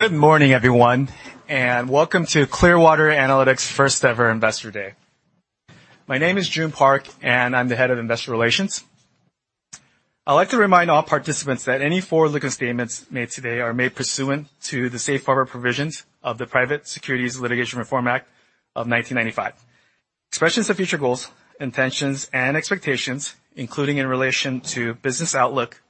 Good morning, everyone, and welcome to Clearwater Analytics' First-Ever Investor Day. My name is Joon Park, and I'm the head of Investor Relations. I'd like to remind all participants that any forward-looking statements made today are made pursuant to the safe harbor provisions of the Private Securities Litigation Reform Act of 1995. Expressions of future goals, intentions, and expectations, including in relation to business outlook,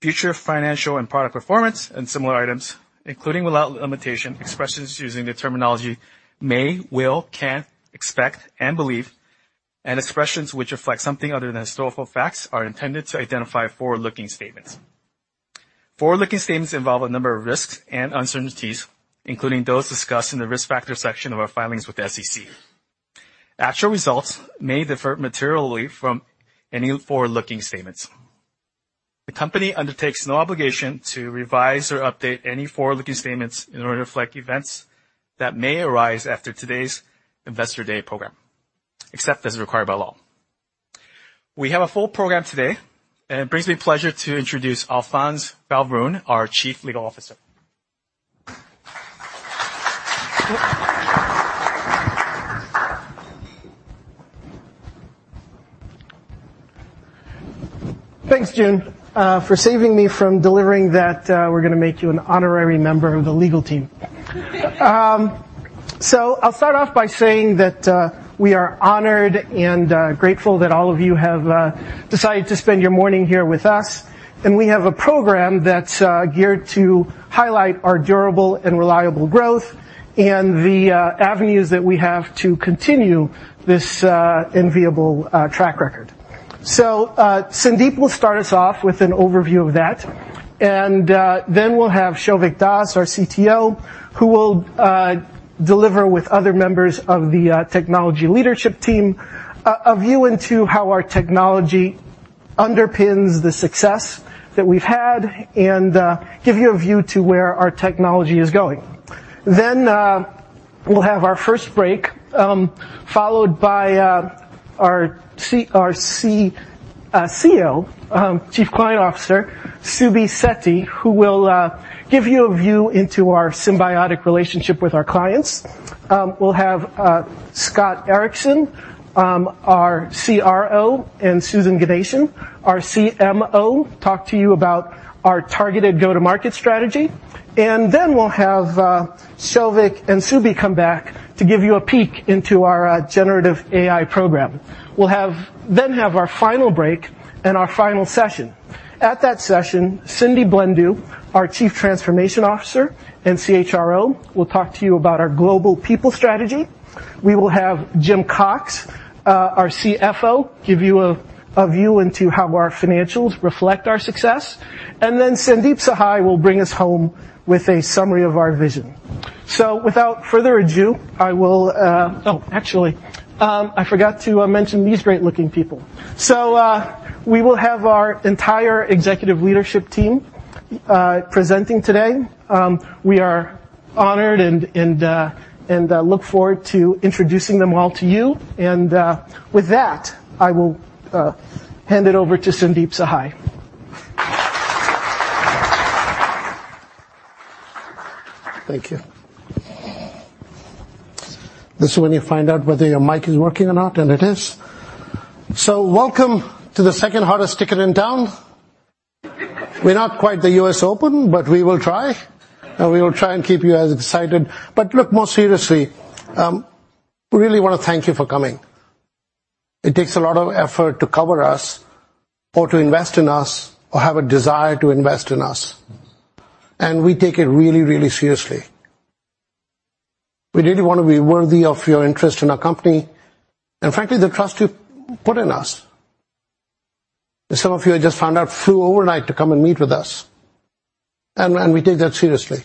future financial and product performance, and similar items, including, without limitation, expressions using the terminology may, will, can, expect, and believe, and expressions which reflect something other than historical facts, are intended to identify forward-looking statements. Forward-looking statements involve a number of risks and uncertainties, including those discussed in the Risk Factors section of our filings with the SEC. Actual results may differ materially from any forward-looking statements. The company undertakes no obligation to revise or update any forward-looking statements in order to reflect events that may arise after today's Investor Day program, except as required by law. We have a full program today, and it brings me pleasure to introduce Alphonse Valbrune, our Chief Legal Officer. Thanks, Joon, for saving me from de-levering that. We're gonna make you an honorary member of the legal team. So I'll start off by saying that we are honored and grateful that all of you have decided to spend your morning here with us. We have a program that's geared to highlight our durable and reliable growth and the avenues that we have to continue this enviable track record. So Sandeep will start us off with an overview of that. Then we'll have Souvik Das, our CTO, who will deliver with other members of the technology leadership team a view into how our technology underpins the success that we've had and give you a view to where our technology is going. Then we'll have our first break, followed by our Chief Client Officer, Subi Sethi, who will give you a view into our symbiotic relationship with our clients. We'll have Scott Erickson, our CRO, and Susan Ganeshan, our CMO, talk to you about our targeted go-to-market strategy. And then we'll have Souvik and Subi come back to give you a peek into our generative AI program. We'll then have our final break and our final session. At that session, Cindy Blendu, our Chief Transformation Officer and CHRO, will talk to you about our global people strategy. We will have Jim Cox, our CFO, give you a view into how our financials reflect our success. And then Sandeep Sahai will bring us home with a summary of our vision. So without further ado, I will. Oh, actually, I forgot to mention these great-looking people. So, we will have our entire executive leadership team presenting today. We are honored and look forward to introducing them all to you. And, with that, I will hand it over to Sandeep Sahai. Thank you. This is when you find out whether your mic is working or not, and it is. So welcome to the second-hardest ticket in town. We're not quite the U.S. Open, but we will try, and we will try and keep you as excited. But look, more seriously, we really want to thank you for coming. It takes a lot of effort to cover us or to invest in us or have a desire to invest in us, and we take it really, really seriously. We really want to be worthy of your interest in our company and, frankly, the trust you've put in us. Some of you, I just found out, flew overnight to come and meet with us, and we take that seriously.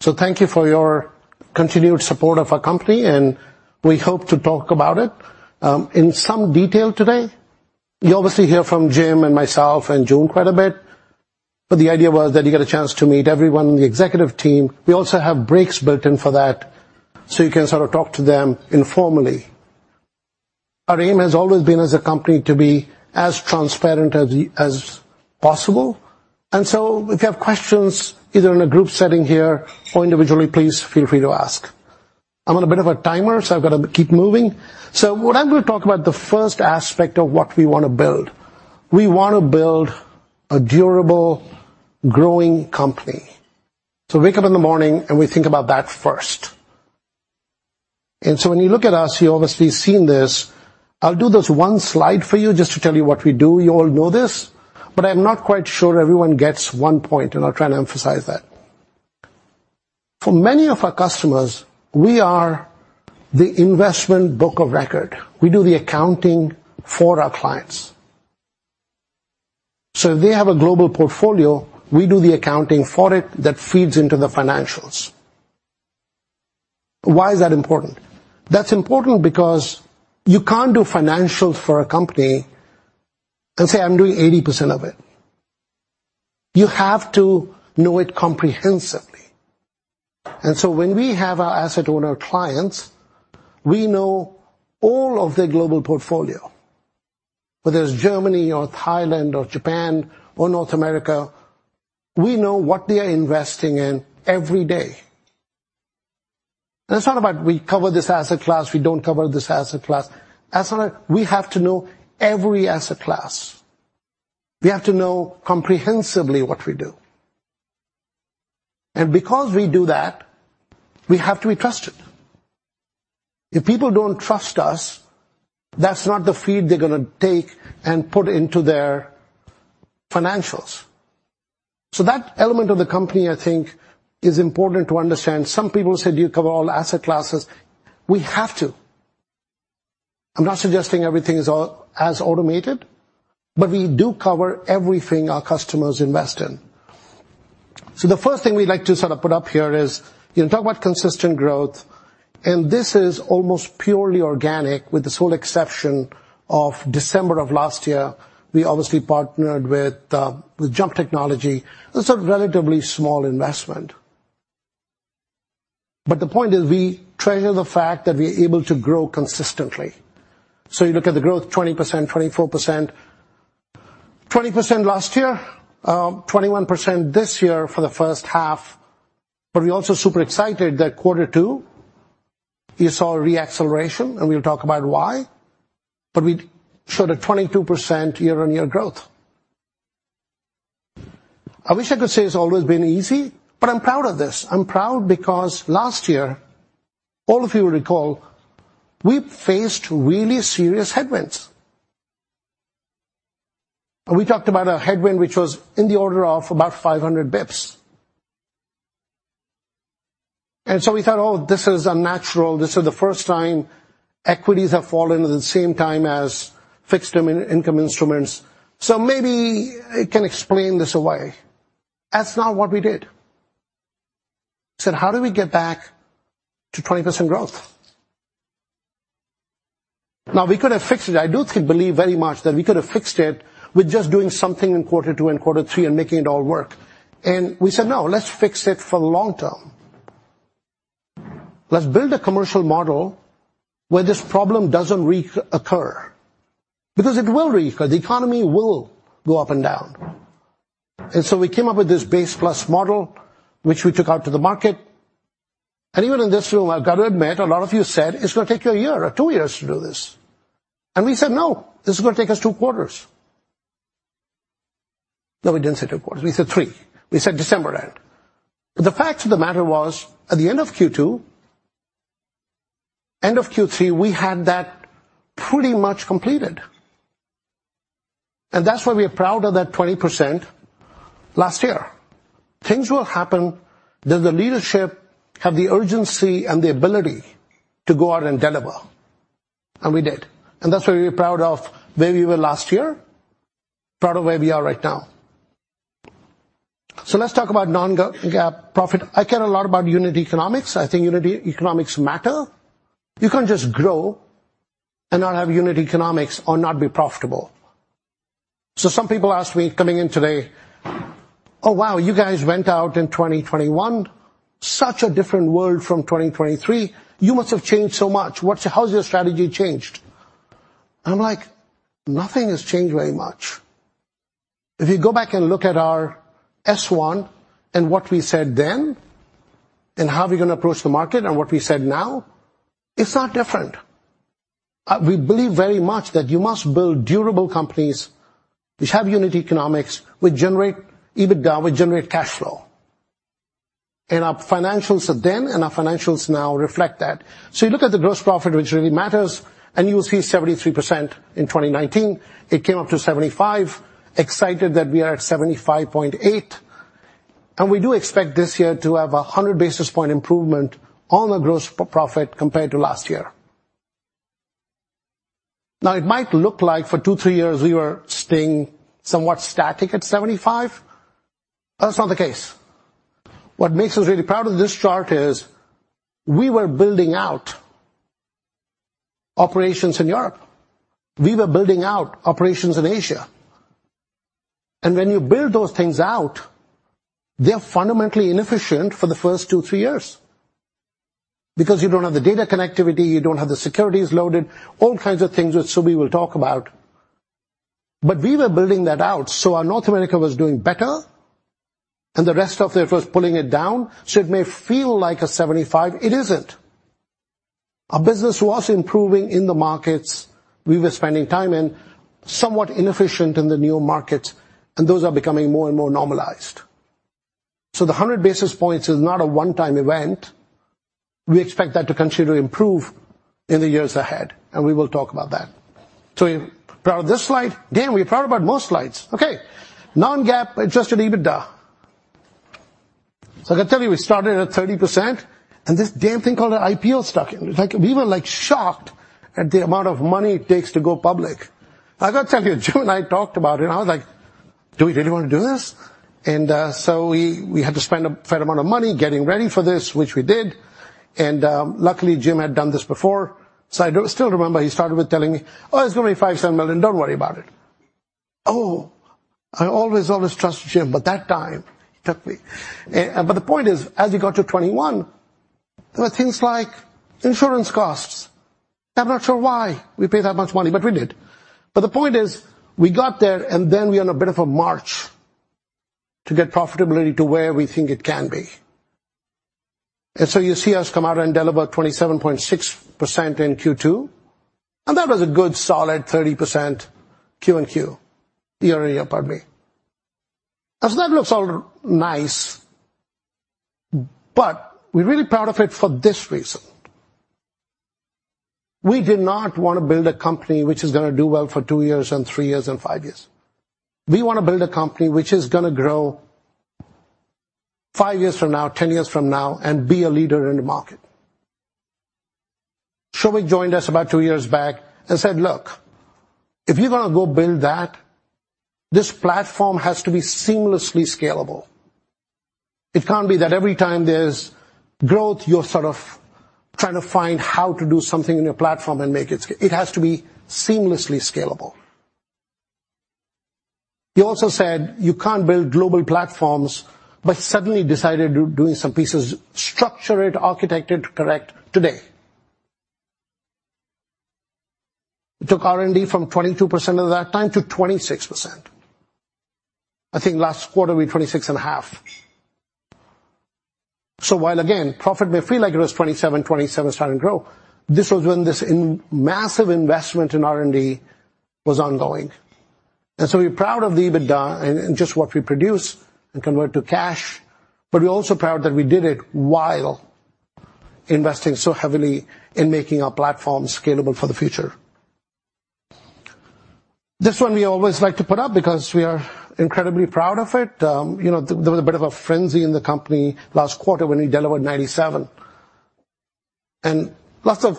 So thank you for your continued support of our company, and we hope to talk about it in some detail today. You'll obviously hear from Jim and myself and Joon quite a bit, but the idea was that you get a chance to meet everyone on the executive team. We also have breaks built in for that, so you can sort of talk to them informally. Our aim has always been, as a company, to be as transparent as, as possible. And so if you have questions, either in a group setting here or individually, please feel free to ask. I'm on a bit of a timer, so I've got to keep moving. So what I'm going to talk about, the first aspect of what we want to build. We want to build a durable, growing company. So we wake up in the morning, and we think about that first. And so when you look at us, you've obviously seen this. I'll do this one slide for you just to tell you what we do. You all know this, but I'm not quite sure everyone gets one point, and I'll try to emphasize that. For many of our customers, we are the investment book of record. We do the accounting for our clients. So if they have a global portfolio, we do the accounting for it that feeds into the financials. Why is that important? That's important because you can't do financials for a company and say, "I'm doing 80% of it." You have to know it comprehensively. And so when we have our asset owner clients, we know all of their global portfolio....whether it's Germany or Thailand or Japan or North America, we know what they are investing in every day. And it's not about we cover this asset class, we don't cover this asset class. That's not a. We have to know every asset class. We have to know comprehensively what we do, and because we do that, we have to be trusted. If people don't trust us, that's not the feed they're gonna take and put into their financials. So that element of the company, I think, is important to understand. Some people said, "Do you cover all asset classes?" We have to. I'm not suggesting everything is all as automated, but we do cover everything our customers invest in. So the first thing we'd like to sort of put up here is, you talk about consistent growth, and this is almost purely organic, with this whole exception of December of last year. We obviously partnered with, with JUMP Technology. It's a relatively small investment. But the point is, we treasure the fact that we're able to grow consistently. So you look at the growth, 20%, 24%. 20% last year, 21% this year for the first half. But we're also super excited that quarter two, you saw a re-acceleration, and we'll talk about why, but we showed a 22% year-on-year growth. I wish I could say it's always been easy, but I'm proud of this. I'm proud because last year, all of you recall, we faced really serious headwinds. And we talked about a headwind which was in the order of about 500 basis points. And so we thought, "Oh, this is unnatural. This is the first time equities have fallen at the same time as fixed income instruments, so maybe it can explain this away." That's not what we did. We said: How do we get back to 20% growth? Now, we could have fixed it. I do believe very much that we could have fixed it with just doing something in quarter two and quarter three and making it all work. And we said, "No, let's fix it for the long term. Let's build a commercial model where this problem doesn't reoccur," because it will reoccur. The economy will go up and down. And so we came up with this base plus model, which we took out to the market. And even in this room, I've got to admit, a lot of you said, "It's gonna take you a year or two years to do this." And we said, "No, this is gonna take us two quarters." No, we didn't say two quarters. We said three. We said December end. But the fact of the matter was, at the end of Q2, end of Q3, we had that pretty much completed, and that's why we are proud of that 20% last year. Things will happen, that the leadership have the urgency and the ability to go out and deliver, and we did. And that's why we're proud of where we were last year, proud of where we are right now. So let's talk about non-GAAP profit. I care a lot about unit economics. I think unit economics matter. You can't just grow and not have unit economics or not be profitable. So some people asked me coming in today, "Oh, wow, you guys went out in 2021. Such a different world from 2023. You must have changed so much. What's, how's your strategy changed?" I'm like: Nothing has changed very much. If you go back and look at our S-1 and what we said then, and how we're gonna approach the market, and what we said now, it's not different. We believe very much that you must build durable companies which have unit economics, which generate EBITDA, which generate cash flow. And our financials then and our financials now reflect that. So you look at the gross profit, which really matters, and you will see 73% in 2019. It came up to 75. Excited that we are at 75.8, and we do expect this year to have a 100 basis point improvement on the gross profit compared to last year. Now, it might look like for two, three years, we were staying somewhat static at 75. That's not the case. What makes us really proud of this chart is we were building out operations in Europe. We were building out operations in Asia. And when you build those things out, they're fundamentally inefficient for the first two, three years because you don't have the data connectivity, you don't have the securities loaded, all kinds of things, which Subi will talk about. But we were building that out, so our North America was doing better, and the rest of it was pulling it down. So it may feel like a 75. It isn't. Our business was improving in the markets we were spending time in, somewhat inefficient in the new markets, and those are becoming more and more normalized. So the 100 basis points is not a one-time event. We expect that to continue to improve in the years ahead, and we will talk about that. So we're proud of this slide. Dan, we're proud about most slides. Okay. Non-GAAP Adjusted EBITDA. So I can tell you, we started at 30%, and this damn thing called an IPO stuck in. Like, we were like shocked at the amount of money it takes to go public. I got to tell you, Jim and I talked about it, and I was like: "Do we really want to do this?" And so we had to spend a fair amount of money getting ready for this, which we did. And luckily, Jim had done this before. So I do still remember he started with telling me, "Oh, it's gonna be $5-$7 million. Don't worry about it."... Oh! I always, always trusted Jim, but that time, he took me. But the point is, as we got to 2021, there were things like insurance costs. I'm not sure why we paid that much money, but we did. But the point is, we got there, and then we're on a bit of a march to get profitability to where we think it can be. And so you see us come out and deliver 27.6% in Q2, and that was a good, solid 30% Q&Q, year-on-year, pardon me. As that looks all nice, but we're really proud of it for this reason: We did not want to build a company which is gonna do well for two years and three years and five years. We want to build a company which is gonna grow five years from now, 10 years from now, and be a leader in the market. So we joined us about two years back and said, "Look, if you're gonna go build that, this platform has to be seamlessly scalable. It can't be that every time there's growth, you're sort of trying to find how to do something in your platform and make it scalable. It has to be seamlessly scalable." He also said, "You can't build global platforms, but suddenly decided to doing some pieces, structure it, architect it, correct today." We took R&D from 22% of that time to 26%. I think last quarter, we were 26.5. So while, again, profit may feel like it was 27, 27 starting to grow, this was when this immense massive investment in R&D was ongoing. And so we're proud of the EBITDA and, and just what we produce and convert to cash, but we're also proud that we did it while investing so heavily in making our platform scalable for the future. This one we always like to put up because we are incredibly proud of it. You know, there was a bit of a frenzy in the company last quarter when we delivered 97. And lots of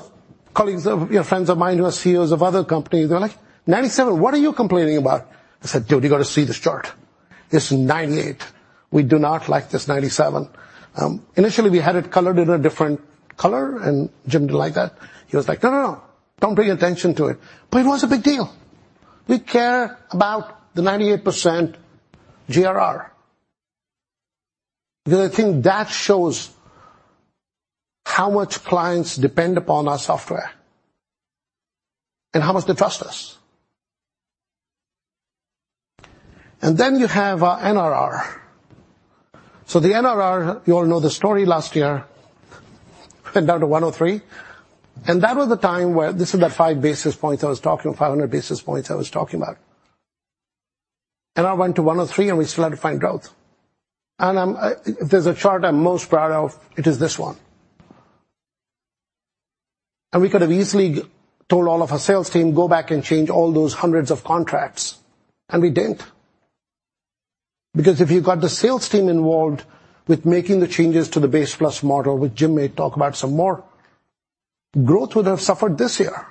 colleagues, you know, friends of mine who are CEOs of other companies, they're like: "97? What are you complaining about?" I said, "Dude, you got to see this chart. It's 98. We do not like this 97." Initially, we had it colored in a different color, and Jim didn't like that. He was like, "No, no, no, don't pay attention to it." But it was a big deal. We care about the 98% GRR, because I think that shows how much clients depend upon our software and how much they trust us. And then you have our NRR. So the NRR, you all know the story last year, went down to 103, and that was the time where this is the five basis points I was talking... 500 basis points I was talking about. NRR went to 103, and we still had to find growth. And, if there's a chart I'm most proud of, it is this one. And we could have easily told all of our sales team, "Go back and change all those hundreds of contracts," and we didn't. Because if you got the sales team involved with making the changes to the base plus model, which Jim may talk about some more, growth would have suffered this year.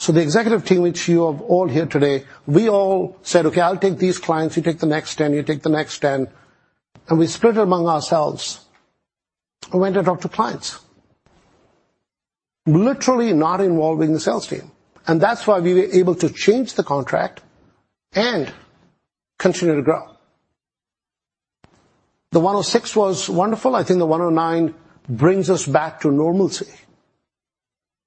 So the executive team, which you have all here today, we all said: "Okay, I'll take these clients, you take the next 10, you take the next 10," and we split it among ourselves and went to talk to clients. Literally not involving the sales team, and that's why we were able to change the contract and continue to grow. The 106 was wonderful. I think the 109 brings us back to normalcy.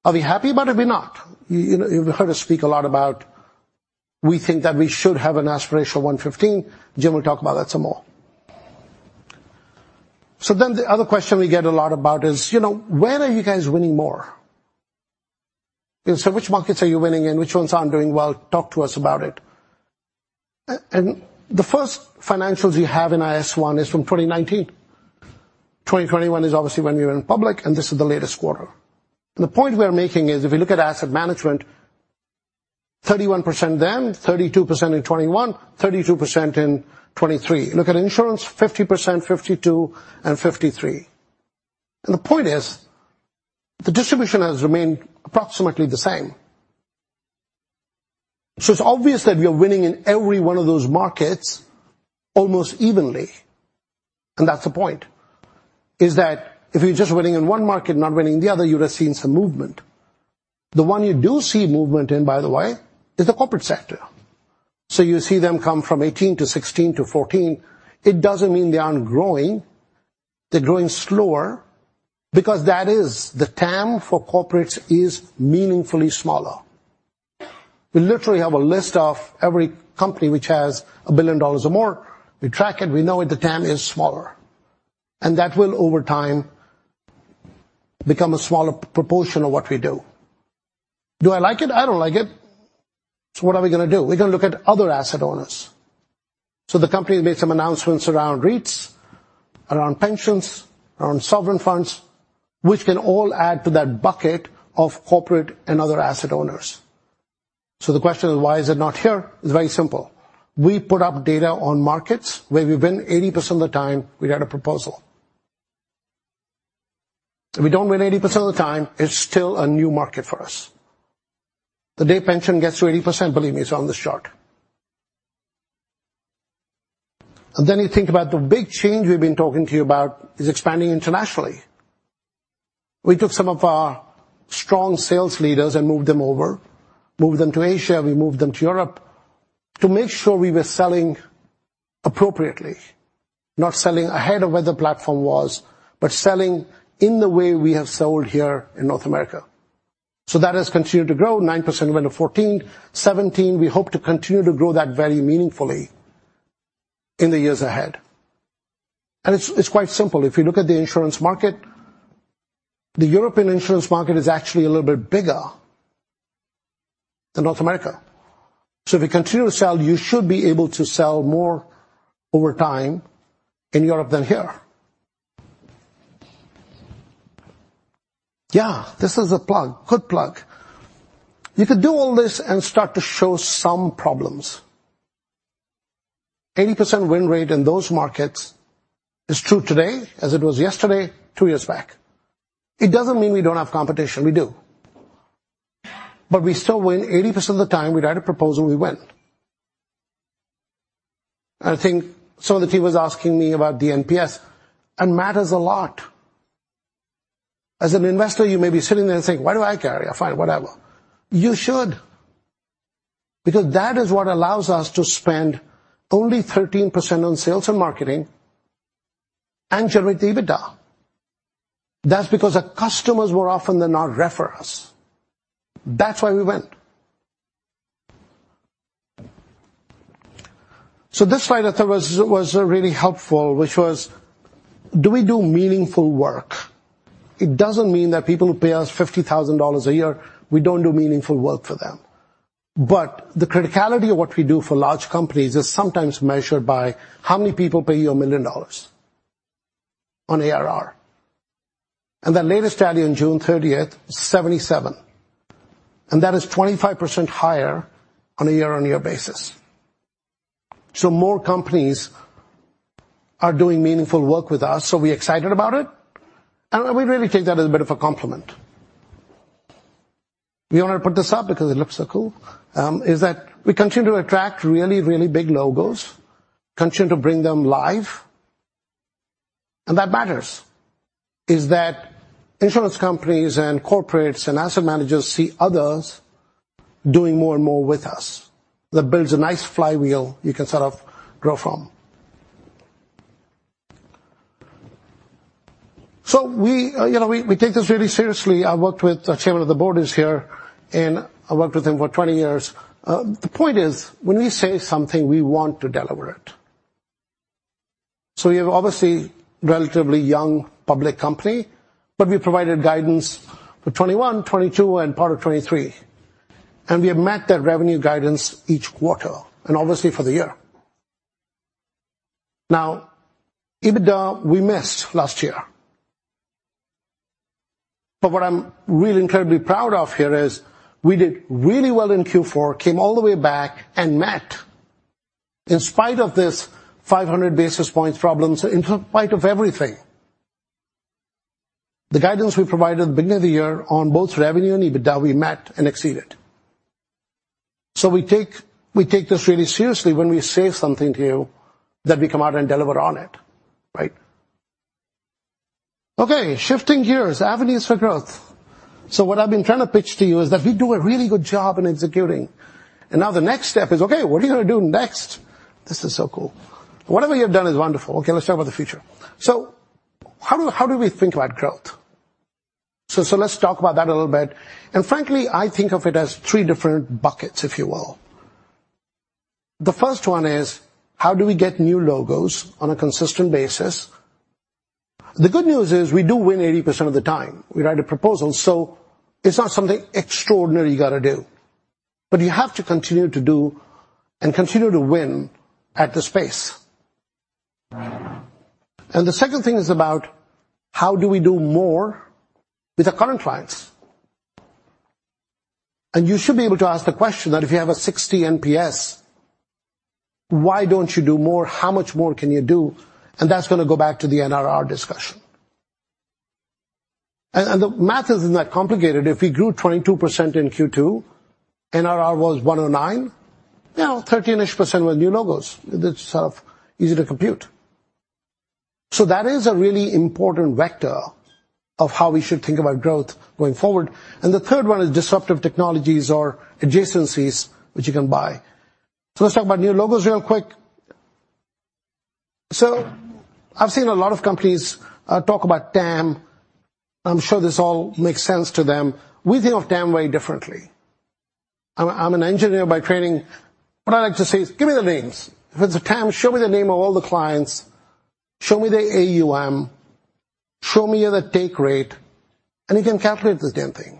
Are we happy about it? We're not. You, you know, you've heard us speak a lot about, we think that we should have an aspirational 115. Jim will talk about that some more. So then the other question we get a lot about is, you know, "Where are you guys winning more? So which markets are you winning and which ones aren't doing well? Talk to us about it." And the first financials we have in S-1 is from 2019. 2021 is obviously when we went public, and this is the latest quarter. The point we're making is if we look at asset management, 31% then, 32% in 2021, 32% in 2023. Look at insurance, 50%, 52%, and 53%. And the point is, the distribution has remained approximately the same. So it's obvious that we are winning in every one of those markets almost evenly, and that's the point. i.e., that if you're just winning in one market, not winning in the other, you would have seen some movement. The one you do see movement in, by the way, is the corporate sector. So you see them come from 18-16 to 14. It doesn't mean they aren't growing. They're growing slower because that is the TAM for corporates is meaningfully smaller. We literally have a list of every company which has $1 billion or more. We track it, we know it, the TAM is smaller, and that will, over time, become a smaller proportion of what we do. Do I like it? I don't like it. So what are we gonna do? We're gonna look at other asset owners. So the company has made some announcements around REITs, around pensions, around sovereign funds, which can all add to that bucket of corporate and other asset owners. So the question is, why is it not here? It's very simple. We put up data on markets where we win 80% of the time, we get a proposal. If we don't win 80% of the time, it's still a new market for us. The day pension gets to 80%, believe me, it's on this chart. Then you think about the big change we've been talking to you about is expanding internationally. We took some of our strong sales leaders and moved them over, moved them to Asia, we moved them to Europe, to make sure we were selling appropriately. Not selling ahead of where the platform was, but selling in the way we have sold here in North America. So that has continued to grow. 9% went to 14%. 17%, we hope to continue to grow that very meaningfully in the years ahead. And it's, it's quite simple. If you look at the insurance market, the European insurance market is actually a little bit bigger than North America. So if you continue to sell, you should be able to sell more over time in Europe than here. Yeah, this is a plug. Good plug. You could do all this and start to show some problems. 80% win rate in those markets is true today, as it was yesterday, two years back. It doesn't mean we don't have competition. We do. But we still win 80% of the time. We write a proposal, we win. I think some of the team was asking me about the NPS, and it matters a lot. As an investor, you may be sitting there and saying, "Why do I care? I mean whatever." You should, because that is what allows us to spend only 13% on sales and marketing and generate EBITDA. That's because our customers, more often than not, refer us. That's why we went. So this slide I thought was really helpful, which was: Do we do meaningful work? It doesn't mean that people who pay us $50,000 a year, we don't do meaningful work for them. But the criticality of what we do for large companies is sometimes measured by how many people pay you $1 million on ARR. And the latest study on June 30, 77, and that is 25% higher on a year-on-year basis. So more companies are doing meaningful work with us, so we're excited about it, and we really take that as a bit of a compliment. We want to put this up because it looks so cool, is that we continue to attract really, really big logos, continue to bring them live, and that matters. Is that insurance companies and corporates and asset managers see others doing more and more with us. That builds a nice flywheel you can sort of grow from. So we, you know, we take this really seriously. I worked with the chairman of the board is here, and I worked with him for 20 years. The point is, when we say something, we want to deliver it. So we have obviously, relatively young public company, but we provided guidance for 2021, 2022, and part of 2023, and we have met that revenue guidance each quarter, and obviously for the year. Now, EBITDA, we missed last year. But what I'm really incredibly proud of here is we did really well in Q4, came all the way back and met, in spite of this 500 basis points problems, in spite of everything. The guidance we provided at the beginning of the year on both revenue and EBITDA, we met and exceeded. So we take, we take this really seriously when we say something to you that we come out and deliver on it, right? Okay, shifting gears, avenues for growth. So what I've been trying to pitch to you is that we do a really good job in executing. And now the next step is: Okay, what are you gonna do next? This is so cool. Whatever you've done is wonderful. Okay, let's talk about the future. So how do, how do we think about growth? So, so let's talk about that a little bit. And frankly, I think of it as three different buckets, if you will. The first one is, how do we get new logos on a consistent basis? The good news is, we do win 80% of the time we write a proposal, so it's not something extraordinary you got to do, but you have to continue to do and continue to win at the space. And the second thing is about how do we do more with our current clients? And you should be able to ask the question that if you have a 60 NPS, why don't you do more? How much more can you do? And that's gonna go back to the NRR discussion. And, and the math isn't that complicated. If we grew 22% in Q2, NRR was 109, now 13-ish% were new logos. It's sort of easy to compute. So that is a really important vector of how we should think about growth going forward. And the third one is disruptive technologies or adjacencies, which you can buy. So let's talk about new logos real quick. So I've seen a lot of companies talk about TAM. I'm sure this all makes sense to them. We think of TAM very differently. I'm, I'm an engineer by training. What I like to say is, "Give me the names. If it's a TAM, show me the name of all the clients, show me the AUM, show me the take rate, and you can calculate the damn thing."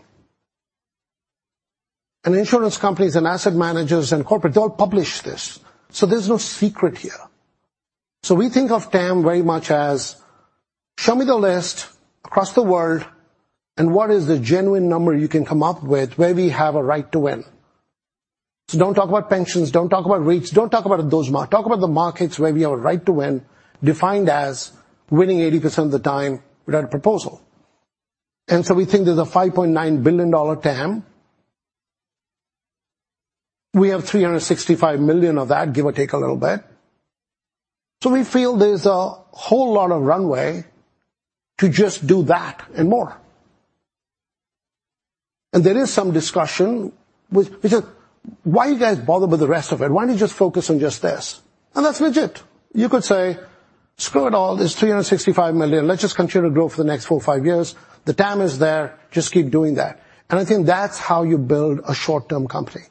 And insurance companies and asset managers and corporate, they all publish this, so there's no secret here. So we think of TAM very much as, "Show me the list across the world, and what is the genuine number you can come up with where we have a right to win?" So don't talk about pensions, don't talk about rates, don't talk about those markets where we have a right to win, defined as winning 80% of the time we write a proposal. And so we think there's a $5.9 billion TAM. We have $365 million of that, give or take a little bit. So we feel there's a whole lot of runway to just do that and more. And there is some discussion with, which is, "Why are you guys bothered with the rest of it? Why don't you just focus on just this?" And that's legit. You could say, "Screw it all, it's $365 million. Let's just continue to grow for the next 4-5 years. The TAM is there, just keep doing that." And I think that's how you build a short-term company.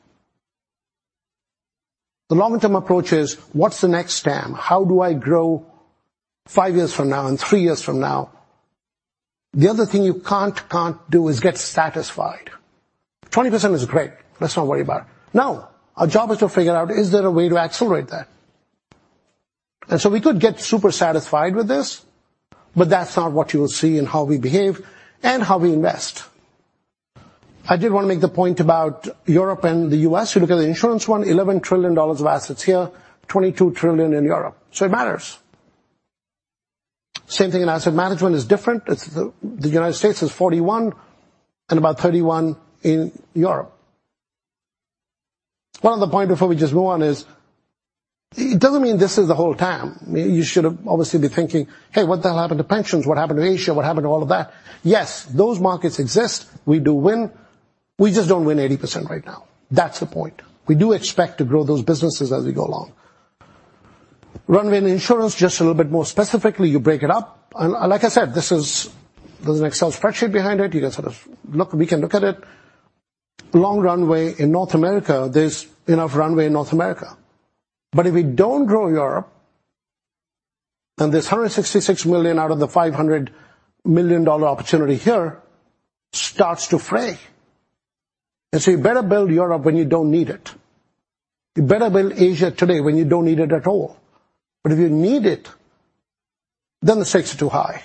The long-term approach is, what's the next TAM? How do I grow 5 years from now and 3 years from now? The other thing you can't, can't do is get satisfied. 20% is great. Let's not worry about it. Now, our job is to figure out, is there a way to accelerate that? And so we could get super satisfied with this, but that's not what you will see in how we behave and how we invest. I did wanna make the point about Europe and the US. You look at the insurance one, $11 trillion of assets here, $22 trillion in Europe, so it matters. Same thing in asset management, it's different. It's the United States is 41, and about 31 in Europe. One other point before we just move on is, it doesn't mean this is the whole TAM. You should obviously be thinking, "Hey, what the hell happened to pensions? What happened to Asia? What happened to all of that?" Yes, those markets exist. We do win. We just don't win 80% right now. That's the point. We do expect to grow those businesses as we go along. Runway and insurance, just a little bit more specifically, you break it up, and like I said, this is... There's an Excel spreadsheet behind it. You can sort of look, we can look at it. Long runway in North America, there's enough runway in North America. But if we don't grow Europe, then this $166 million out of the $500 million opportunity here starts to fray. And so you better build Europe when you don't need it. You better build Asia today when you don't need it at all. But if you need it, then the stakes are too high.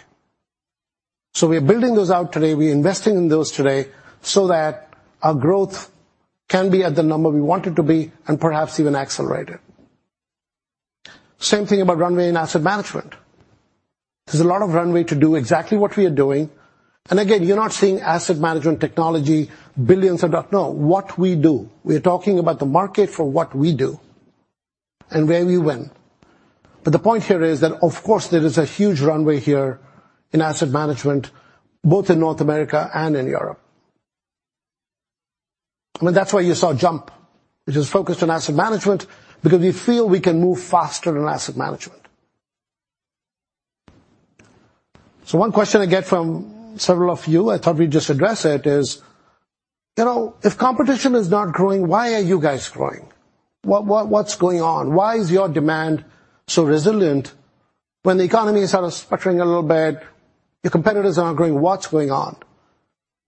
So we are building those out today. We're investing in those today so that our growth can be at the number we want it to be and perhaps even accelerate it. Same thing about runway and asset management. There's a lot of runway to do exactly what we are doing, and again, you're not seeing asset management technology, what we do. We're talking about the market for what we do and where we win. But the point here is that, of course, there is a huge runway here in asset management, both in North America and in Europe. I mean, that's why you saw JUMP, which is focused on asset management, because we feel we can move faster in asset management. So one question I get from several of you, I thought we'd just address it, is, you know, "If competition is not growing, why are you guys growing? What, what, what's going on? Why is your demand so resilient when the economy is sort of sputtering a little bit, your competitors aren't growing, what's going on?"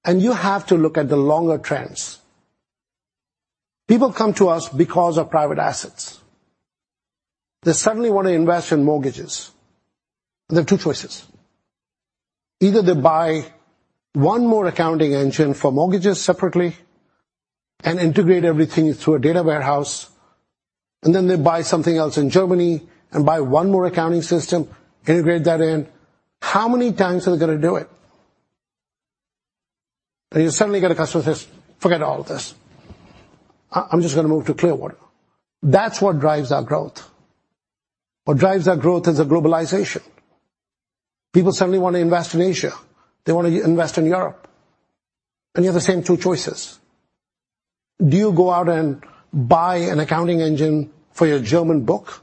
And you have to look at the longer trends. People come to us because of private assets. They suddenly want to invest in mortgages. There are two choices: Either they buy one more accounting engine for mortgages separately and integrate everything through a data warehouse, and then they buy something else in Germany and buy one more accounting system, integrate that in. How many times are they gonna do it? Then you suddenly get a customer says, "Forget all of this. I, I'm just gonna move to Clearwater." That's what drives our growth. What drives our growth is the globalization. People suddenly want to invest in Asia. They want to invest in Europe, and you have the same two choices. Do you go out and buy an accounting engine for your German book,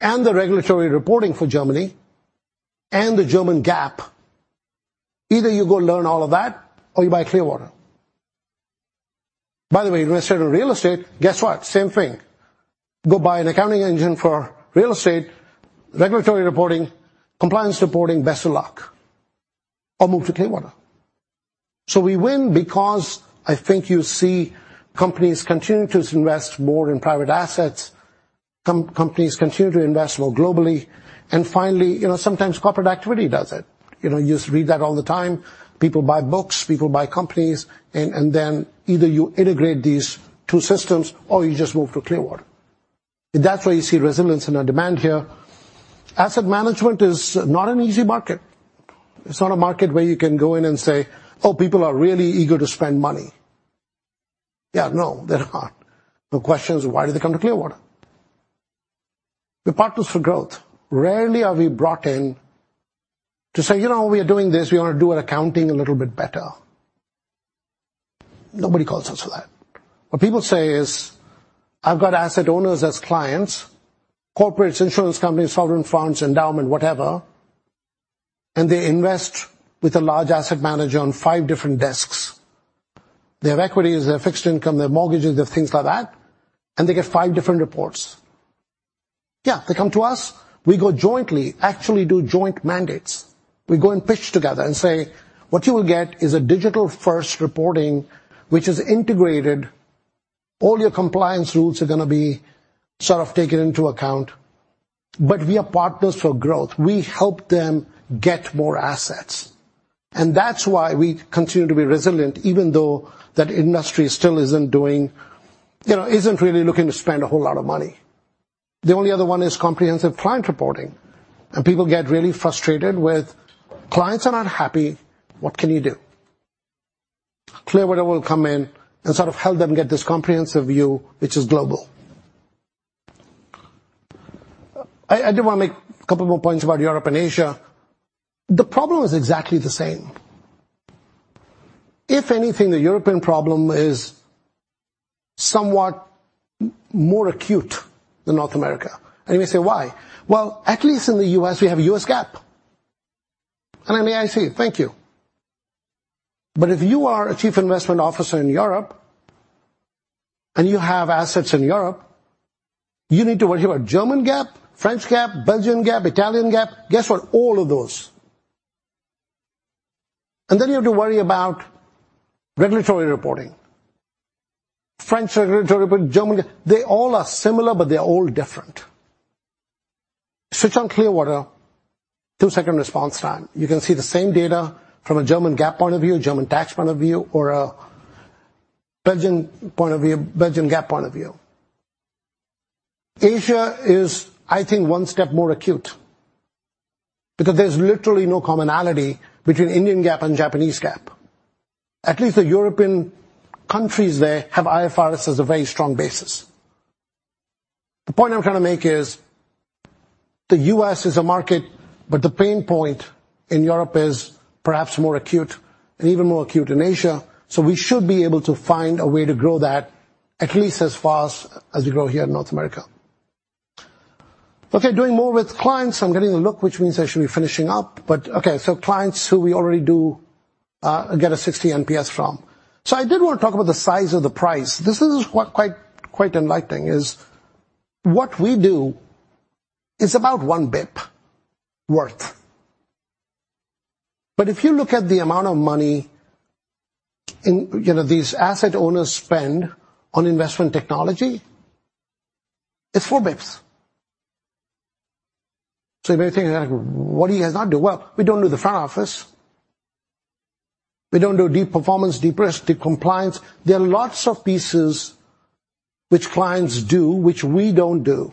and the regulatory reporting for Germany, and the German GAAP? Either you go learn all of that, or you buy Clearwater. By the way, when I say real estate, guess what? Same thing. Go buy an accounting engine for real estate, regulatory reporting, compliance reporting, best of luck, or move to Clearwater. So we win because I think you see companies continuing to invest more in private assets, companies continue to invest more globally, and finally, you know, sometimes corporate activity does it. You know, you just read that all the time. People buy books, people buy companies, and, and then either you integrate these two systems or you just move to Clearwater. That's why you see resilience in our demand here. Asset management is not an easy market. It's not a market where you can go in and say, "Oh, people are really eager to spend money." Yeah, no, they're not. The question is, why do they come to Clearwater? We're partners for growth. Rarely are we brought in to say, "You know, we are doing this. We want to do our accounting a little bit better." Nobody calls us for that. What people say is, "I've got asset owners as clients, corporates, insurance companies, sovereign funds, endowment, whatever, and they invest with a large asset manager on five different desks. They have equities, they have fixed income, they have mortgages, they have things like that, and they get five different reports." Yeah, they come to us, we go jointly, actually do joint mandates. We go and pitch together and say, "What you will get is a digital-first reporting, which is integrated. All your compliance rules are gonna be sort of taken into account." But we are partners for growth. We help them get more assets, and that's why we continue to be resilient, even though that industry still isn't doing, you know, isn't really looking to spend a whole lot of money. The only other one is comprehensive client reporting, and people get really frustrated with, "Clients are not happy. What can you do?" Clearwater will come in and sort of help them get this comprehensive view, which is global. I do want to make a couple more points about Europe and Asia. The problem is exactly the same. If anything, the European problem is somewhat more acute than North America. And you may say: Why? Well, at least in the U.S., we have U.S. GAAP. And I mean, I see. Thank you. But if you are a chief investment officer in Europe, and you have assets in Europe, you need to worry about German GAAP, French GAAP, Belgian GAAP, Italian GAAP. Guess what? All of those. And then you have to worry about regulatory reporting. French regulatory reporting, Germany... They all are similar, but they're all different. Switch on Clearwater, two-second response time. You can see the same data from a German GAAP point of view, a German tax point of view, or a Belgian point of view, Belgian GAAP point of view. Asia is, I think, one step more acute, because there's literally no commonality between Indian GAAP and Japanese GAAP. At least the European countries there have IFRS as a very strong basis. The point I'm trying to make is, the US is a market, but the pain point in Europe is perhaps more acute and even more acute in Asia. So we should be able to find a way to grow that at least as fast as we grow here in North America. Okay, doing more with clients. I'm getting a look, which means I should be finishing up, but okay, so clients who we already do get a 60 NPS from. So I did want to talk about the size of the price. This is what quite, quite enlightening, is what we do is about one basis point worth. But if you look at the amount of money in, you know, these asset owners spend on investment technology, it's four basis points. So you may think, "What do you guys not do?" Well, we don't do the front office. We don't do deep performance, deep risk, deep compliance. There are lots of pieces which clients do, which we don't do.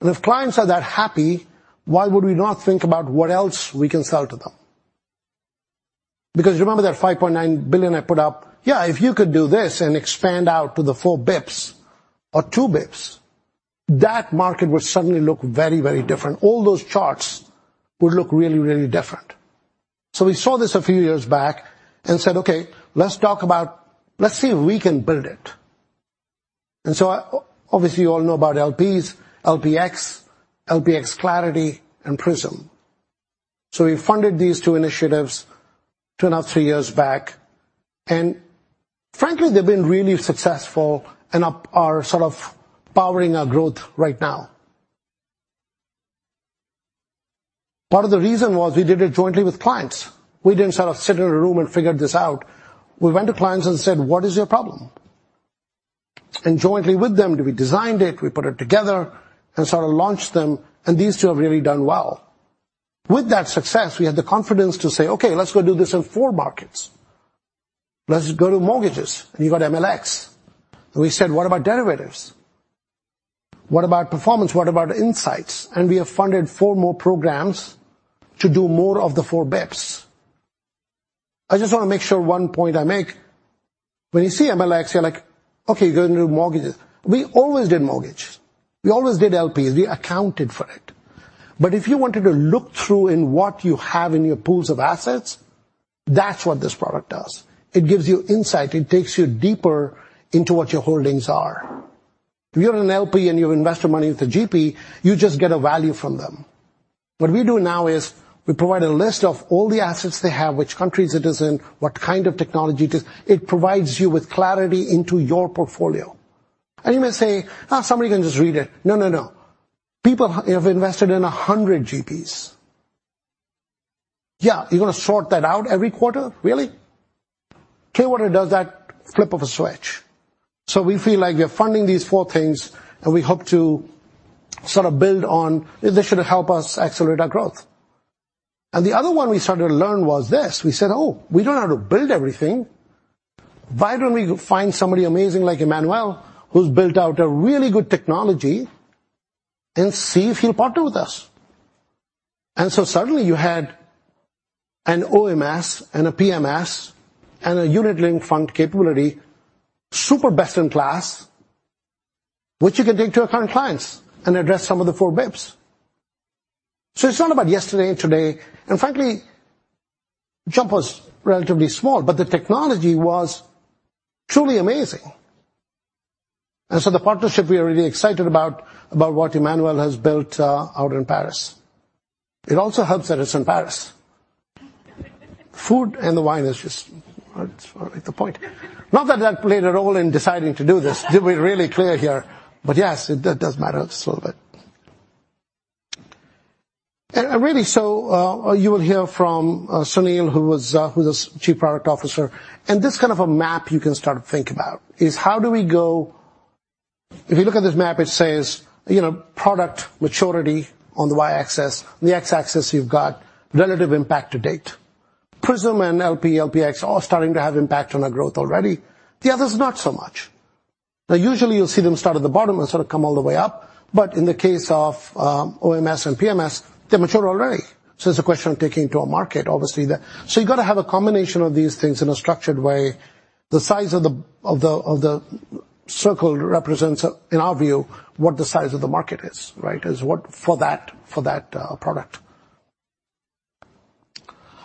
And if clients are that happy, why would we not think about what else we can sell to them? Because remember that $5.9 billion I put up? Yeah, if you could do this and expand out to the 4 bps or 2 bps, that market would suddenly look very, very different. All those charts would look really, really different. So we saw this a few years back and said, "Okay, let's talk about... Let's see if we can build it." And so obviously, you all know about LPs, LPx, LPx Clarity, and Prism. So we funded these two initiatives two, now three years back, and frankly, they've been really successful and are sort of powering our growth right now. Part of the reason was we did it jointly with clients. We didn't sort of sit in a room and figured this out. We went to clients and said, "What is your problem?" And jointly with them, we designed it, we put it together, and sort of launched them, and these two have really done well. With that success, we had the confidence to say, "Okay, let's go do this in four markets. Let's go to mortgages." And you got MLx. We said, "What about derivatives? What about performance? What about insights?" And we have funded four more programs to do more of the four bips. I just want to make sure one point I make, when you see MLx, you're like, "Okay, you're going to do mortgages." We always did mortgage. We always did LPs. We accounted for it. But if you wanted to look through in what you have in your pools of assets, that's what this product does. It gives you insight. It takes you deeper into what your holdings are. If you're an LP and you invest your money with a GP, you just get a value from them. What we do now is we provide a list of all the assets they have, which countries it is in, what kind of technology it is. It provides you with clarity into your portfolio. And you may say, "Ah, somebody can just read it." No, no, no. People have invested in 100 GPs. Yeah, you're going to sort that out every quarter, really? Clearwater does that flip of a switch. So we feel like we are funding these four things, and we hope to sort of build on... They should help us accelerate our growth. And the other one we started to learn was this. We said, "Oh, we don't have to build everything. Why don't we find somebody amazing, like Emmanuel, who's built out a really good technology, and see if he'll partner with us?" And so suddenly you had an OMS and a PMS and a unit-linked fund capability, super best in class, which you can take to your current clients and address some of the four bips. So it's not about yesterday and today, and frankly, JUMP was relatively small, but the technology was truly amazing. And so the partnership, we are really excited about, about what Emmanuel has built, out in Paris. It also helps that it's in Paris. Food and the wine is just at the point. Not that that played a role in deciding to do this. To be really clear here, but yes, it does matter a little bit. And really, so, you will hear from Sunil, who is Chief Product Officer, and this kind of a map you can start to think about, is how do we go- If you look at this map, it says, you know, product maturity on the Y-axis, on the X-axis, you've got relative impact to date.... Prism and LP, LPx are starting to have impact on our growth already. The others, not so much. Now, usually, you'll see them start at the bottom and sort of come all the way up. But in the case of OMS and PMS, they're mature already, so it's a question of taking it to a market, obviously, there. So you've got to have a combination of these things in a structured way. The size of the circle represents, in our view, what the size of the market is, right? Is what for that product.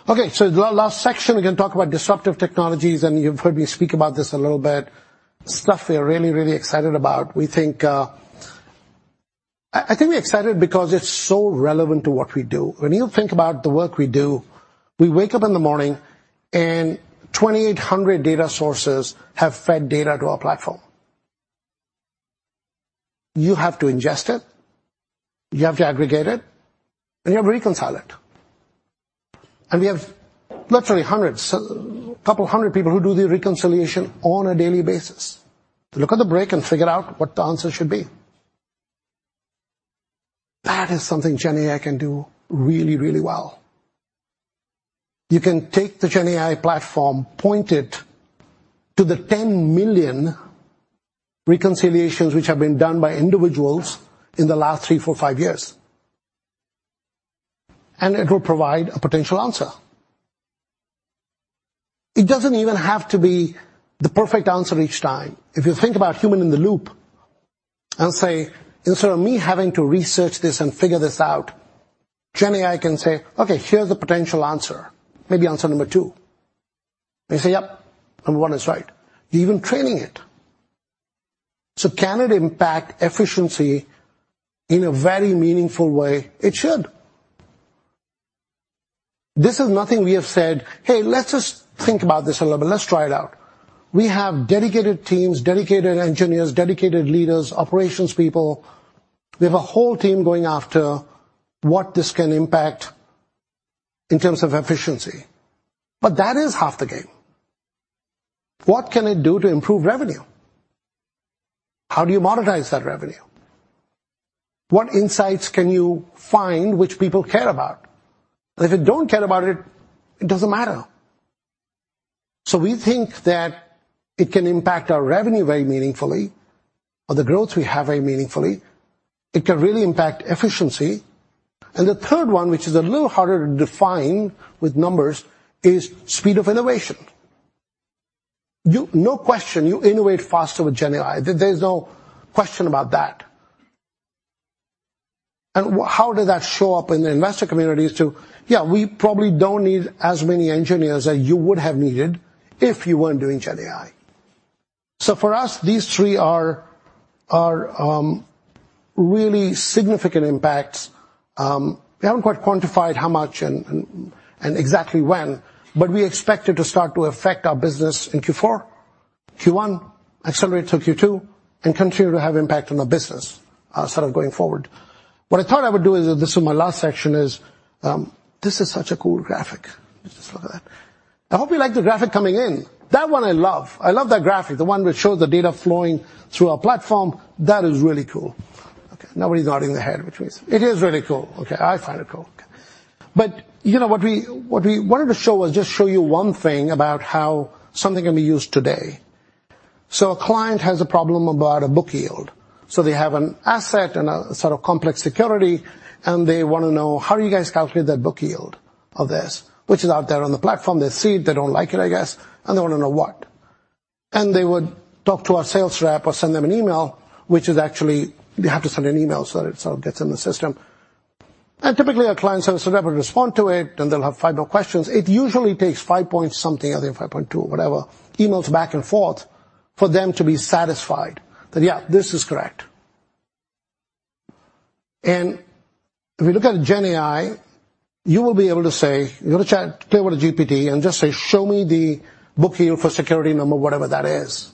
Okay, so the last section, we're going to talk about disruptive technologies, and you've heard me speak about this a little bit. Stuff we are really, really excited about. We think I think we're excited because it's so relevant to what we do. When you think about the work we do, we wake up in the morning, and 2,800 data sources have fed data to our platform. You have to ingest it, you have to aggregate it, and you have to reconcile it. We have literally hundreds, a couple of hundred people who do the reconciliation on a daily basis. Look at the break and figure out what the answer should be. That is something GenAI can do really, really well. You can take the GenAI platform, point it to the 10 million reconciliations which have been done by individuals in the last three, four, five years, and it will provide a potential answer. It doesn't even have to be the perfect answer each time. If you think about human in the loop and say, "Instead of me having to research this and figure this out," GenAI can say, "Okay, here's the potential answer, maybe answer number two." They say, "Yep, number one is right." You're even training it. So can it impact efficiency in a very meaningful way? It should. This is nothing we have said, "Hey, let's just think about this a little bit. Let's try it out." We have dedicated teams, dedicated engineers, dedicated leaders, operations people. We have a whole team going after what this can impact in terms of efficiency. But that is half the game. What can it do to improve revenue? How do you monetize that revenue? What insights can you find which people care about? If they don't care about it, it doesn't matter. So we think that it can impact our revenue very meaningfully, or the growth we have very meaningfully. It can really impact efficiency. And the third one, which is a little harder to define with numbers, is speed of innovation. No question, you innovate faster with GenAI. There's no question about that. And how does that show up in the investor communities too? Yeah, we probably don't need as many engineers as you would have needed if you weren't doing GenAI. So for us, these three are really significant impacts. We haven't quite quantified how much and exactly when, but we expect it to start to affect our business in Q4, Q1, accelerate to Q2, and continue to have impact on the business, sort of going forward. What I thought I would do is, this is my last section, is. This is such a cool graphic. Just look at that. I hope you like the graphic coming in. That one I love. I love that graphic, the one which shows the data flowing through our platform. That is really cool. Okay, nobody's nodding their head, which means. It is really cool. Okay, I find it cool. But you know, what we, what we wanted to show was just show you one thing about how something can be used today. So a client has a problem about a book yield. So they have an asset and a sort of complex security, and they want to know, how do you guys calculate that book yield of this? Which is out there on the platform. They see it, they don't like it, I guess, and they want to know what. And they would talk to our sales rep or send them an email, which is actually, you have to send an email so it sort of gets in the system. And typically, our client service rep will respond to it, and they'll have five more questions. It usually takes 5 point something, I think 5.2, whatever, emails back and forth for them to be satisfied that, yeah, this is correct. And if you look at GenAI, you will be able to say, you go to ChatGPT and just say, "Show me the book yield for security number, whatever that is."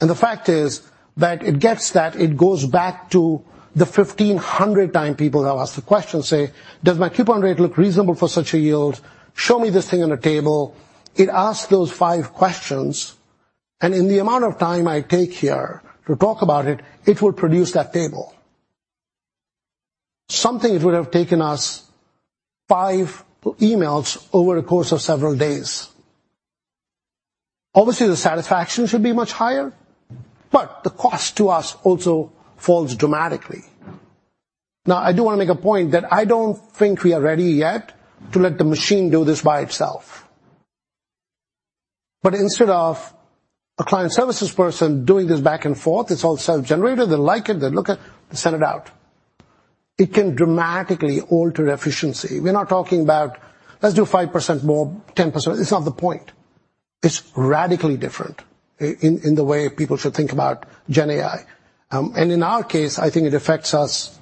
And the fact is that it gets that, it goes back to the 1,500 times people have asked the question, say, "Does my coupon rate look reasonable for such a yield? Show me this thing on a table." It asks those five questions, and in the amount of time I take here to talk about it, it will produce that table. Something it would have taken us five emails over the course of several days. Obviously, the satisfaction should be much higher, but the cost to us also falls dramatically. Now, I do want to make a point that I don't think we are ready yet to let the machine do this by itself. But instead of a client services person doing this back and forth, it's all self-generated. They like it, they look at it, they send it out. It can dramatically alter efficiency. We're not talking about, let's do 5% more, 10%. It's not the point. It's radically different in the way people should think about GenAI. And in our case, I think it affects us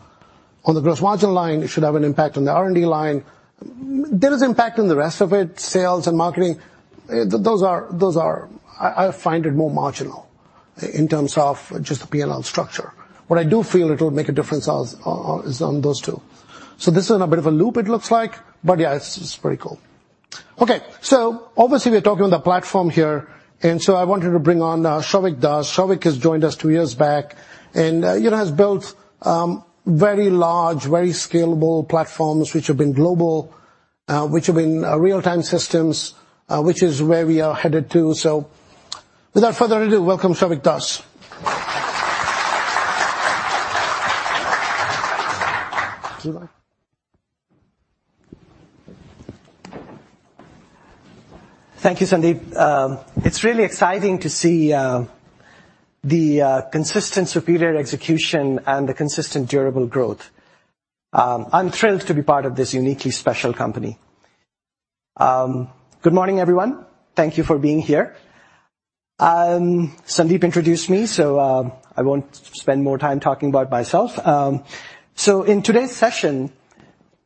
on the gross margin line. It should have an impact on the R&D line. There is impact on the rest of it, sales and marketing. Those are... I find it more marginal in terms of just the P&L structure. What I do feel it will make a difference is on those two. So this is in a bit of a loop, it looks like, but yeah, it's pretty cool. Okay, so obviously, we're talking on the platform here. And so I wanted to bring on, Souvik Das. Souvik has joined us two years back, and, you know, has built very large, very scalable platforms which have been global, which have been real-time systems, which is where we are headed to. So without further ado, welcome, Souvik Das. Thank you, Sandeep. It's really exciting to see the consistent superior execution and the consistent durable growth. I'm thrilled to be part of this uniquely special company. Good morning, everyone. Thank you for being here. Sandeep introduced me, so I won't spend more time talking about myself. So in today's session,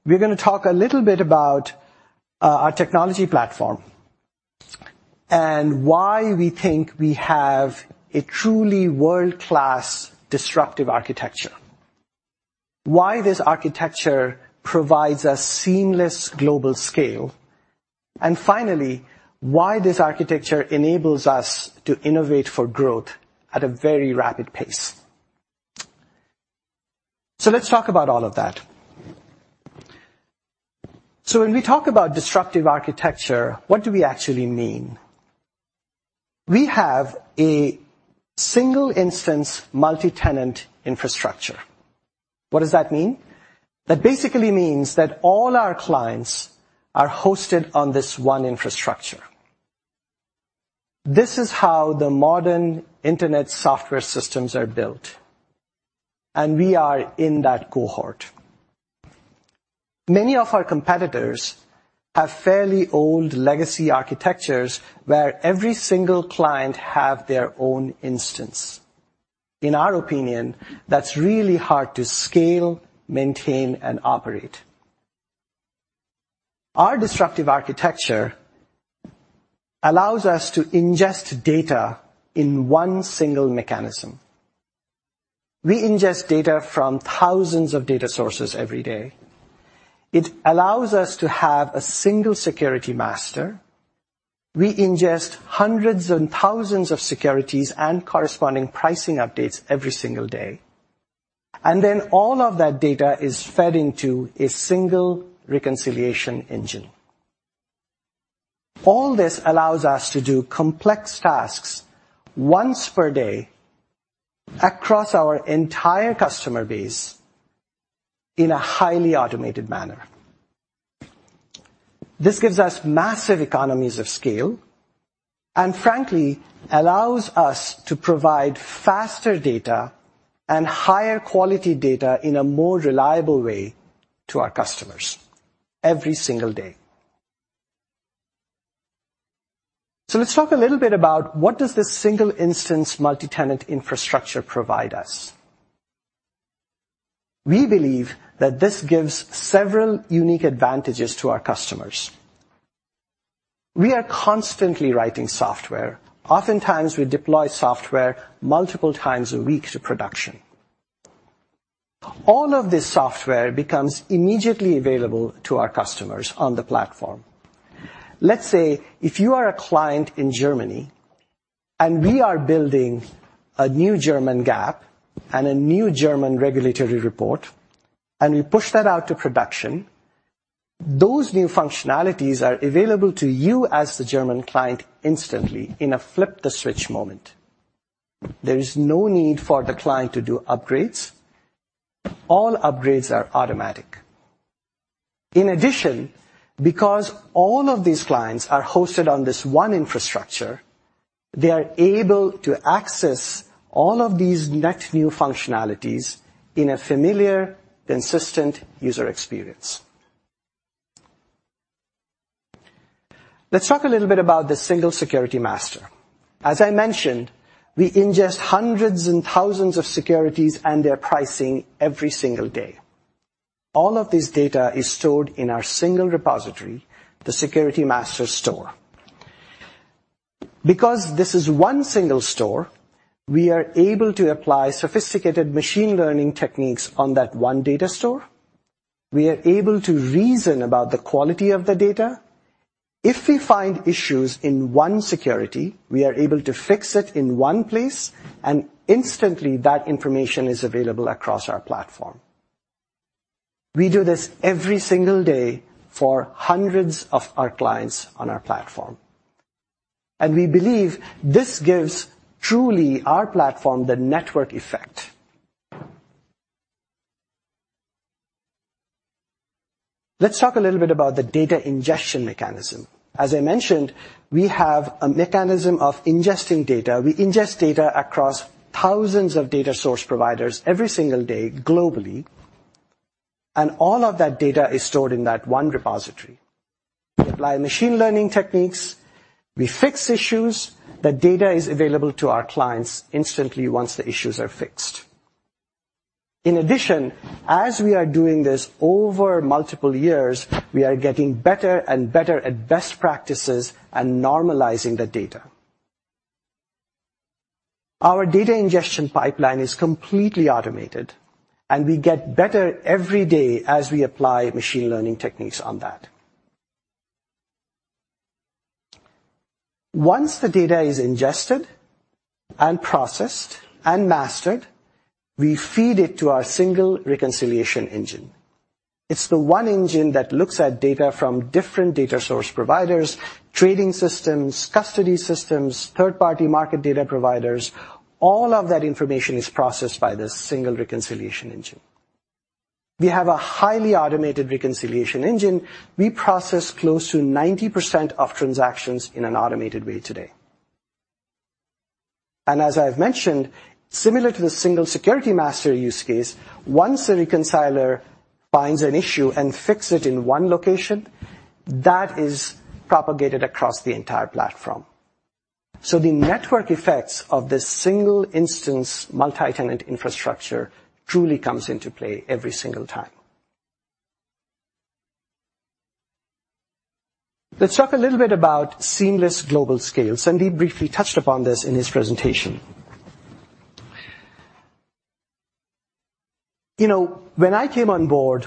we're gonna talk a little bit about our technology platform and why we think we have a truly world-class disruptive architecture. Why this architecture provides a seamless global scale, and finally, why this architecture enables us to innovate for growth at a very rapid pace. So let's talk about all of that. So when we talk about disruptive architecture, what do we actually mean? We have a single instance, multi-tenant infrastructure. What does that mean? That basically means that all our clients are hosted on this one infrastructure. This is how the modern internet software systems are built, and we are in that cohort. Many of our competitors have fairly old legacy architectures, where every single client have their own instance. In our opinion, that's really hard to scale, maintain, and operate. Our disruptive architecture allows us to ingest data in one single mechanism. We ingest data from thousands of data sources every day. It allows us to have a single security master. We ingest hundreds and thousands of securities and corresponding pricing updates every single day, and then all of that data is fed into a single reconciliation engine. All this allows us to do complex tasks once per day across our entire customer base in a highly automated manner. This gives us massive economies of scale, and frankly, allows us to provide faster data and higher quality data in a more reliable way to our customers every single day. So let's talk a little bit about what does this single instance multi-tenant infrastructure provide us? We believe that this gives several unique advantages to our customers. We are constantly writing software. Oftentimes, we deploy software multiple times a week to production. All of this software becomes immediately available to our customers on the platform. Let's say if you are a client in Germany, and we are building a new German GAAP and a new German regulatory report, and we push that out to production, those new functionalities are available to you as the German client instantly in a flip the switch moment. There is no need for the client to do upgrades. All upgrades are automatic. In addition, because all of these clients are hosted on this one infrastructure, they are able to access all of these net new functionalities in a familiar, consistent user experience. Let's talk a little bit about the single security master. As I mentioned, we ingest hundreds and thousands of securities and their pricing every single day. All of this data is stored in our single repository, the security master store. Because this is one single store, we are able to apply sophisticated machine learning techniques on that one data store. We are able to reason about the quality of the data. If we find issues in one security, we are able to fix it in one place, and instantly, that information is available across our platform. We do this every single day for hundreds of our clients on our platform, and we believe this gives truly our platform the network effect. Let's talk a little bit about the data ingestion mechanism. As I mentioned, we have a mechanism of ingesting data. We ingest data across thousands of data source providers every single day globally, and all of that data is stored in that one repository. We apply machine learning techniques. We fix issues. That data is available to our clients instantly once the issues are fixed. In addition, as we are doing this over multiple years, we are getting better and better at best practices and normalizing the data.... Our data ingestion pipeline is completely automated, and we get better every day as we apply machine learning techniques on that. Once the data is ingested and processed and mastered, we feed it to our single reconciliation engine. It's the one engine that looks at data from different data source providers, trading systems, custody systems, third-party market data providers. All of that information is processed by this single reconciliation engine. We have a highly automated reconciliation engine. We process close to 90% of transactions in an automated way today. And as I've mentioned, similar to the single security master use case, once a reconciler finds an issue and fix it in one location, that is propagated across the entire platform. So the network effects of this single instance, multi-tenant infrastructure truly comes into play every single time. Let's talk a little bit about seamless global scale. Sandeep briefly touched upon this in his presentation. You know, when I came on board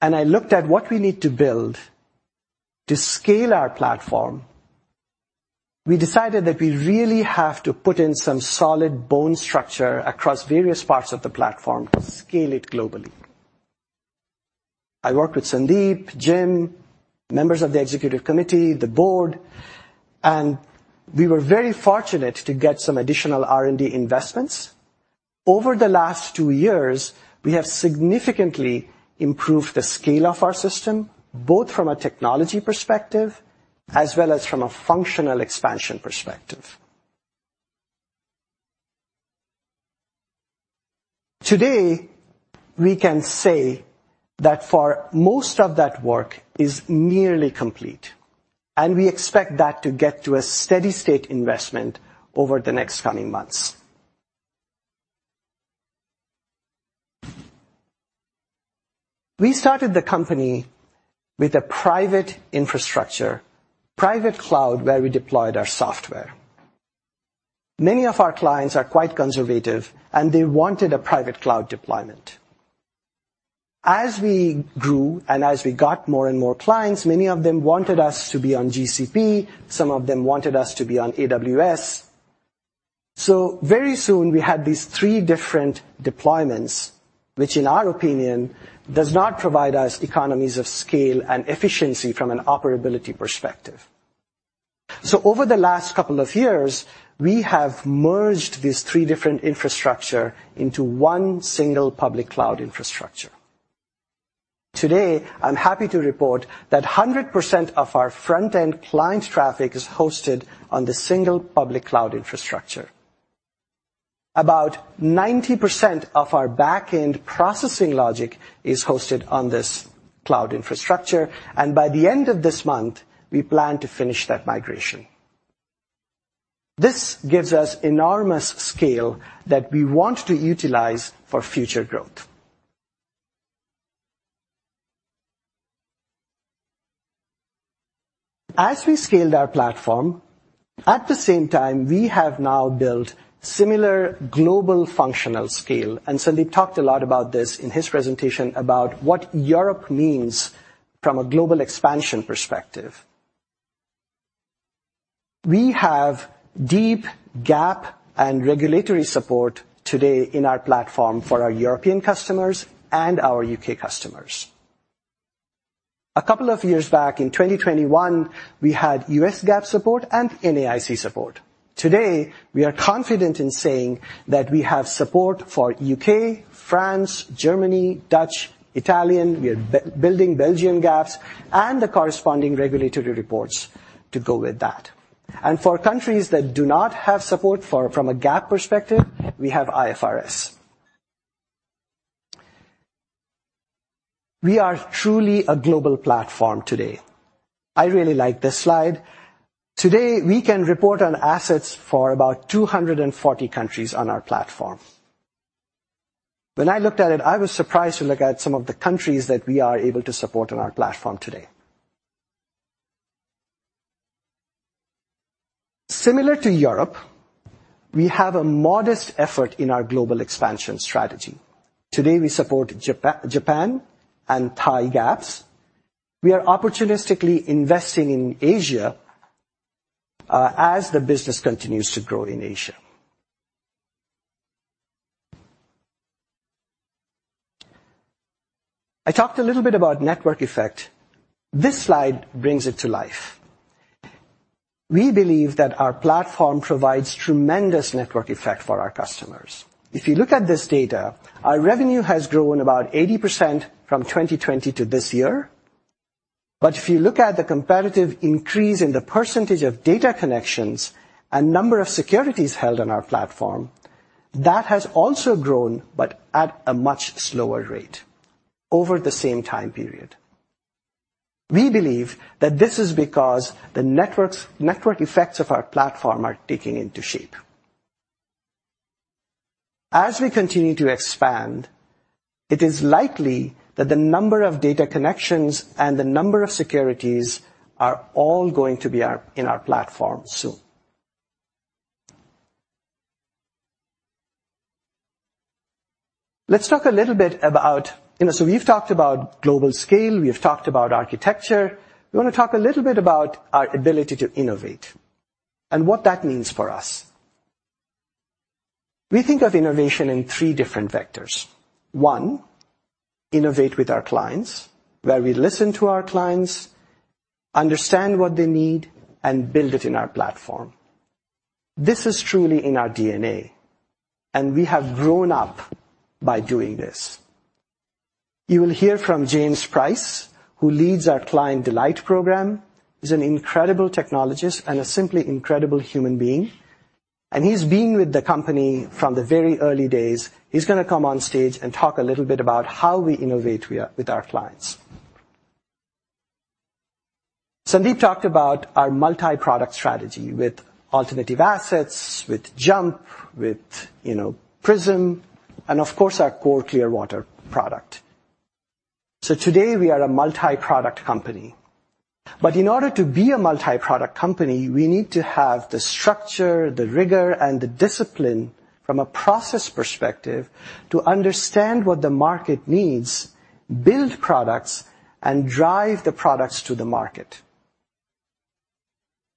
and I looked at what we need to build to scale our platform, we decided that we really have to put in some solid bone structure across various parts of the platform to scale it globally. I worked with Sandeep, Jim, members of the executive committee, the board, and we were very fortunate to get some additional R&D investments. Over the last two years, we have significantly improved the scale of our system, both from a technology perspective as well as from a functional expansion perspective. Today, we can say that for most of that work is nearly complete, and we expect that to get to a steady state investment over the next coming months. We started the company with a private infrastructure, private cloud, where we deployed our software. Many of our clients are quite conservative, and they wanted a private cloud deployment. As we grew and as we got more and more clients, many of them wanted us to be on GCP. Some of them wanted us to be on AWS. So very soon we had these three different deployments, which in our opinion, does not provide us economies of scale and efficiency from an operability perspective. So over the last couple of years, we have merged these three different infrastructure into one single public cloud infrastructure. Today, I'm happy to report that 100% of our front-end client traffic is hosted on the single public cloud infrastructure. About 90% of our back-end processing logic is hosted on this cloud infrastructure, and by the end of this month, we plan to finish that migration. This gives us enormous scale that we want to utilize for future growth. As we scaled our platform, at the same time, we have now built similar global functional scale, and Sandeep talked a lot about this in his presentation about what Europe means from a global expansion perspective. We have deep GAAP and regulatory support today in our platform for our European customers and our U.K. customers. A couple of years back, in 2021, we had U.S. GAAP support and NAIC support. Today, we are confident in saying that we have support for U.K., France, Germany, Dutch, Italian. We are building Belgian GAAPs and the corresponding regulatory reports to go with that. And for countries that do not have support for... from a GAAP perspective, we have IFRS. We are truly a global platform today. I really like this slide. Today, we can report on assets for about 240 countries on our platform. When I looked at it, I was surprised to look at some of the countries that we are able to support on our platform today. Similar to Europe, we have a modest effort in our global expansion strategy. Today, we support Japan and Thai GAAPs. We are opportunistically investing in Asia, as the business continues to grow in Asia. I talked a little bit about network effect. This slide brings it to life. We believe that our platform provides tremendous network effect for our customers. If you look at this data, our revenue has grown about 80% from 2020 to this year. But if you look at the comparative increase in the percentage of data connections and number of securities held on our platform, that has also grown, but at a much slower rate over the same time period. We believe that this is because the network effects of our platform are taking shape. As we continue to expand, it is likely that the number of data connections and the number of securities are all going to be on our platform soon. Let's talk a little bit about so we've talked about global scale, we've talked about architecture. We want to talk a little bit about our ability to innovate and what that means for us. We think of innovation in three different vectors. One, innovate with our clients, where we listen to our clients, understand what they need, and build it in our platform. This is truly in our DNA, and we have grown up by doing this. You will hear from James Price, who leads our Client Delight program. He's an incredible technologist and a simply incredible human being, and he's been with the company from the very early days. He's gonna come on stage and talk a little bit about how we innovate with our clients. Sandeep talked about our multi-product strategy with alternative assets, with JUMP, you know, Prism, and of course, our core Clearwater product. So today, we are a multi-product company, but in order to be a multi-product company, we need to have the structure, the rigor, and the discipline from a process perspective to understand what the market needs, build products, and drive the products to the market.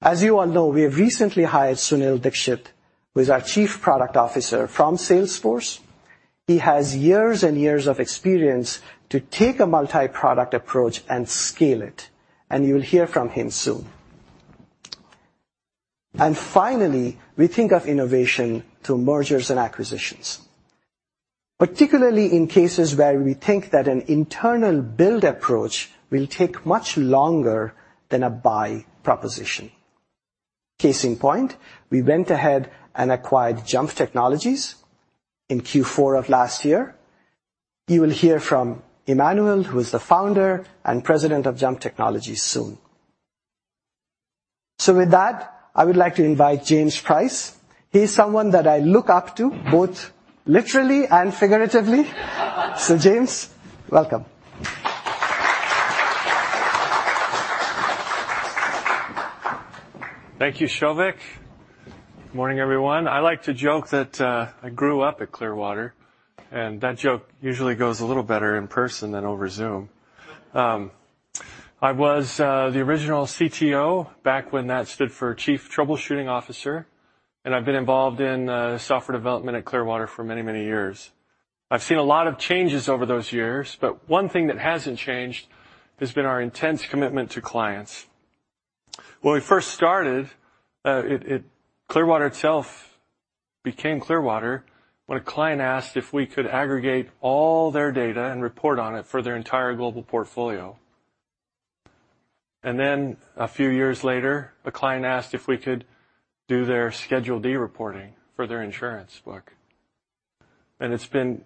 As you all know, we have recently hired Sunil Dixit, who is our Chief Product Officer from Salesforce. He has years and years of experience to take a multi-product approach and scale it, and you'll hear from him soon. Finally, we think of innovation through mergers and acquisitions, particularly in cases where we think that an internal build approach will take much longer than a buy proposition. Case in point, we went ahead and acquired JUMP Technology in Q4 of last year. You will hear from Emmanuel, who is the founder and president of JUMP Technology, soon. With that, I would like to invite James Price. He's someone that I look up to, both literally and figuratively. James, welcome. Thank you, Souvik. Good morning, everyone. I like to joke that, I grew up at Clearwater, and that joke usually goes a little better in person than over Zoom. I was, the original CTO back when that stood for Chief Troubleshooting Officer, and I've been involved in, software development at Clearwater for many, many years. I've seen a lot of changes over those years, but one thing that hasn't changed has been our intense commitment to clients. When we first started, Clearwater itself became Clearwater when a client asked if we could aggregate all their data and report on it for their entire global portfolio. And then a few years later, a client asked if we could do their Schedule D reporting for their insurance book. It's been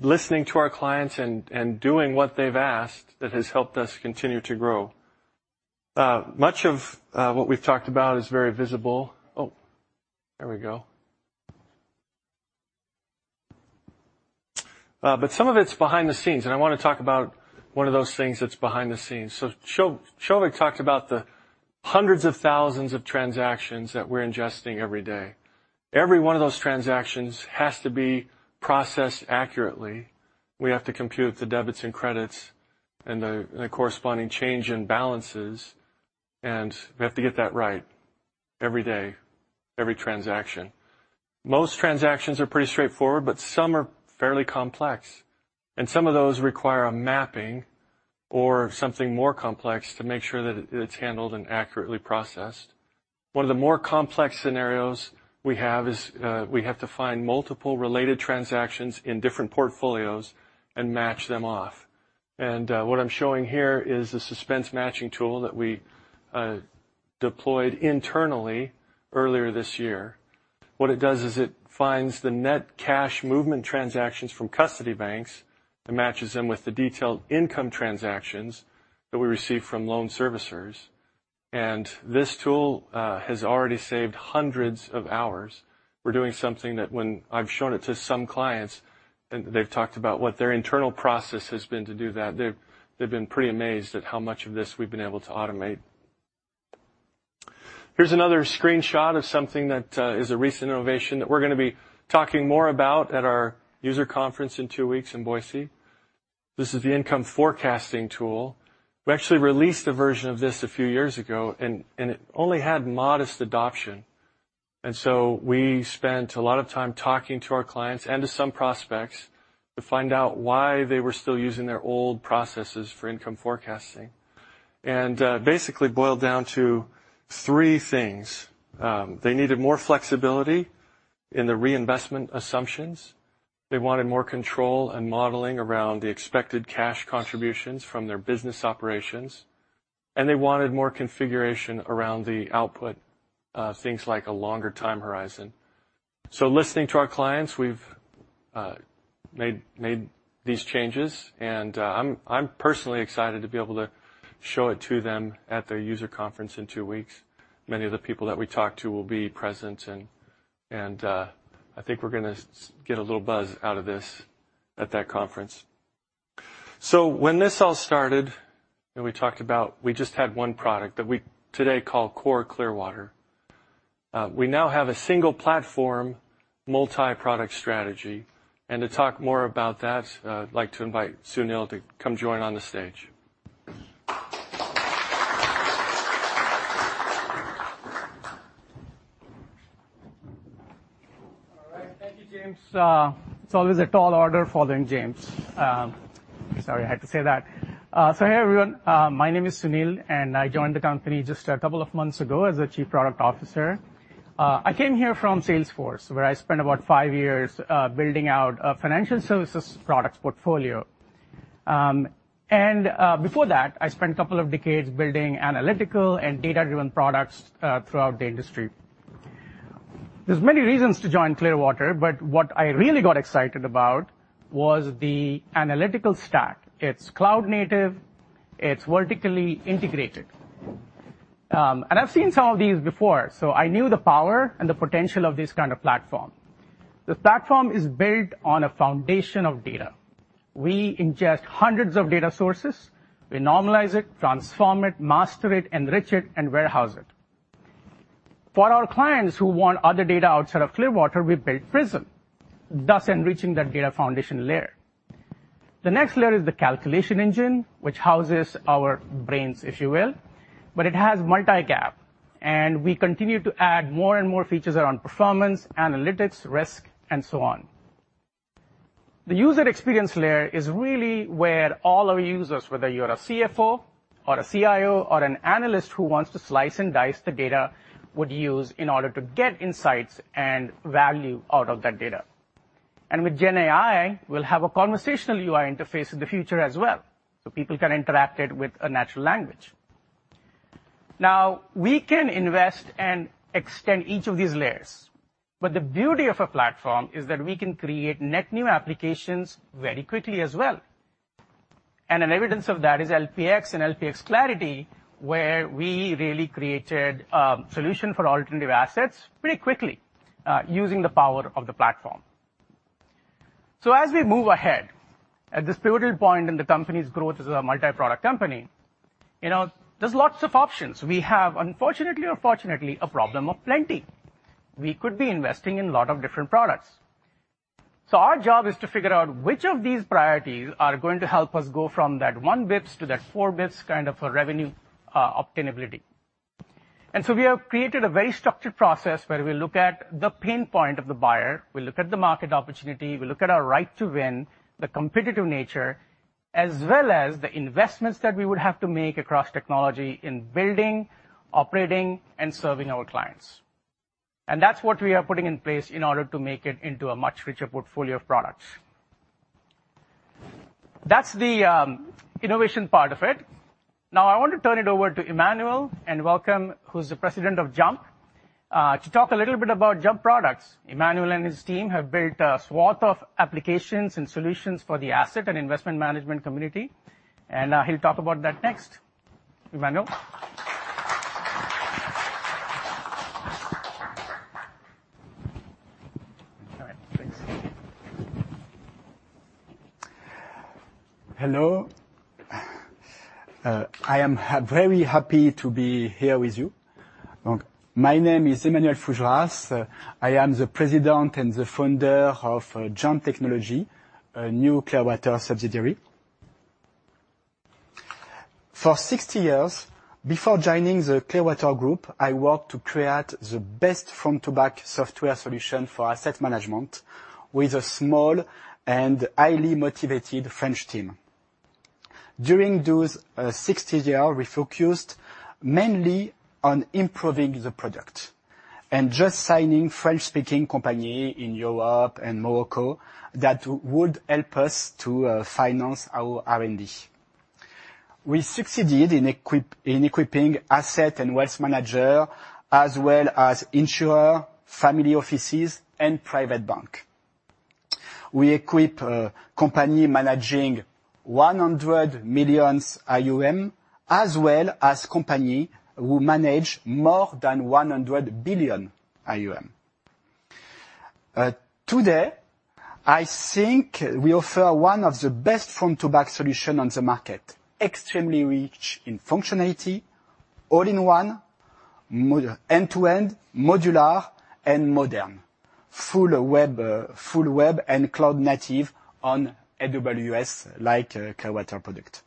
listening to our clients and doing what they've asked that has helped us continue to grow. Much of what we've talked about is very visible. Oh, there we go. But some of it's behind the scenes, and I wanna talk about one of those things that's behind the scenes. Souvik talked about the hundreds of thousands of transactions that we're ingesting every day. Every one of those transactions has to be processed accurately. We have to compute the debits and credits and the corresponding change in balances, and we have to get that right every day, every transaction. Most transactions are pretty straightforward, but some are fairly complex, and some of those require a mapping or something more complex to make sure that it's handled and accurately processed. One of the more complex scenarios we have is, we have to find multiple related transactions in different portfolios and match them off. And what I'm showing here is a suspense matching tool that we deployed internally earlier this year. What it does is it finds the net cash movement transactions from custody banks and matches them with the detailed income transactions that we receive from loan servicers, and this tool has already saved hundreds of hours. We're doing something that when I've shown it to some clients, and they've talked about what their internal process has been to do that, they've been pretty amazed at how much of this we've been able to automate. Here's another screenshot of something that is a recent innovation that we're gonna be talking more about at our user conference in two weeks in Boise. This is the income forecasting tool. We actually released a version of this a few years ago, and it only had modest adoption. And so we spent a lot of time talking to our clients and to some prospects to find out why they were still using their old processes for income forecasting. And, basically, boiled down to three things. They needed more flexibility in the reinvestment assumptions, they wanted more control and modeling around the expected cash contributions from their business operations, and they wanted more configuration around the output of things like a longer time horizon. So listening to our clients, we've made these changes, and I'm personally excited to be able to show it to them at their user conference in two weeks. Many of the people that we talk to will be present, and I think we're gonna get a little buzz out of this at that conference. So when this all started, and we talked about, we just had one product that we today call Core Clearwater. We now have a single platform, multi-product strategy, and to talk more about that, I'd like to invite Sunil to come join on the stage. All right. Thank you, James. It's always a tall order following James. Sorry, I had to say that. So hey, everyone, my name is Sunil, and I joined the company just a couple of months ago as the Chief Product Officer. I came here from Salesforce, where I spent about five years building out a financial services products portfolio. And before that, I spent a couple of decades building analytical and data-driven products throughout the industry. There's many reasons to join Clearwater, but what I really got excited about was the analytical stack. It's cloud native, it's vertically integrated. And I've seen some of these before, so I knew the power and the potential of this kind of platform. The platform is built on a foundation of data. We ingest hundreds of data sources, we normalize it, transform it, master it, enrich it, and warehouse it. For our clients who want other data outside of Clearwater, we built Prism, thus enriching that data foundation layer. The next layer is the calculation engine, which houses our brains, if you will, but it has multi-GAAP, and we continue to add more and more features around performance, analytics, risk, and so on. The user experience layer is really where all our users, whether you're a CFO or a CIO, or an analyst who wants to slice and dice the data, would use in order to get insights and value out of that data. And with GenAI, we'll have a conversational UI interface in the future as well, so people can interact it with a natural language. Now, we can invest and extend each of these layers, but the beauty of a platform is that we can create net new applications very quickly as well. And an evidence of that is LPx and LPx Clarity, where we really created solution for alternative assets pretty quickly using the power of the platform. So as we move ahead, at this pivotal point in the company's growth as a multi-product company, you know, there's lots of options. We have, unfortunately or fortunately, a problem of plenty. We could be investing in a lot of different products. So our job is to figure out which of these priorities are going to help us go from that one bits to that four bits, kind of a revenue attainability. So we have created a very structured process where we look at the pain point of the buyer, we look at the market opportunity, we look at our right to win, the competitive nature, as well as the investments that we would have to make across technology in building, operating, and serving our clients. That's what we are putting in place in order to make it into a much richer portfolio of products. That's the innovation part of it. Now I want to turn it over to Emmanuel, and welcome, who's the president of JUMP to talk a little bit about JUMP products. Emmanuel and his team have built a swath of applications and solutions for the asset and investment management community, and he'll talk about that next. Emmanuel? All right, thanks. Hello. I am very happy to be here with you. My name is Emmanuel Fougeras. I am the president and the founder of JUMP Technology, a new Clearwater subsidiary. For 60 years, before joining the Clearwater Group, I worked to create the best front-to-back software solution for asset management with a small and highly motivated French team. During those 60 years, we focused mainly on improving the product and just signing French-speaking company in Europe and Morocco that would help us to finance our R&D. We succeeded in equipping asset and wealth manager as well as insurer, family offices, and private bank. We equip company managing 100 million AUM, as well as company who manage more than 100 billion AUM. Today, I think we offer one of the best front to back solution on the market, extremely rich in functionality, all in one, end to end, modular and modern, full web, full web and cloud native on AWS, like a Clearwater product.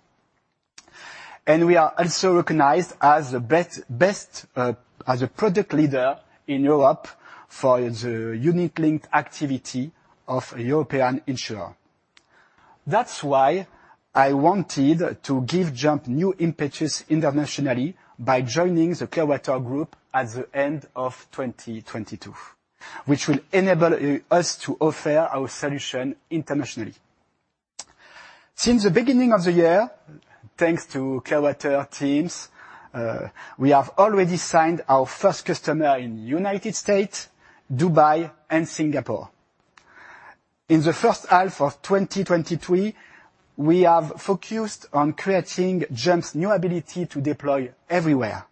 And we are also recognized as the best as a product leader in Europe for the unique link activity of European insurer. That's why I wanted to give JUMP new impetus internationally by joining the Clearwater Group at the end of 2022, which will enable us to offer our solution internationally.... Since the beginning of the year, thanks to Clearwater teams, we have already signed our first customer in United States, Dubai, and Singapore. In the first half of 2023, we have focused on creating JUMP's new ability to deploy everywhere.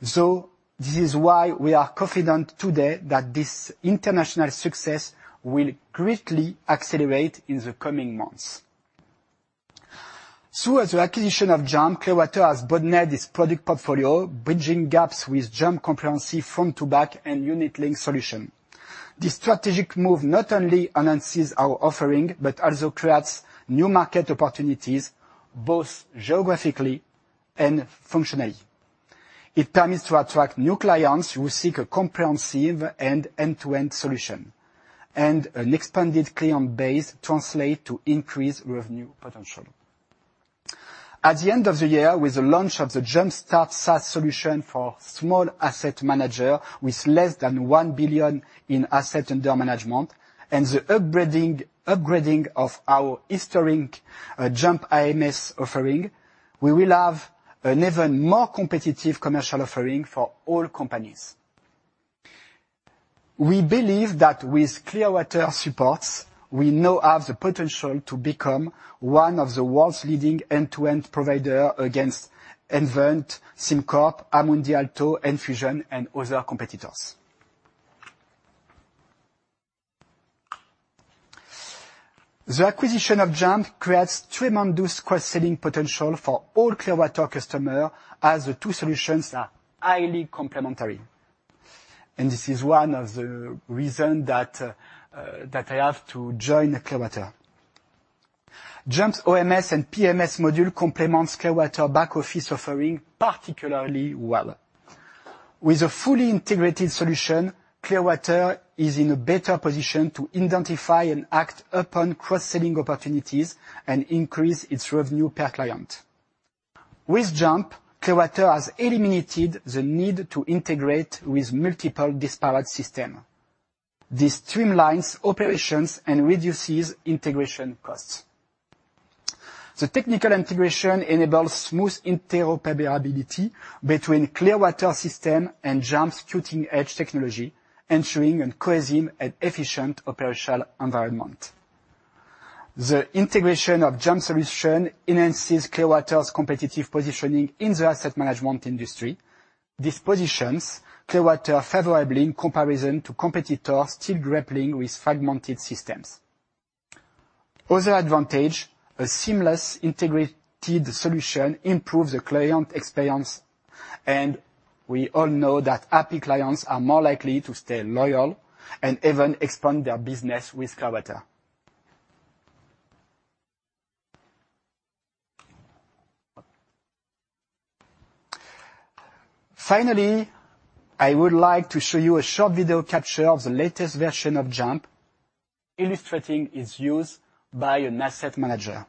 So this is why we are confident today that this international success will greatly accelerate in the coming months. As the acquisition of JUMP, Clearwater has broadened its product portfolio, bridging gaps with JUMP comprehensive front-to-back and unit link solution. This strategic move not only enhances our offering, but also creates new market opportunities, both geographically and functionally. It permits to attract new clients who seek a comprehensive and end-to-end solution, and an expanded client base translate to increased revenue potential. At the end of the year, with the launch of the JUMPstart SaaS solution for small asset manager, with less than 1 billion in asset under management, and the upgrading of our historic JUMP IMS offering, we will have an even more competitive commercial offering for all companies. We believe that with Clearwater supports, we now have the potential to become one of the world's leading end-to-end provider against SS&C Advent, SimCorp, Amundi Alto, Enfusion, and other competitors. The acquisition of JUMP creates tremendous cross-selling potential for all Clearwater customer, as the two solutions are highly complementary. This is one of the reason that I have to join Clearwater. JUMP's OMS and PMS module complements Clearwater back-office offering particularly well. With a fully integrated solution, Clearwater is in a better position to identify and act upon cross-selling opportunities and increase its revenue per client. With JUMP, Clearwater has eliminated the need to integrate with multiple disparate system. This streamlines operations and reduces integration costs. The technical integration enables smooth interoperability between Clearwater system and JUMP's cutting-edge technology, ensuring a cohesive and efficient operational environment. The integration of JUMP solution enhances Clearwater's competitive positioning in the asset management industry. This positions Clearwater favorably in comparison to competitors still grappling with fragmented systems. Other advantage, a seamless integrated solution improves the client experience, and we all know that happy clients are more likely to stay loyal and even expand their business with Clearwater. Finally, I would like to show you a short video capture of the latest version of JUMP, illustrating its use by an asset manager.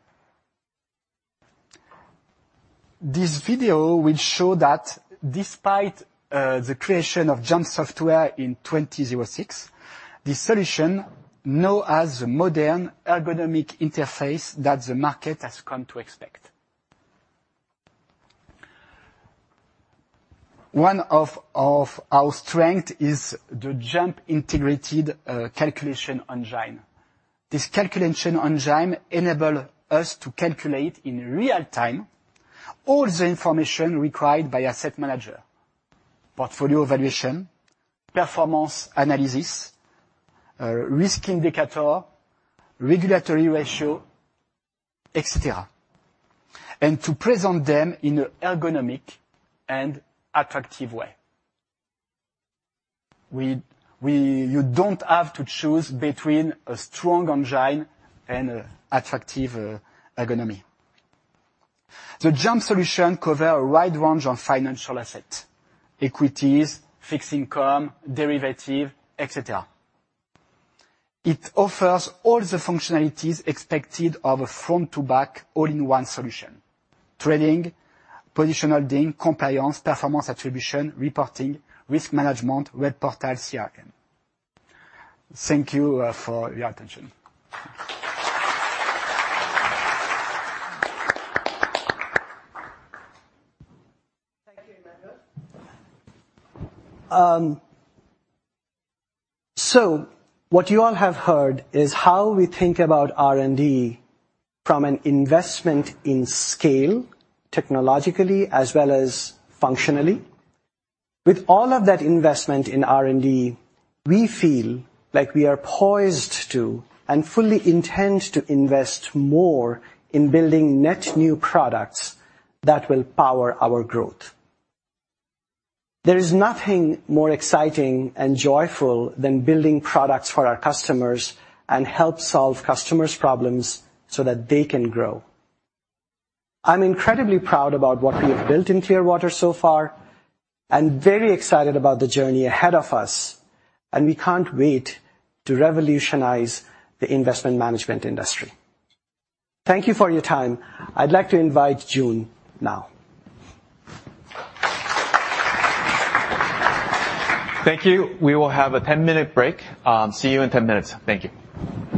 This video will show that despite the creation of JUMP software in 2006, the solution known as the modern ergonomic interface that the market has come to expect. One of, of our strength is the JUMP integrated calculation engine. This calculation engine enable us to calculate, in real time, all the information required by asset manager: portfolio valuation, performance analysis, risk indicator, regulatory ratio, et cetera, and to present them in an ergonomic and attractive way. You don't have to choose between a strong engine and an attractive ergonomics. The JUMP solution cover a wide range of financial assets, equities, fixed income, derivatives, et cetera. It offers all the functionalities expected of a front-to-back, all-in-one solution: trading, positioning, compliance, performance attribution, reporting, risk management, web portal, CRM. Thank you for your attention. Thank you, Emmanuel. So what you all have heard is how we think about R&D from an investment in scale, technologically as well as functionally. With all of that investment in R&D, we feel like we are poised to, and fully intend to, invest more in building net new products that will power our growth. There is nothing more exciting and joyful than building products for our customers and help solve customers' problems so that they can grow. I'm incredibly proud about what we have built in Clearwater so far, and very excited about the journey ahead of us, and we can't wait to revolutionize the investment management industry. Thank you for your time. I'd like to invite Joon now. ...Thank you. We will have a 10-minute break. See you in 10 minutes. Thank you. How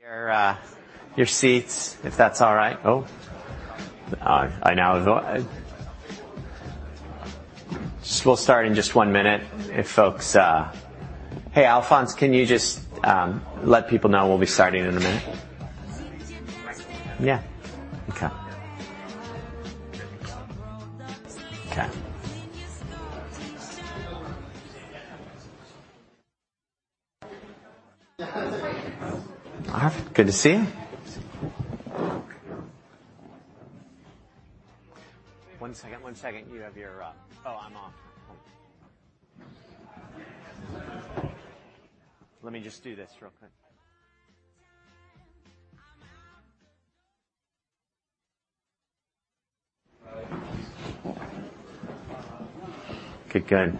those kinds of people, here out of place with you. I'm just an animal looking for a woman. Shouldn't see space for a minute or two. And just love me till my heart stops. Love me till I'm dead. I said, "Light up, I said to you. Cover up the night spots. Stick me on the head I got. Your, your seats, if that's all right. Oh, I now... Just we'll start in just one minute if folks. Hey, Alphonse, can you just let people know we'll be starting in a minute? Since you've been standing. Yeah. Okay. The world up to you. Okay. You starting to show. All right. Good to see you. One second, one second. You have your. Oh, I'm off. Hold on. Let me just do this real quick. I'm out the door. Okay, good.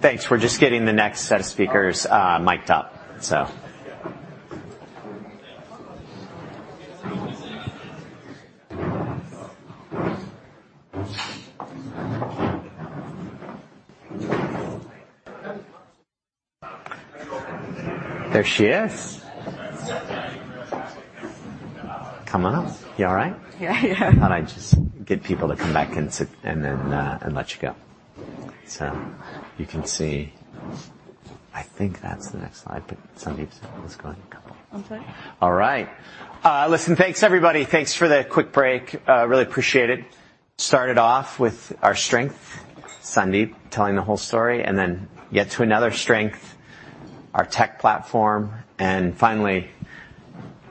Thanks. We're just getting the next set of speakers, mic'd up, so. There she is. Come on up. You all right? Yeah. Yeah. I thought I'd just get people to come back and sit, and then and let you go. So you can see. I think that's the next slide, but Sandeep, let's go in a couple. Okay. All right. Listen, thanks, everybody. Thanks for the quick break. Really appreciate it. Started off with our strength, Sandeep telling the whole story, and then get to another strength, our tech platform, and finally,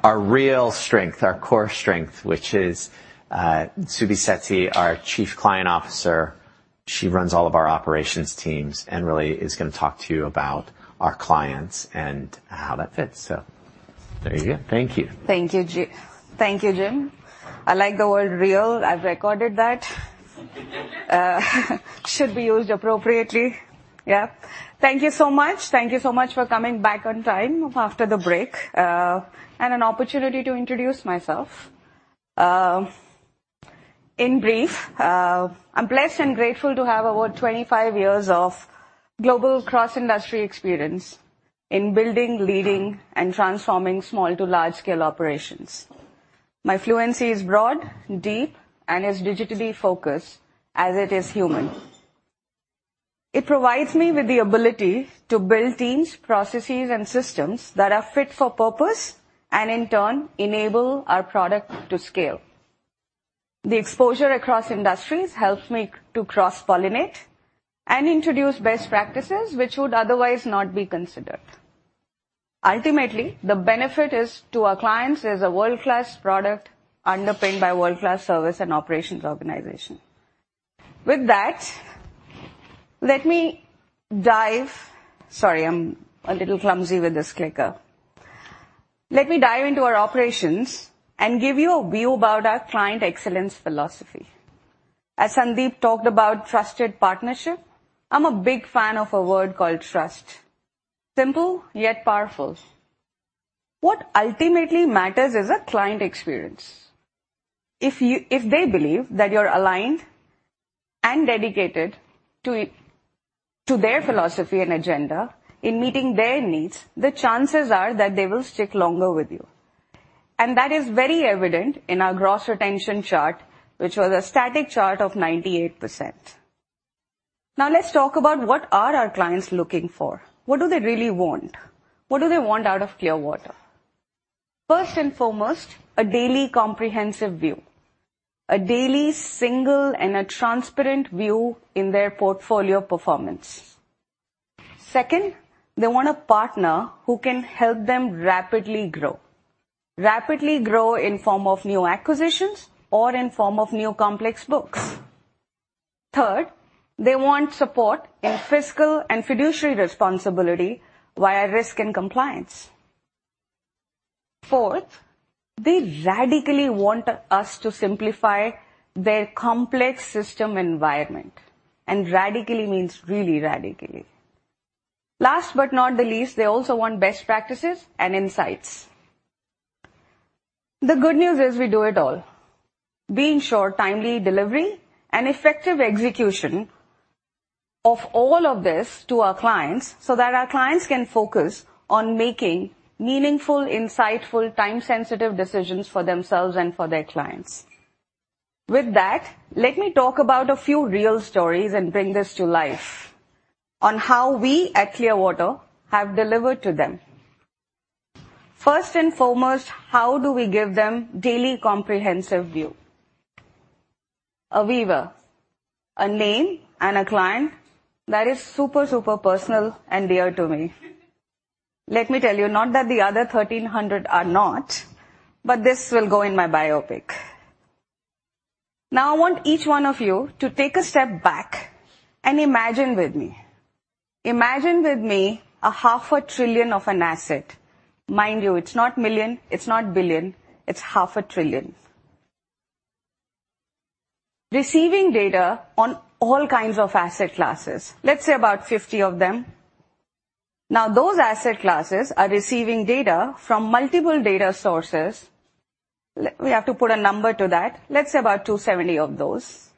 our real strength, our core strength, which is, Subi Sethi, our Chief Client Officer. She runs all of our operations teams and really is gonna talk to you about our clients and how that fits. So there you go. Thank you. Thank you, Jim. I like the word real. I've recorded that. Should be used appropriately. Yeah. Thank you so much. Thank you so much for coming back on time after the break, and an opportunity to introduce myself. In brief, I'm blessed and grateful to have over 25 years of global cross-industry experience in building, leading, and transforming small to large-scale operations. My fluency is broad, deep, and as digitally focused as it is human. It provides me with the ability to build teams, processes, and systems that are fit for purpose and, in turn, enable our product to scale. The exposure across industries helps me to cross-pollinate and introduce best practices which would otherwise not be considered. Ultimately, the benefit is to our clients, as a world-class product underpinned by world-class service and operations organization. With that, let me dive... Sorry, I'm a little clumsy with this clicker. Let me dive into our operations and give you a view about our client excellence philosophy. As Sandeep talked about trusted partnership, I'm a big fan of a word called trust. Simple, yet powerful. What ultimately matters is a client experience. If they believe that you're aligned and dedicated to their philosophy and agenda in meeting their needs, the chances are that they will stick longer with you. And that is very evident in our gross retention chart, which was a static chart of 98%. Now, let's talk about what are our clients looking for? What do they really want? What do they want out of Clearwater? First and foremost, a daily comprehensive view. A daily, single, and a transparent view in their portfolio performance. Second, they want a partner who can help them rapidly grow. Rapidly grow in form of new acquisitions or in form of new complex books. Third, they want support in fiscal and fiduciary responsibility via risk and compliance. Fourth, they radically want us to simplify their complex system environment, and radically means really radically. Last but not the least, they also want best practices and insights. The good news is we do it all. We ensure timely delivery and effective execution of all of this to our clients, so that our clients can focus on making meaningful, insightful, time-sensitive decisions for themselves and for their clients. With that, let me talk about a few real stories and bring this to life on how we at Clearwater have delivered to them. First and foremost, how do we give them daily comprehensive view? Aviva, a name and a client that is super, super personal and dear to me. Let me tell you, not that the other 1,300 are not, but this will go in my biopic. Now, I want each one of you to take a step back and imagine with me. Imagine with me a half a trillion of an asset. Mind you, it's not million, it's not billion, it's half a trillion. Receiving data on all kinds of asset classes, let's say about 50 of them. Now, those asset classes are receiving data from multiple data sources. We have to put a number to that. Let's say about 270 of those.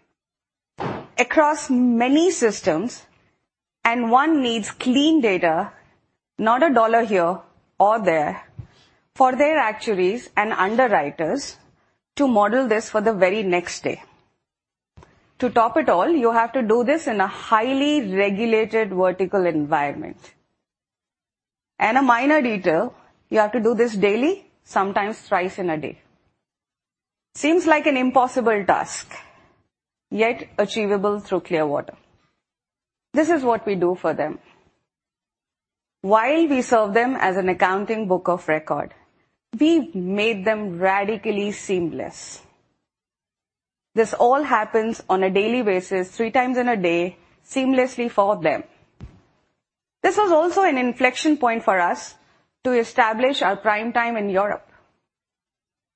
Across many systems, and one needs clean data, not a dollar here or there, for their actuaries and underwriters to model this for the very next day. To top it all, you have to do this in a highly regulated vertical environment. A minor detail, you have to do this daily, sometimes thrice in a day. Seems like an impossible task, yet achievable through Clearwater. This is what we do for them. While we serve them as an accounting book of record, we've made them radically seamless. This all happens on a daily basis, three times in a day, seamlessly for them. This was also an inflection point for us to establish our prime time in Europe.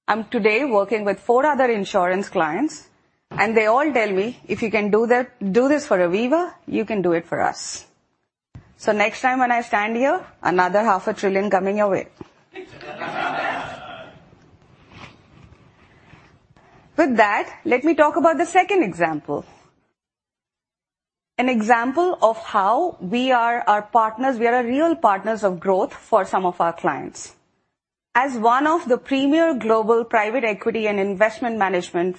I'm today working with four other insurance clients, and they all tell me, "If you can do that, do this for Aviva, you can do it for us." So next time when I stand here, another $500 billion coming your way. With that, let me talk about the second example. An example of how we are our partners. We are real partners of growth for some of our clients. As one of the premier global private equity and investment management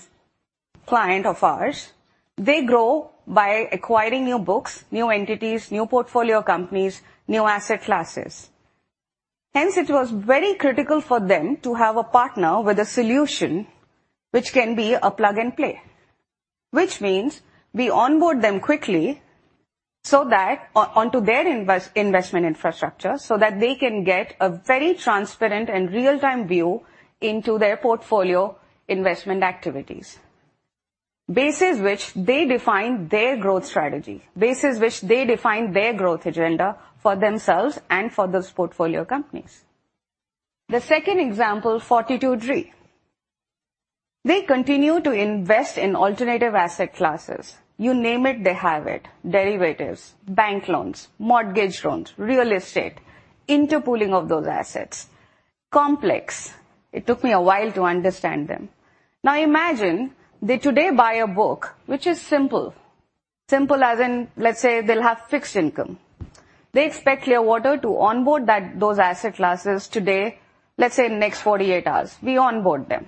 client of ours, they grow by acquiring new books, new entities, new portfolio companies, new asset classes. Hence, it was very critical for them to have a partner with a solution which can be a plug-and-play. Which means we onboard them quickly, so that onto their investment infrastructure, so that they can get a very transparent and real-time view into their portfolio investment activities, basis which they define their growth strategy, basis which they define their growth agenda for themselves and for those portfolio companies. The second example, Fortitude Re. They continue to invest in alternative asset classes. You name it, they have it: derivatives, bank loans, mortgage loans, real estate, interpooling of those assets. Complex. It took me a while to understand them. Now, imagine they today buy a book which is simple. Simple as in, let's say, they'll have fixed income. They expect Clearwater to onboard that, those asset classes today, let's say, in the next 48 hours. We onboard them.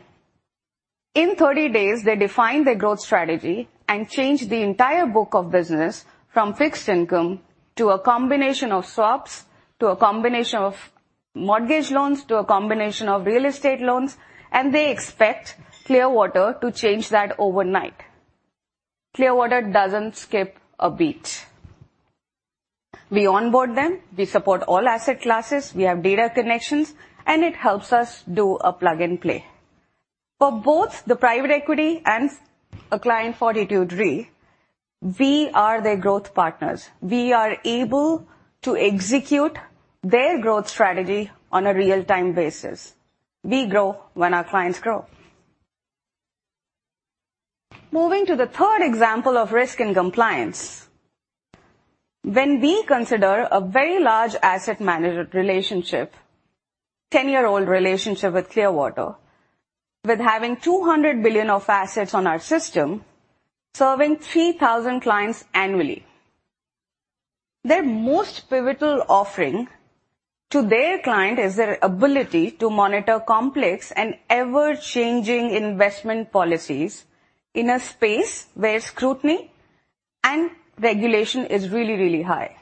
In 30 days, they define their growth strategy and change the entire book of business from fixed income to a combination of swaps, to a combination of mortgage loans, to a combination of real estate loans, and they expect Clearwater to change that overnight. Clearwater doesn't skip a beat. We onboard them, we support all asset classes, we have data connections, and it helps us do a plug and play. For both the private equity and a client, Fortitude Re, we are their growth partners. We are able to execute their growth strategy on a real-time basis. We grow when our clients grow. Moving to the third example of risk and compliance. When we consider a very large asset manager relationship, 10-year-old relationship with Clearwater, with having $200 billion of assets on our system, serving 3,000 clients annually, their most pivotal offering to their client is their ability to monitor complex and ever-changing investment policies in a space where scrutiny and regulation is really, really high.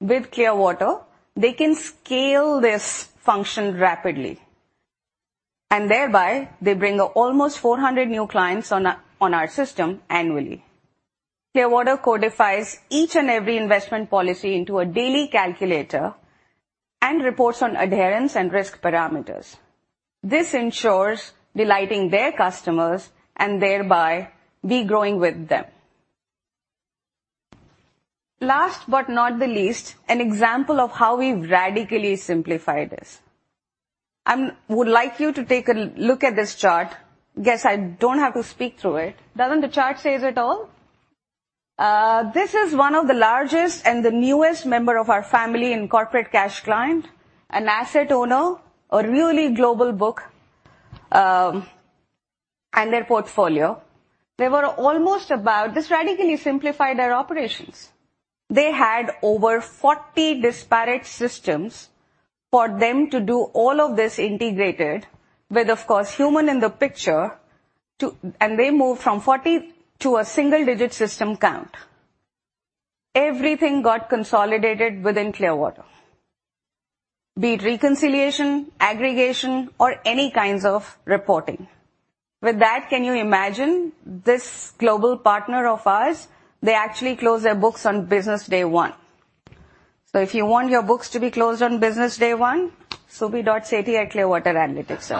With Clearwater, they can scale this function rapidly, and thereby, they bring almost 400 new clients on our system annually. Clearwater codifies each and every investment policy into a daily calculator and reports on adherence and risk parameters. This ensures delighting their customers, and thereby, we growing with them.... Last but not the least, an example of how we've radically simplified this. I would like you to take a look at this chart. Guess I don't have to speak through it. Doesn't the chart says it all? This is one of the largest and the newest member of our family in corporate cash client, an asset owner, a really global book, and their portfolio. This radically simplified their operations. They had over 40 disparate systems for them to do all of this integrated, with, of course, human in the picture, and they moved from 40 to a single-digit system count. Everything got consolidated within Clearwater, be it reconciliation, aggregation, or any kinds of reporting. With that, can you imagine this global partner of ours, they actually close their books on business day one. So if you want your books to be closed on business day one, Subi Sethi at Clearwater Analytics.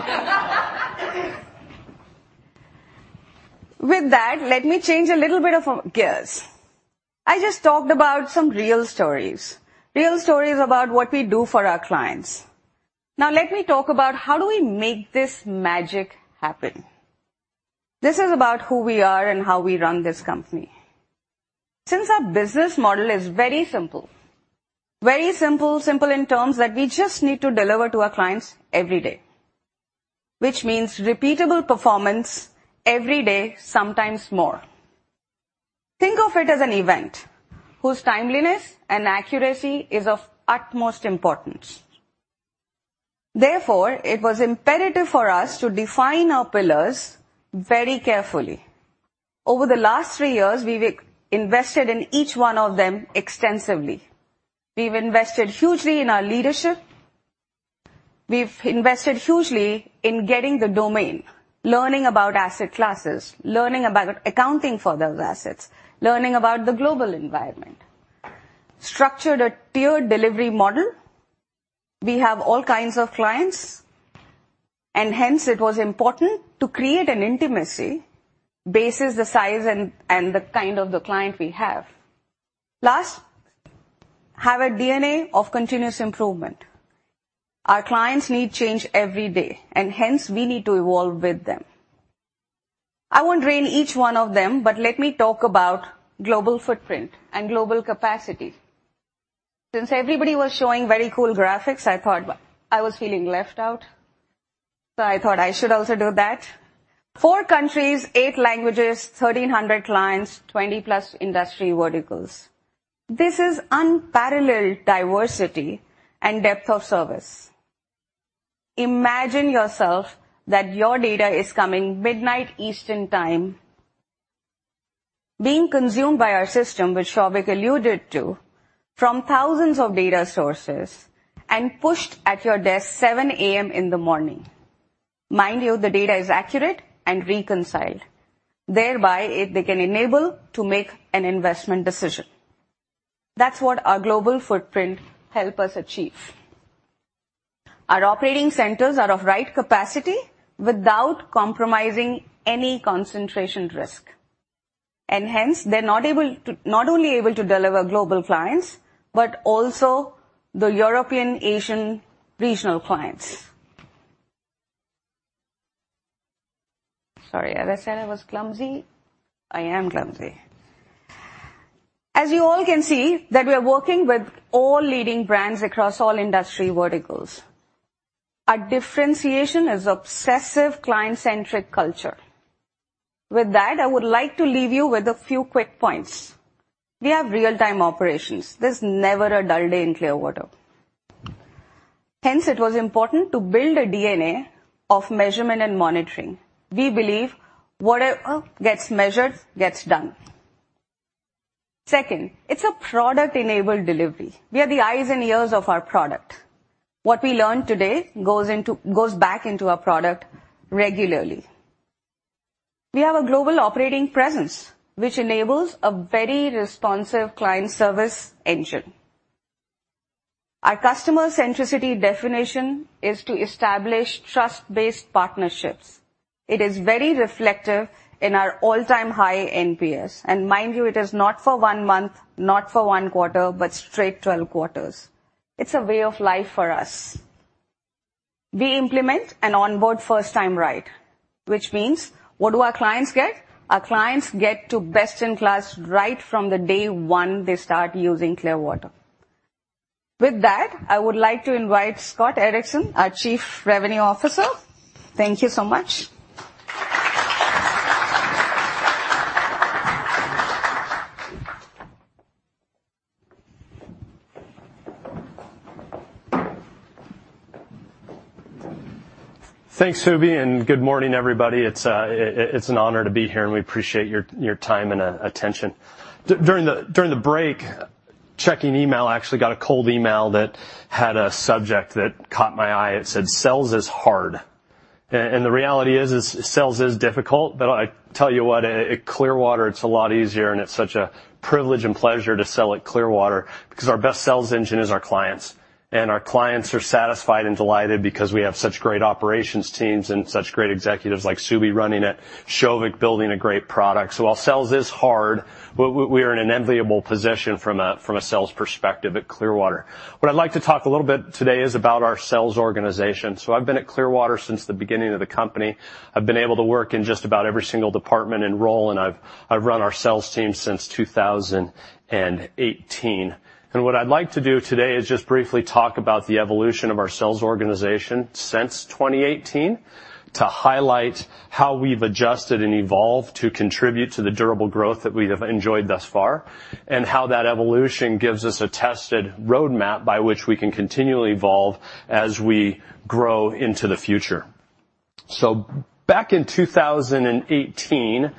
With that, let me change a little bit of gears. I just talked about some real stories, real stories about what we do for our clients. Now let me talk about how we make this magic happen? This is about who we are and how we run this company. Since our business model is very simple, very simple, simple in terms that we just need to deliver to our clients every day, which means repeatable performance every day, sometimes more. Think of it as an event whose timeliness and accuracy is of utmost importance. Therefore, it was imperative for us to define our pillars very carefully. Over the last three years, we've invested in each one of them extensively. We've invested hugely in our leadership. We've invested hugely in getting the domain, learning about asset classes, learning about accounting for those assets, learning about the global environment. Structured a tiered delivery model. We have all kinds of clients, and hence, it was important to create an intimacy based on the size and the kind of client we have. We have a DNA of continuous improvement. Our clients' needs change every day, and hence, we need to evolve with them. I won't read each one of them, but let me talk about global footprint and global capacity. Since everybody was showing very cool graphics, I thought I was feeling left out, so I thought I should also do that. Four countries, eight languages, 1,300 clients, 20+ industry verticals. This is unparalleled diversity and depth of service. Imagine that your data is coming at midnight Eastern Time, being consumed by our system, which Souvik alluded to, from thousands of data sources and pushed to your desk at 7 A.M. in the morning. Mind you, the data is accurate and reconciled, thereby they can enable to make an investment decision. That's what our global footprint help us achieve. Our operating centers are of right capacity without compromising any concentration risk, and hence, they're not only able to deliver global clients, but also the European, Asian regional clients. Sorry, as I said, I was clumsy. I am clumsy. As you all can see, that we are working with all leading brands across all industry verticals. Our differentiation is obsessive client-centric culture. With that, I would like to leave you with a few quick points. We have real-time operations. There's never a dull day in Clearwater. Hence, it was important to build a DNA of measurement and monitoring. We believe whatever gets measured gets done. Second, it's a product-enabled delivery. We are the eyes and ears of our product. What we learn today goes into—goes back into our product regularly. We have a global operating presence, which enables a very responsive client service engine. Our customer centricity definition is to establish trust-based partnerships. It is very reflective in our all-time high NPS. And mind you, it is not for one month, not for one quarter, but straight 12 quarters. It's a way of life for us. We implement an onboard first time right, which means what do our clients get? Our clients get to best in class right from the day one they start using Clearwater. With that, I would like to invite Scott Erickson, our Chief Revenue Officer. Thank you so much. Thanks, Subi, and good morning, everybody. It's an honor to be here, and we appreciate your time and attention. During the break, checking email, I actually got a cold email that had a subject that caught my eye. It said, "Sales is hard." And the reality is sales is difficult, but I tell you what, at Clearwater, it's a lot easier, and it's such a privilege and pleasure to sell at Clearwater, because our best sales engine is our clients. And our clients are satisfied and delighted because we have such great operations teams and such great executives like Subi running it, Souvik building a great product. So while sales is hard, we are in an enviable position from a sales perspective at Clearwater. What I'd like to talk a little bit today is about our sales organization. I've been at Clearwater since the beginning of the company. I've been able to work in just about every single department and role, and I've, I've run our sales team since 2018. What I'd like to do today is just briefly talk about the evolution of our sales organization since 2018, to highlight how we've adjusted and evolved to contribute to the durable growth that we have enjoyed thus far, and how that evolution gives us a tested roadmap by which we can continually evolve as we grow into the future. Back in 2018,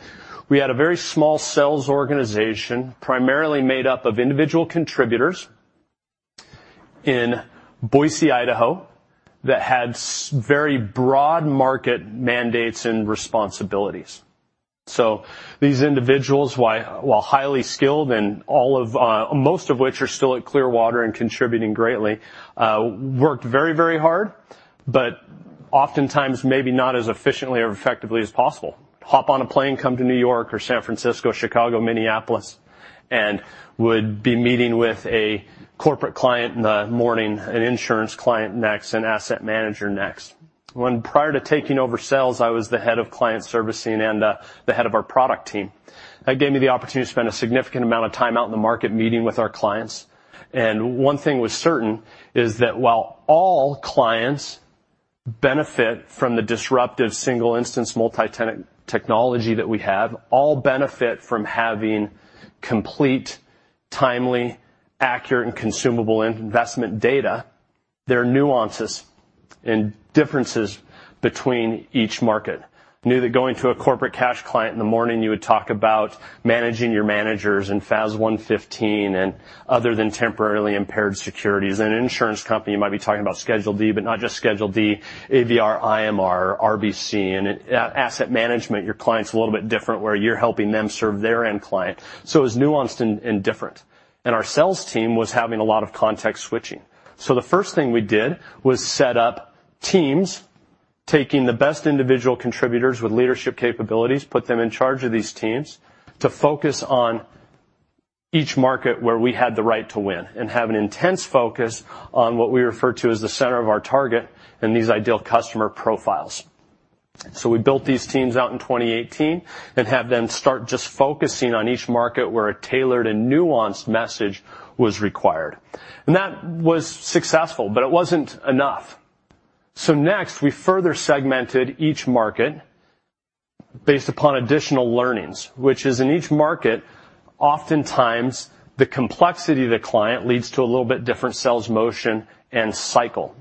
we had a very small sales organization, primarily made up of individual contributors in Boise, Idaho, that had very broad market mandates and responsibilities. So these individuals, while highly skilled and all of, most of which are still at Clearwater and contributing greatly, worked very, very hard, but oftentimes maybe not as efficiently or effectively as possible. Hop on a plane, come to New York or San Francisco, Chicago, Minneapolis, and would be meeting with a corporate client in the morning, an insurance client next, an asset manager next. When prior to taking over sales, I was the head of client servicing and, the head of our product team. That gave me the opportunity to spend a significant amount of time out in the market meeting with our clients. And one thing was certain, is that while all clients benefit from the disruptive single-instance multi-tenant technology that we have, all benefit from having complete, timely, accurate, and consumable investment data, there are nuances and differences between each market. knew that going to a corporate cash client in the morning, you would talk about managing your managers in FAS 115 and other than temporarily impaired securities. An insurance company, you might be talking about Schedule D, but not just Schedule D, AVR, IMR, RBC, and I, asset management, your client's a little bit different, where you're helping them serve their end client. So it was nuanced and, and different. And our sales team was having a lot of context switching. So the first thing we did was set up teams, taking the best individual contributors with leadership capabilities, put them in charge of these teams, to focus on each market where we had the right to win, and have an intense focus on what we refer to as the center of our target and these ideal customer profiles. We built these teams out in 2018 and had them start just focusing on each market where a tailored and nuanced message was required. That was successful, but it wasn't enough. Next, we further segmented each market based upon additional learnings, which is in each market, oftentimes, the complexity of the client leads to a little bit different sales motion and cycle.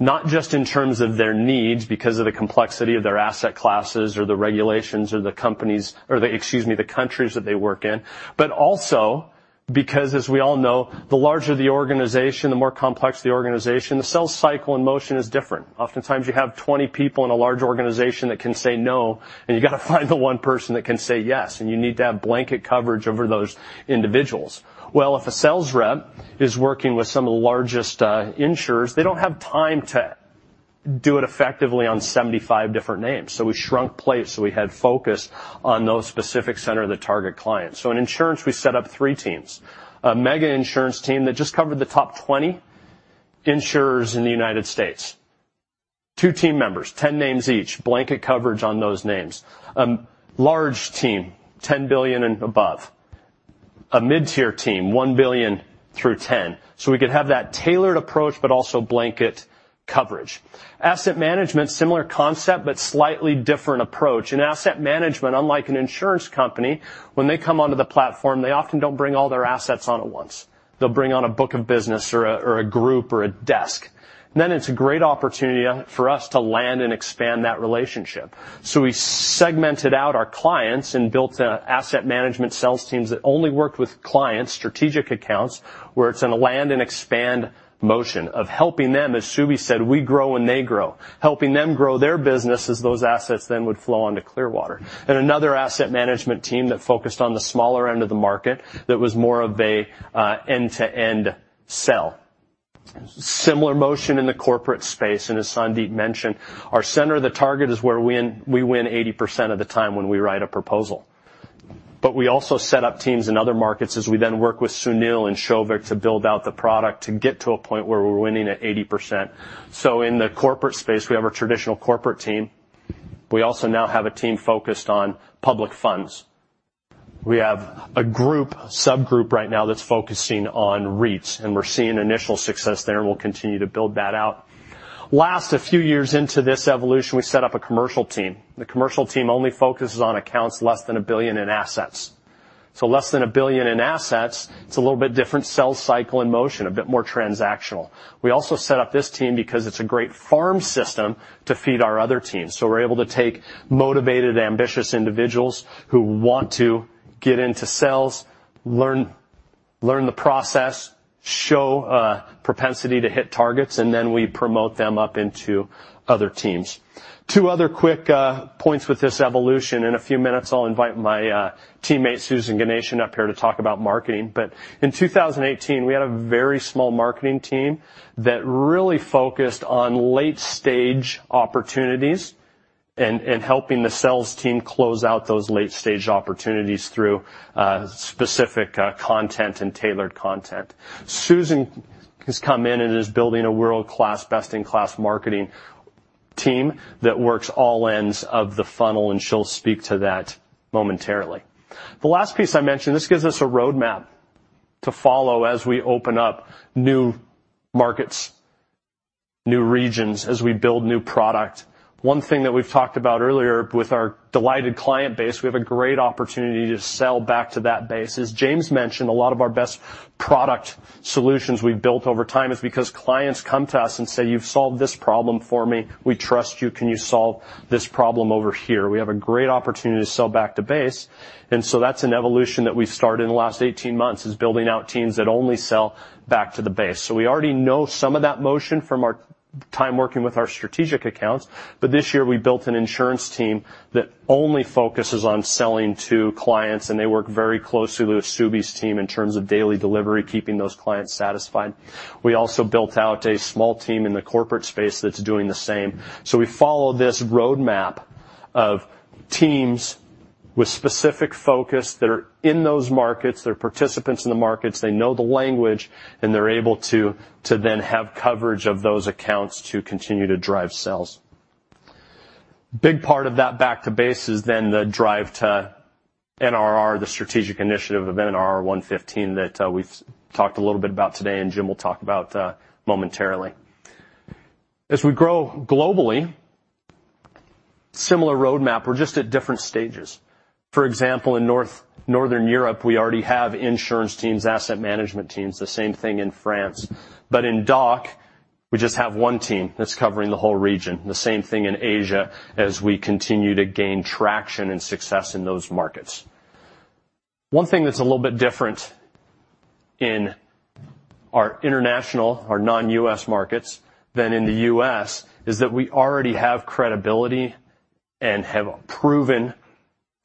Not just in terms of their needs because of the complexity of their asset classes or the regulations or the companies... Or the, excuse me, the countries that they work in, but also because, as we all know, the larger the organization, the more complex the organization, the sales cycle in motion is different. Oftentimes, you have 20 people in a large organization that can say no, and you gotta find the one person that can say yes, and you need to have blanket coverage over those individuals. Well, if a sales rep is working with some of the largest insurers, they don't have time to do it effectively on 75 different names. So we shrunk plates, so we had focus on those specific center of the target clients. So in insurance, we set up three teams. A mega insurance team that just covered the top 20 insurers in the United States. Two team members, 10 names each, blanket coverage on those names. Large team, $10 billion and above. A mid-tier team, $1 billion through $10 billion. So we could have that tailored approach, but also blanket coverage. Asset management, similar concept, but slightly different approach. In asset management, unlike an insurance company, when they come onto the platform, they often don't bring all their assets on at once. They'll bring on a book of business or a, or a group or a desk. Then it's a great opportunity for us to land and expand that relationship. So we segmented out our clients and built asset management sales teams that only worked with clients, strategic accounts, where it's in a land and expand motion of helping them. As Subi said, "We grow when they grow." Helping them grow their business as those assets then would flow on to Clearwater. And another asset management team that focused on the smaller end of the market that was more of a end-to-end sell. Similar motion in the corporate space, and as Sandeep mentioned, our center of the target is where we win 80% of the time when we write a proposal. But we also set up teams in other markets as we then work with Sunil and Souvik to build out the product, to get to a point where we're winning at 80%. So in the corporate space, we have our traditional corporate team. We also now have a team focused on public funds. We have a group, subgroup right now that's focusing on REITs, and we're seeing initial success there, and we'll continue to build that out. Last, a few years into this evolution, we set up a commercial team. The commercial team only focuses on accounts less than a billion in assets. So less than $1 billion in assets, it's a little bit different sales cycle in motion, a bit more transactional. We also set up this team because it's a great farm system to feed our other teams. So we're able to take motivated, ambitious individuals who want to get into sales, learn the process, show propensity to hit targets, and then we promote them up into other teams. Two other quick points with this evolution. In a few minutes, I'll invite my teammate, Susan Ganeshan, up here to talk about marketing. But in 2018, we had a very small marketing team that really focused on late-stage opportunities and helping the sales team close out those late-stage opportunities through specific content and tailored content. Susan has come in and is building a world-class, best-in-class marketing team that works all ends of the funnel, and she'll speak to that momentarily. The last piece I mentioned, this gives us a roadmap to follow as we open up new markets, new regions, as we build new product. One thing that we've talked about earlier with our delighted client base, we have a great opportunity to sell back to that base. As James mentioned, a lot of our best product solutions we've built over time is because clients come to us and say, "You've solved this problem for me. We trust you. Can you solve this problem over here?" We have a great opportunity to sell back to base, and so that's an evolution that we've started in the last 18 months, is building out teams that only sell back to the base. So we already know some of that motion from our time working with our strategic accounts, but this year we built an insurance team that only focuses on selling to clients, and they work very closely with Subi's team in terms of daily delivery, keeping those clients satisfied. We also built out a small team in the corporate space that's doing the same. So we follow this roadmap of teams with specific focus that are in those markets. They're participants in the markets, they know the language, and they're able to then have coverage of those accounts to continue to drive sales. Big part of that back to base is then the drive to NRR, the strategic initiative of NRR 115 that we've talked a little bit about today, and Jim will talk about momentarily. As we grow globally, similar roadmap, we're just at different stages. For example, in Northern Europe, we already have insurance teams, asset management teams, the same thing in France. But in DACH, we just have one team that's covering the whole region, and the same thing in Asia as we continue to gain traction and success in those markets. One thing that's a little bit different in our international, our non-U.S. markets than in the U.S., is that we already have credibility and have proven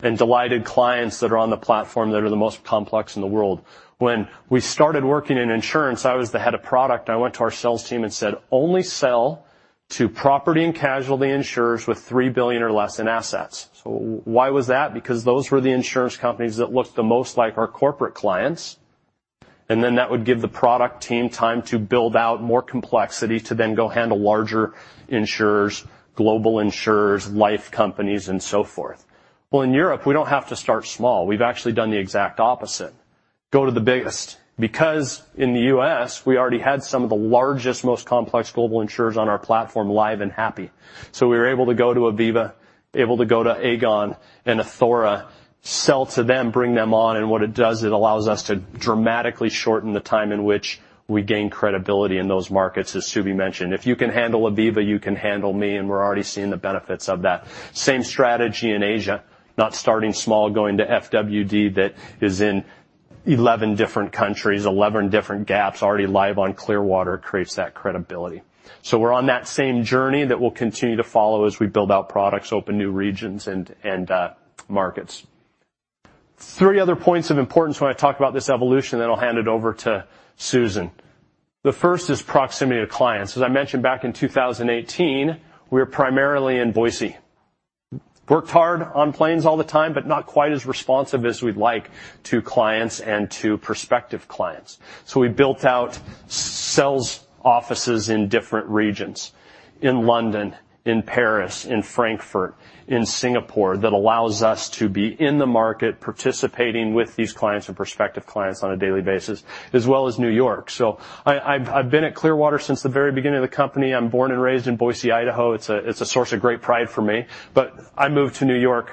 and delighted clients that are on the platform that are the most complex in the world. When we started working in insurance, I was the head of product, and I went to our sales team and said, "Only sell to property and casualty insurers with $3 billion or less in assets." So why was that? Because those were the insurance companies that looked the most like our corporate clients, and then that would give the product team time to build out more complexity, to then go handle larger insurers, global insurers, life companies, and so forth. Well, in Europe, we don't have to start small. We've actually done the exact opposite, go to the biggest. Because in the US, we already had some of the largest, most complex global insurers on our platform, live and happy. So we were able to go to Aviva, able to go to Aegon and Athora, sell to them, bring them on, and what it does, it allows us to dramatically shorten the time in which we gain credibility in those markets, as Subi mentioned. If you can handle Aviva, you can handle me, and we're already seeing the benefits of that. Same strategy in Asia, not starting small, going to FWD that is in 11 different countries, 11 different GAAPs, already live on Clearwater, creates that credibility. So we're on that same journey that we'll continue to follow as we build out products, open new regions, and, and, markets. Three other points of importance when I talk about this evolution, then I'll hand it over to Susan. The first is proximity to clients. As I mentioned, back in 2018, we were primarily in Boise. Worked hard on planes all the time, but not quite as responsive as we'd like to clients and to prospective clients. So we built out sales offices in different regions, in London, in Paris, in Frankfurt, in Singapore, that allows us to be in the market, participating with these clients and prospective clients on a daily basis, as well as New York. So, I've been at Clearwater since the very beginning of the company. I'm born and raised in Boise, Idaho. It's a source of great pride for me, but I moved to New York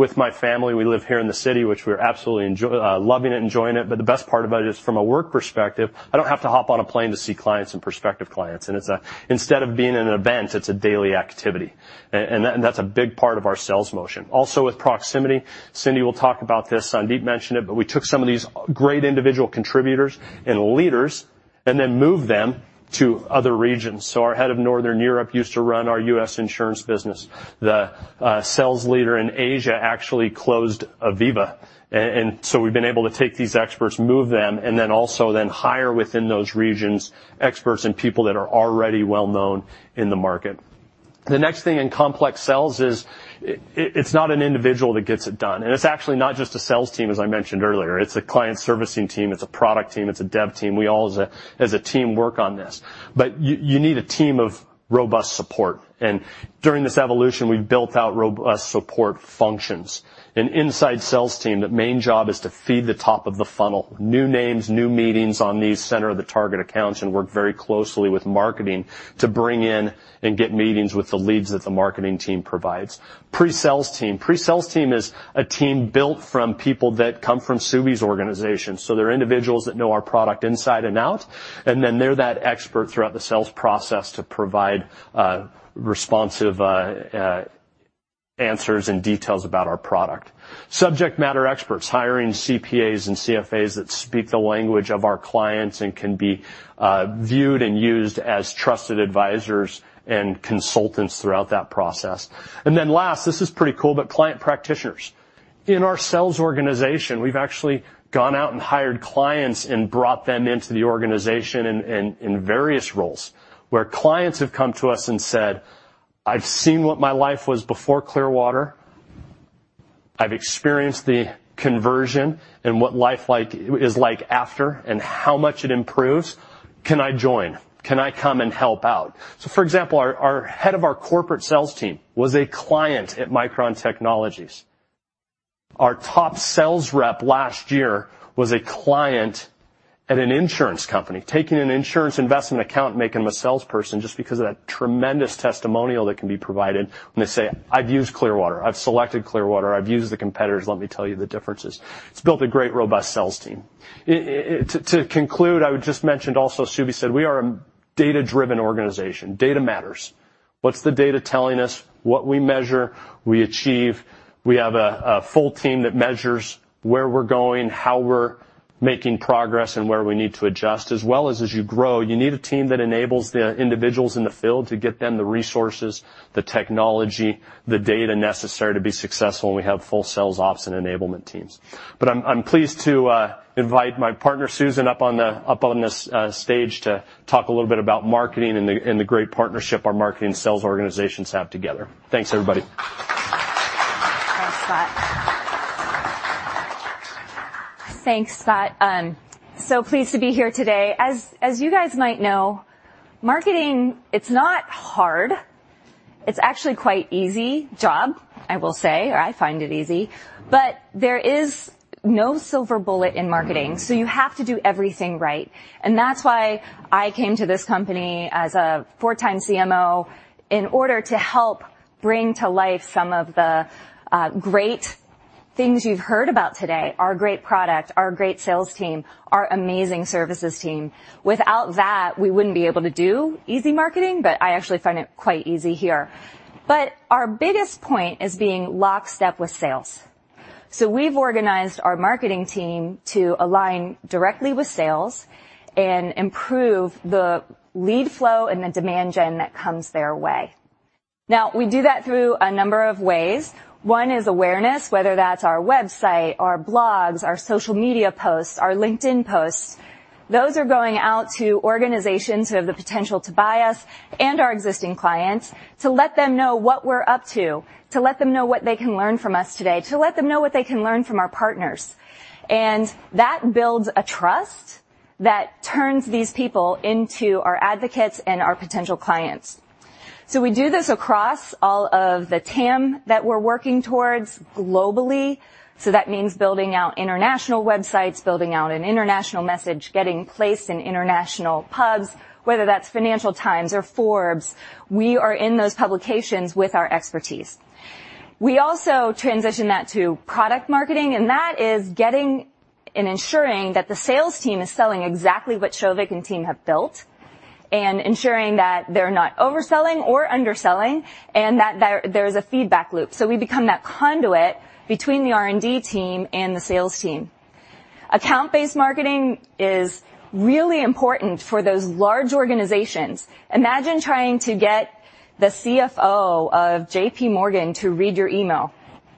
with my family. We live here in the city, which we're absolutely loving and enjoying it. But the best part about it is, from a work perspective, I don't have to hop on a plane to see clients and prospective clients, and it's instead of being an event, it's a daily activity. And that's a big part of our sales motion. Also with proximity, Cindy will talk about this, Sandeep mentioned it, but we took some of these great individual contributors and leaders and then moved them to other regions. So our head of Northern Europe used to run our U.S. insurance business. The sales leader in Asia actually closed Aviva. So we've been able to take these experts, move them, and then also hire within those regions, experts and people that are already well-known in the market. The next thing in complex sales is it's not an individual that gets it done, and it's actually not just a sales team, as I mentioned earlier. It's a client servicing team, it's a product team, it's a dev team. We all as a team work on this. But you need a team of robust support, and during this evolution, we've built out robust support functions. An inside sales team, the main job is to feed the top of the funnel, new names, new meetings on these center of the target accounts, and work very closely with marketing to bring in and get meetings with the leads that the marketing team provides. Pre-sales team. Pre-sales team is a team built from people that come from Subi's organization. So they're individuals that know our product inside and out, and then they're that expert throughout the sales process to provide responsive answers and details about our product. Subject matter experts, hiring CPAs and CFAs that speak the language of our clients and can be viewed and used as trusted advisors and consultants throughout that process. And then last, this is pretty cool, but client practitioners. In our sales organization, we've actually gone out and hired clients and brought them into the organization in various roles, where clients have come to us and said, "I've seen what my life was before Clearwater. I've experienced the conversion and what life is like after and how much it improves. Can I join? Can I come and help out?" So for example, our head of our corporate sales team was a client at Micron Technology. Our top sales rep last year was a client at an insurance company, taking an insurance investment account, making them a salesperson just because of that tremendous testimonial that can be provided when they say, "I've used Clearwater, I've selected Clearwater, I've used the competitors. Let me tell you the differences." It's built a great, robust sales team. To conclude, I would just mention also, Subi said we are a data-driven organization. Data matters. What's the data telling us? What we measure, we achieve. We have a full team that measures where we're going, how we're making progress, and where we need to adjust, as well as you grow, you need a team that enables the individuals in the field to get them the resources, the technology, the data necessary to be successful, and we have full sales ops and enablement teams. But I'm pleased to invite my partner, Susan, up on this stage to talk a little bit about marketing and the great partnership our marketing sales organizations have together. Thanks, everybody. Thanks, Scott. Thanks, Scott. So pleased to be here today. As, as you guys might know, marketing, it's not hard. It's actually quite easy job, I will say, or I find it easy, but there is no silver bullet in marketing, so you have to do everything right. And that's why I came to this company as a four-time CMO in order to help bring to life some of the great things you've heard about today, our great product, our great sales team, our amazing services team. Without that, we wouldn't be able to do easy marketing, but I actually find it quite easy here. But our biggest point is being lockstep with sales. So we've organized our marketing team to align directly with sales and improve the lead flow and the demand gen that comes their way. Now, we do that through a number of ways. One is awareness, whether that's our website, our blogs, our social media posts, our LinkedIn posts. Those are going out to organizations who have the potential to buy us and our existing clients, to let them know what we're up to, to let them know what they can learn from us today, to let them know what they can learn from our partners. That builds a trust that turns these people into our advocates and our potential clients. We do this across all of the TAM that we're working towards globally. That means building out international websites, building out an international message, getting placed in international pubs, whether that's Financial Times or Forbes. We are in those publications with our expertise. We also transition that to product marketing, and that is getting and ensuring that the sales team is selling exactly what Souvik and team have built, and ensuring that they're not overselling or underselling, and that there, there's a feedback loop. So we become that conduit between the R&D team and the sales team. Account-based marketing is really important for those large organizations. Imagine trying to get the CFO of JP Morgan to read your email.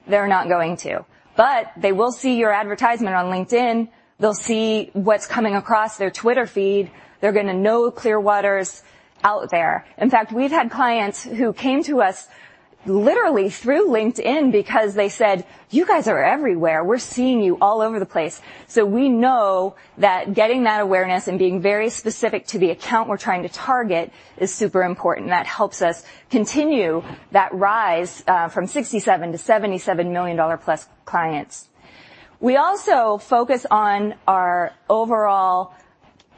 They're not going to, but they will see your advertisement on LinkedIn. They'll see what's coming across their Twitter feed. They're gonna know Clearwater's out there. In fact, we've had clients who came to us literally through LinkedIn because they said, "You guys are everywhere. We're seeing you all over the place." So we know that getting that awareness and being very specific to the account we're trying to target is super important, and that helps us continue that rise from 67-77 million-dollar-plus clients. We also focus on our overall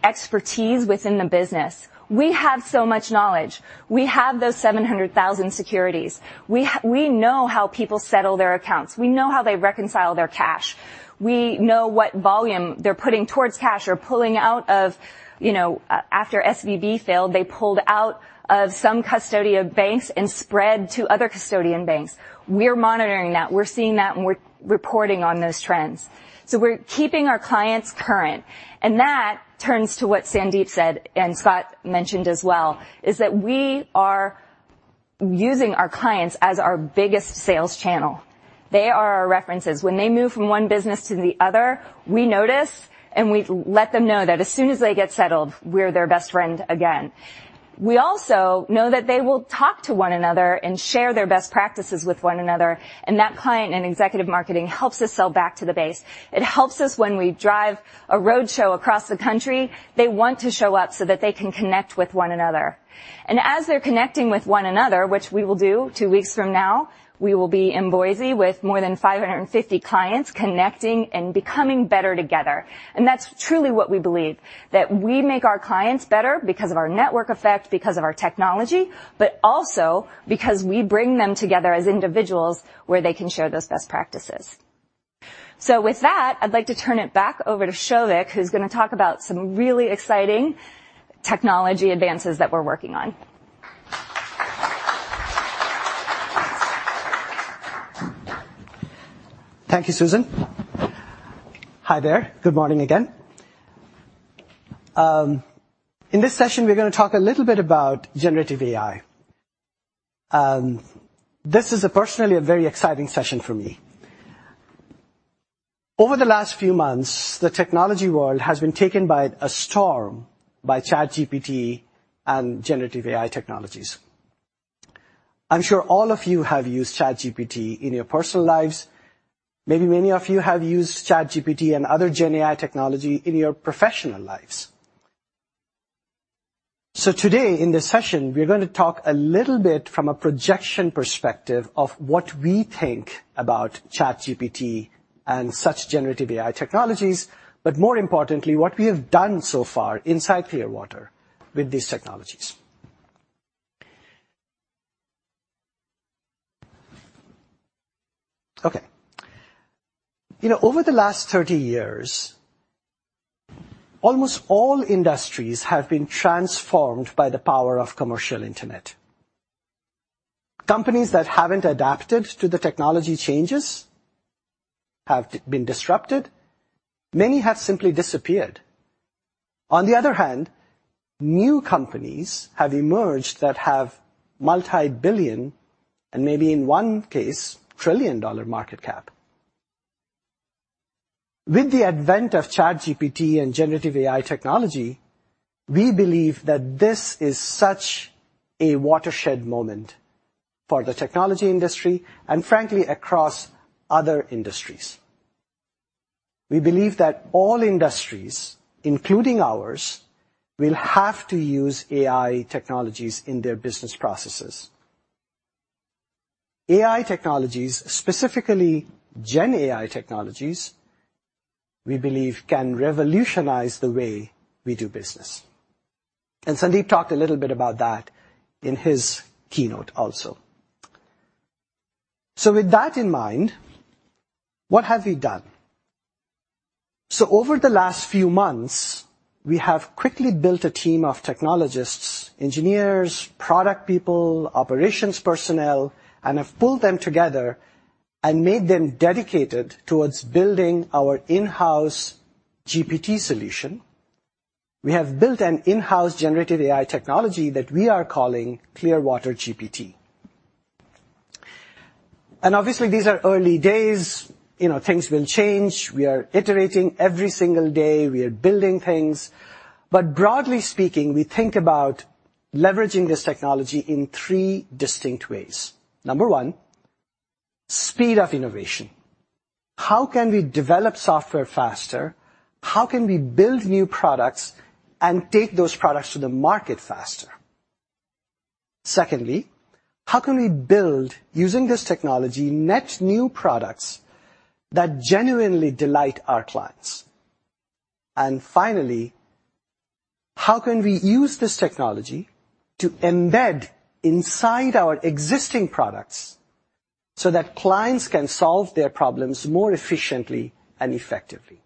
expertise within the business. We have so much knowledge. We have those 700,000 securities. We know how people settle their accounts. We know how they reconcile their cash. We know what volume they're putting towards cash or pulling out of... You know, after SVB failed, they pulled out of some custodian banks and spread to other custodian banks. We're monitoring that. We're seeing that, and we're reporting on those trends. So we're keeping our clients current, and that turns to what Sandeep said, and Scott mentioned as well, is that we are using our clients as our biggest sales channel. They are our references. When they move from one business to the other, we notice, and we let them know that as soon as they get settled, we're their best friend again. We also know that they will talk to one another and share their best practices with one another, and that client and executive marketing helps us sell back to the base. It helps us when we drive a roadshow across the country. They want to show up so that they can connect with one another. And as they're connecting with one another, which we will do two weeks from now, we will be in Boise with more than 550 clients connecting and becoming better together. That's truly what we believe, that we make our clients better because of our network effect, because of our technology, but also because we bring them together as individuals where they can share those best practices. With that, I'd like to turn it back over to Souvik, who's gonna talk about some really exciting technology advances that we're working on. Thank you, Susan. Hi there. Good morning again. In this session, we're gonna talk a little bit about generative AI. This is personally a very exciting session for me. Over the last few months, the technology world has been taken by a storm by ChatGPT and generative AI technologies. I'm sure all of you have used ChatGPT in your personal lives. Maybe many of you have used ChatGPT and other GenAI technology in your professional lives. So today, in this session, we're gonna talk a little bit from a projection perspective of what we think about ChatGPT and such generative AI technologies, but more importantly, what we have done so far inside Clearwater with these technologies. Okay. You know, over the last 30 years, almost all industries have been transformed by the power of commercial internet. Companies that haven't adapted to the technology changes have been disrupted. Many have simply disappeared. On the other hand, new companies have emerged that have multi-billion-dollar, and maybe in one case, $1 trillion market cap. With the advent of ChatGPT and generative AI technology, we believe that this is such a watershed moment for the technology industry and frankly, across other industries. We believe that all industries, including ours, will have to use AI technologies in their business processes. AI technologies, specifically GenAI technologies, we believe, can revolutionize the way we do business, and Sandeep talked a little bit about that in his keynote also. So with that in mind, what have we done? Over the last few months, we have quickly built a team of technologists, engineers, product people, operations personnel, and have pulled them together and made them dedicated towards building our in-house GPT solution. We have built an in-house generative AI technology that we are calling Clearwater GPT. Obviously, these are early days, you know, things will change. We are iterating every single day. We are building things. Broadly speaking, we think about leveraging this technology in three distinct ways. Number one, speed of innovation. How can we develop software faster? How can we build new products and take those products to the market faster? Secondly, how can we build, using this technology, net new products that genuinely delight our clients? And finally, how can we use this technology to embed inside our existing products so that clients can solve their problems more efficiently and effectively?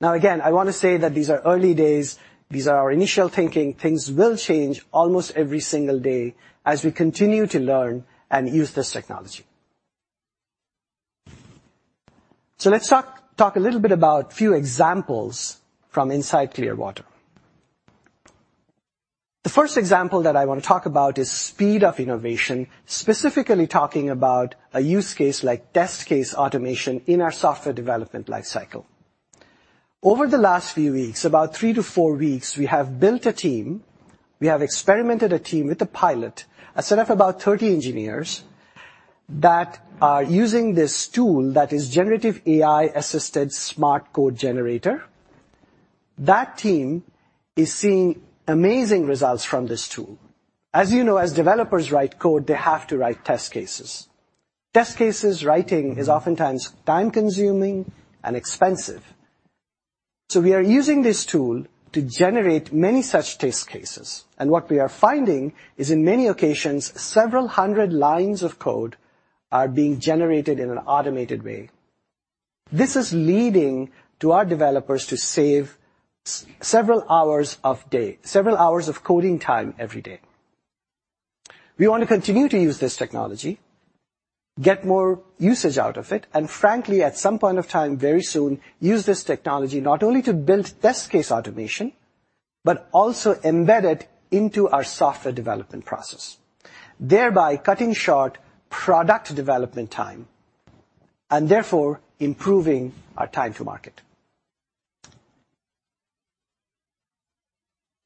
Now, again, I want to say that these are early days. These are our initial thinking. Things will change almost every single day as we continue to learn and use this technology. So let's talk, talk a little bit about a few examples from inside Clearwater. The first example that I want to talk about is speed of innovation, specifically talking about a use case like test case automation in our software development life cycle. Over the last few weeks, about three to four weeks, we have built a team. We have experimented a team with a pilot, a set of about 30 engineers, that are using this tool that is generative AI-assisted smart code generator. That team is seeing amazing results from this tool. As you know, as developers write code, they have to write test cases. Test cases writing is oftentimes time-consuming and expensive. So we are using this tool to generate many such test cases, and what we are finding is, in many occasions, several hundred lines of code are being generated in an automated way. This is leading to our developers to save several hours of coding time every day. We want to continue to use this technology, get more usage out of it, and frankly, at some point of time, very soon, use this technology not only to build test case automation, but also embed it into our software development process, thereby cutting short product development time and therefore improving our time to market.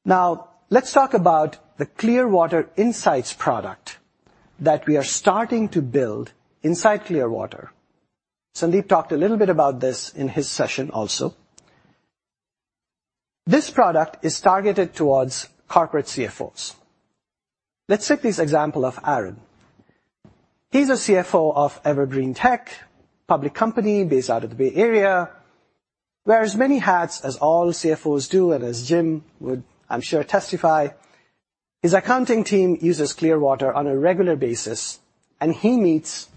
Now, let's talk about the Clearwater Insights product that we are starting to build inside Clearwater. Sandeep talked a little bit about this in his session also. This product is targeted towards corporate CFOs. Let's set this example of Aaron. He's a CFO of Evergreen Tech, public company based out of the Bay Area, wears many hats as all CFOs do, and as Jim would, I'm sure, testify. His accounting team uses Clearwater on a regular basis, and he meets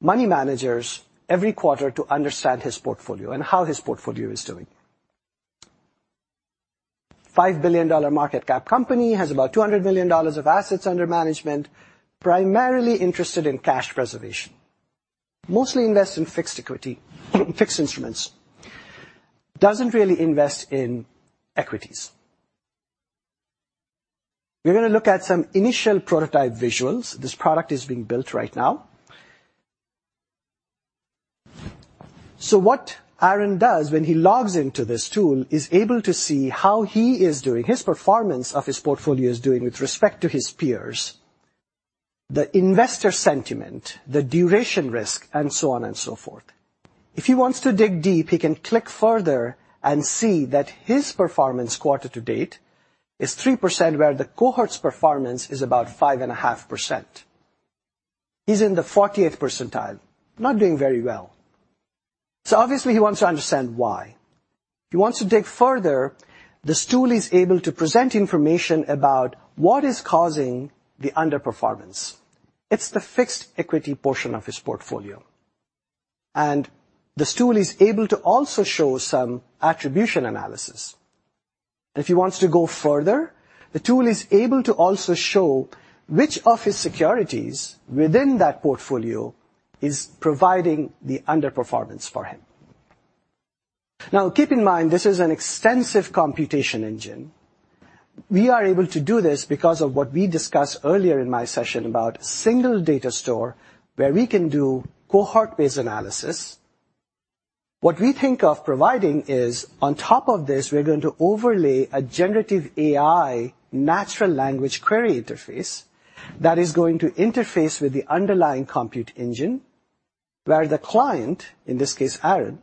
money managers every quarter to understand his portfolio and how his portfolio is doing. $5 billion market cap company, has about $200 million of assets under management, primarily interested in cash preservation. Mostly invest in fixed equity, fixed instruments. Doesn't really invest in equities. We're gonna look at some initial prototype visuals. This product is being built right now. So what Aaron does when he logs into this tool, is able to see how he is doing, his performance of his portfolio is doing with respect to his peers, the investor sentiment, the duration risk, and so on and so forth. If he wants to dig deep, he can click further and see that his performance quarter to date is 3%, where the cohort's performance is about 5.5%. He's in the 40th percentile, not doing very well. Obviously, he wants to understand why. He wants to dig further. This tool is able to present information about what is causing the underperformance. It's the fixed equity portion of his portfolio, and this tool is able to also show some attribution analysis. If he wants to go further, the tool is able to also show which of his securities within that portfolio is providing the underperformance for him. Now, keep in mind, this is an extensive computation engine. We are able to do this because of what we discussed earlier in my session about single data store, where we can do cohort-based analysis. What we think of providing is, on top of this, we're going to overlay a generative AI natural language query interface that is going to interface with the underlying compute engine, where the client, in this case, Aaron,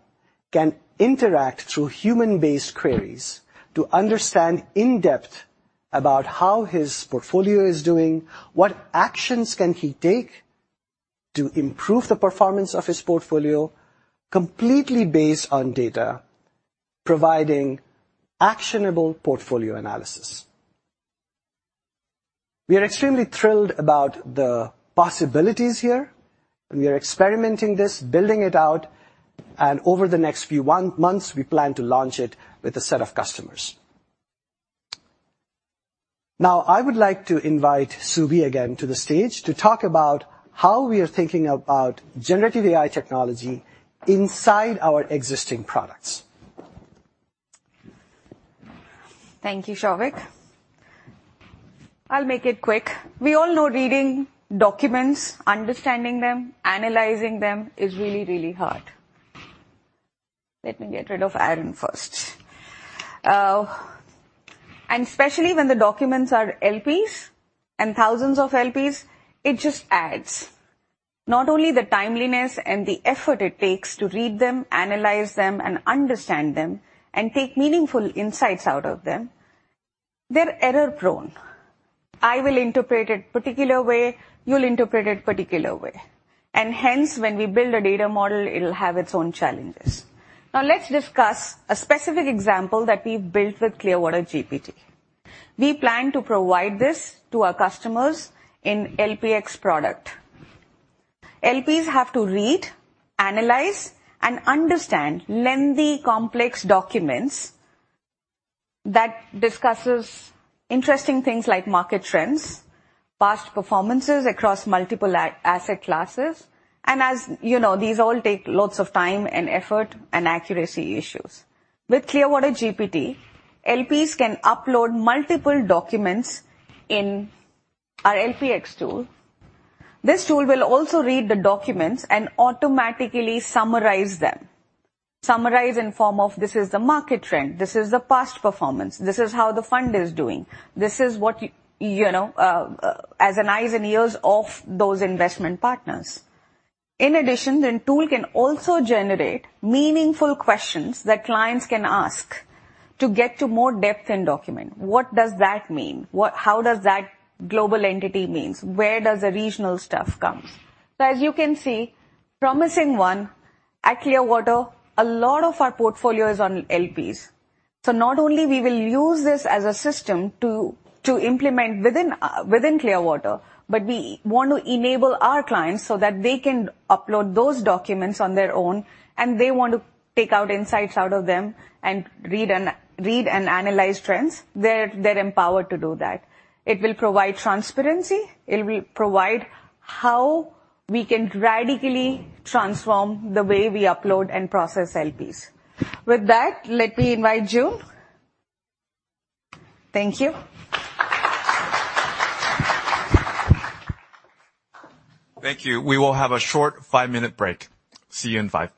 can interact through human-based queries to understand in-depth about how his portfolio is doing, what actions can he take to improve the performance of his portfolio, completely based on data, providing actionable portfolio analysis. We are extremely thrilled about the possibilities here, and we are experimenting this, building it out, and over the next few months, we plan to launch it with a set of customers. Now, I would like to invite Subi again to the stage to talk about how we are thinking about generative AI technology inside our existing products. Thank you, Souvik. I'll make it quick. We all know reading documents, understanding them, analyzing them, is really, really hard. Let me get rid of Aaron first. And especially when the documents are LPs and thousands of LPs, it just adds. Not only the timeliness and the effort it takes to read them, analyze them, and understand them, and take meaningful insights out of them, they're error-prone. I will interpret it particular way. You'll interpret it particular way, and hence, when we build a data model, it'll have its own challenges. Now, let's discuss a specific example that we've built with Clearwater GPT. We plan to provide this to our customers in LPx product. LPs have to read, analyze, and understand lengthy, complex documents that discusses interesting things like market trends, past performances across multiple asset classes, and as you know, these all take lots of time and effort and accuracy issues. With Clearwater GPT, LPs can upload multiple documents in our LPx tool. This tool will also read the documents and automatically summarize them. Summarize in form of, this is the market trend, this is the past performance, this is how the fund is doing. This is what, you know, as an eyes and ears of those investment partners. In addition, the tool can also generate meaningful questions that clients can ask to get to more depth in document. What does that mean? What? How does that global entity means? Where does the regional stuff come? So as you can see, promising one, at Clearwater, a lot of our portfolio is on LPs. So not only will we use this as a system to implement within Clearwater, but we want to enable our clients so that they can upload those documents on their own, and they want to take insights out of them and read and analyze trends. They're empowered to do that. It will provide transparency. It will provide how we can radically transform the way we upload and process LPs. With that, let me invite Joon. Thank you. Thank you. We will have a short five-minute break. See you in five.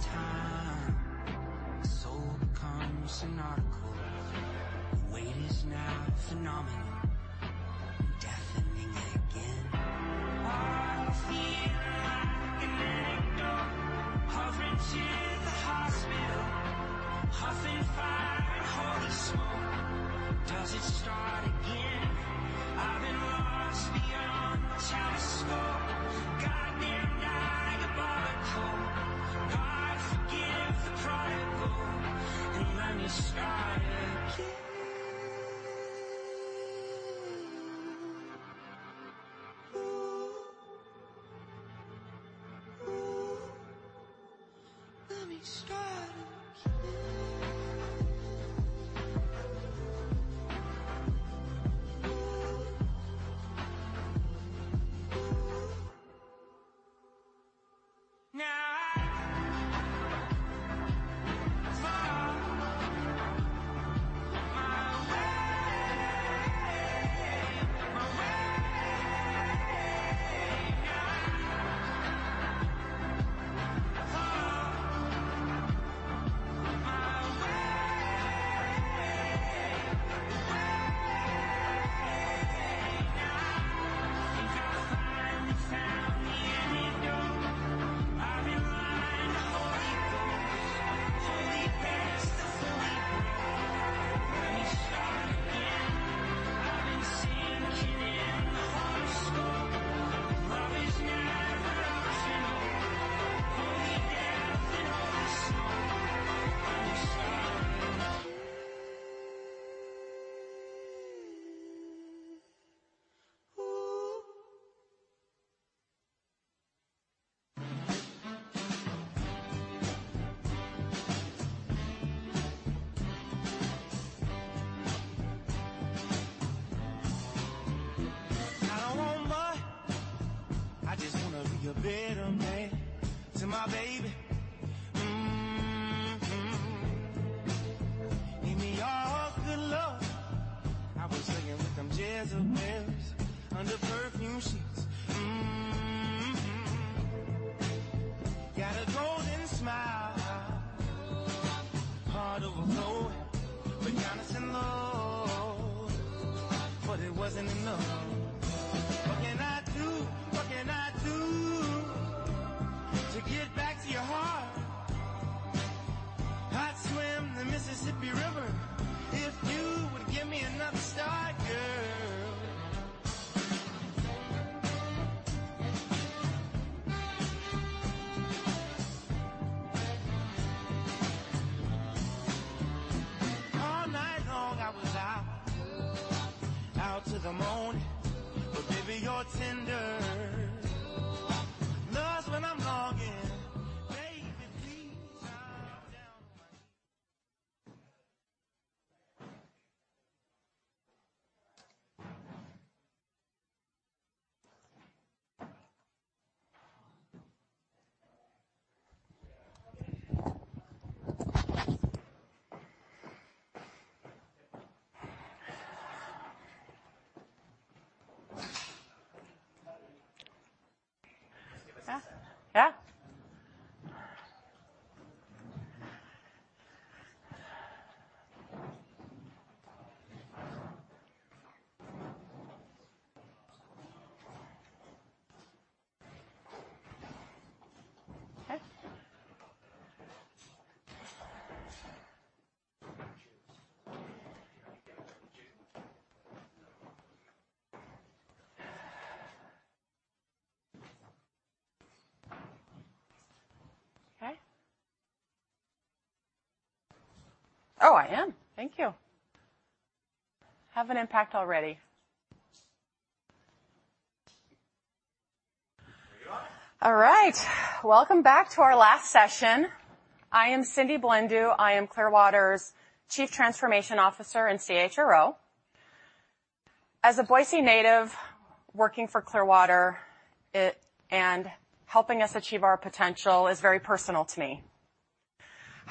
I think I'm losing my mind. Fear became the fentanyl. Hungry like the animal I've been sleeping in. I see you losing your life. Cut you into decimal, drowning out the decibels, screaming in your head. Do you want to find the antidote? Driving with the Holy Ghost. Holy death, the Holy Ghost. And does it start again? I've been drinking from a periscope, trying to watch my obstacles. See how fully I've been broke. Let me start again. Oh, oh, let me start again. Oh, oh. I think I'm losing the light. The altar is inaudible, dense, and pathological, capillary thread. When you run out of time, the soul becomes an article. The weight is now phenomenal, deafening again. I feel like an anecdote, hovering to the hospital, huffing fire and holy smoke. Does it start again? I've been lost beyond the telescope. Goddamn diabolical. God forgive the prodigal, and let me start again.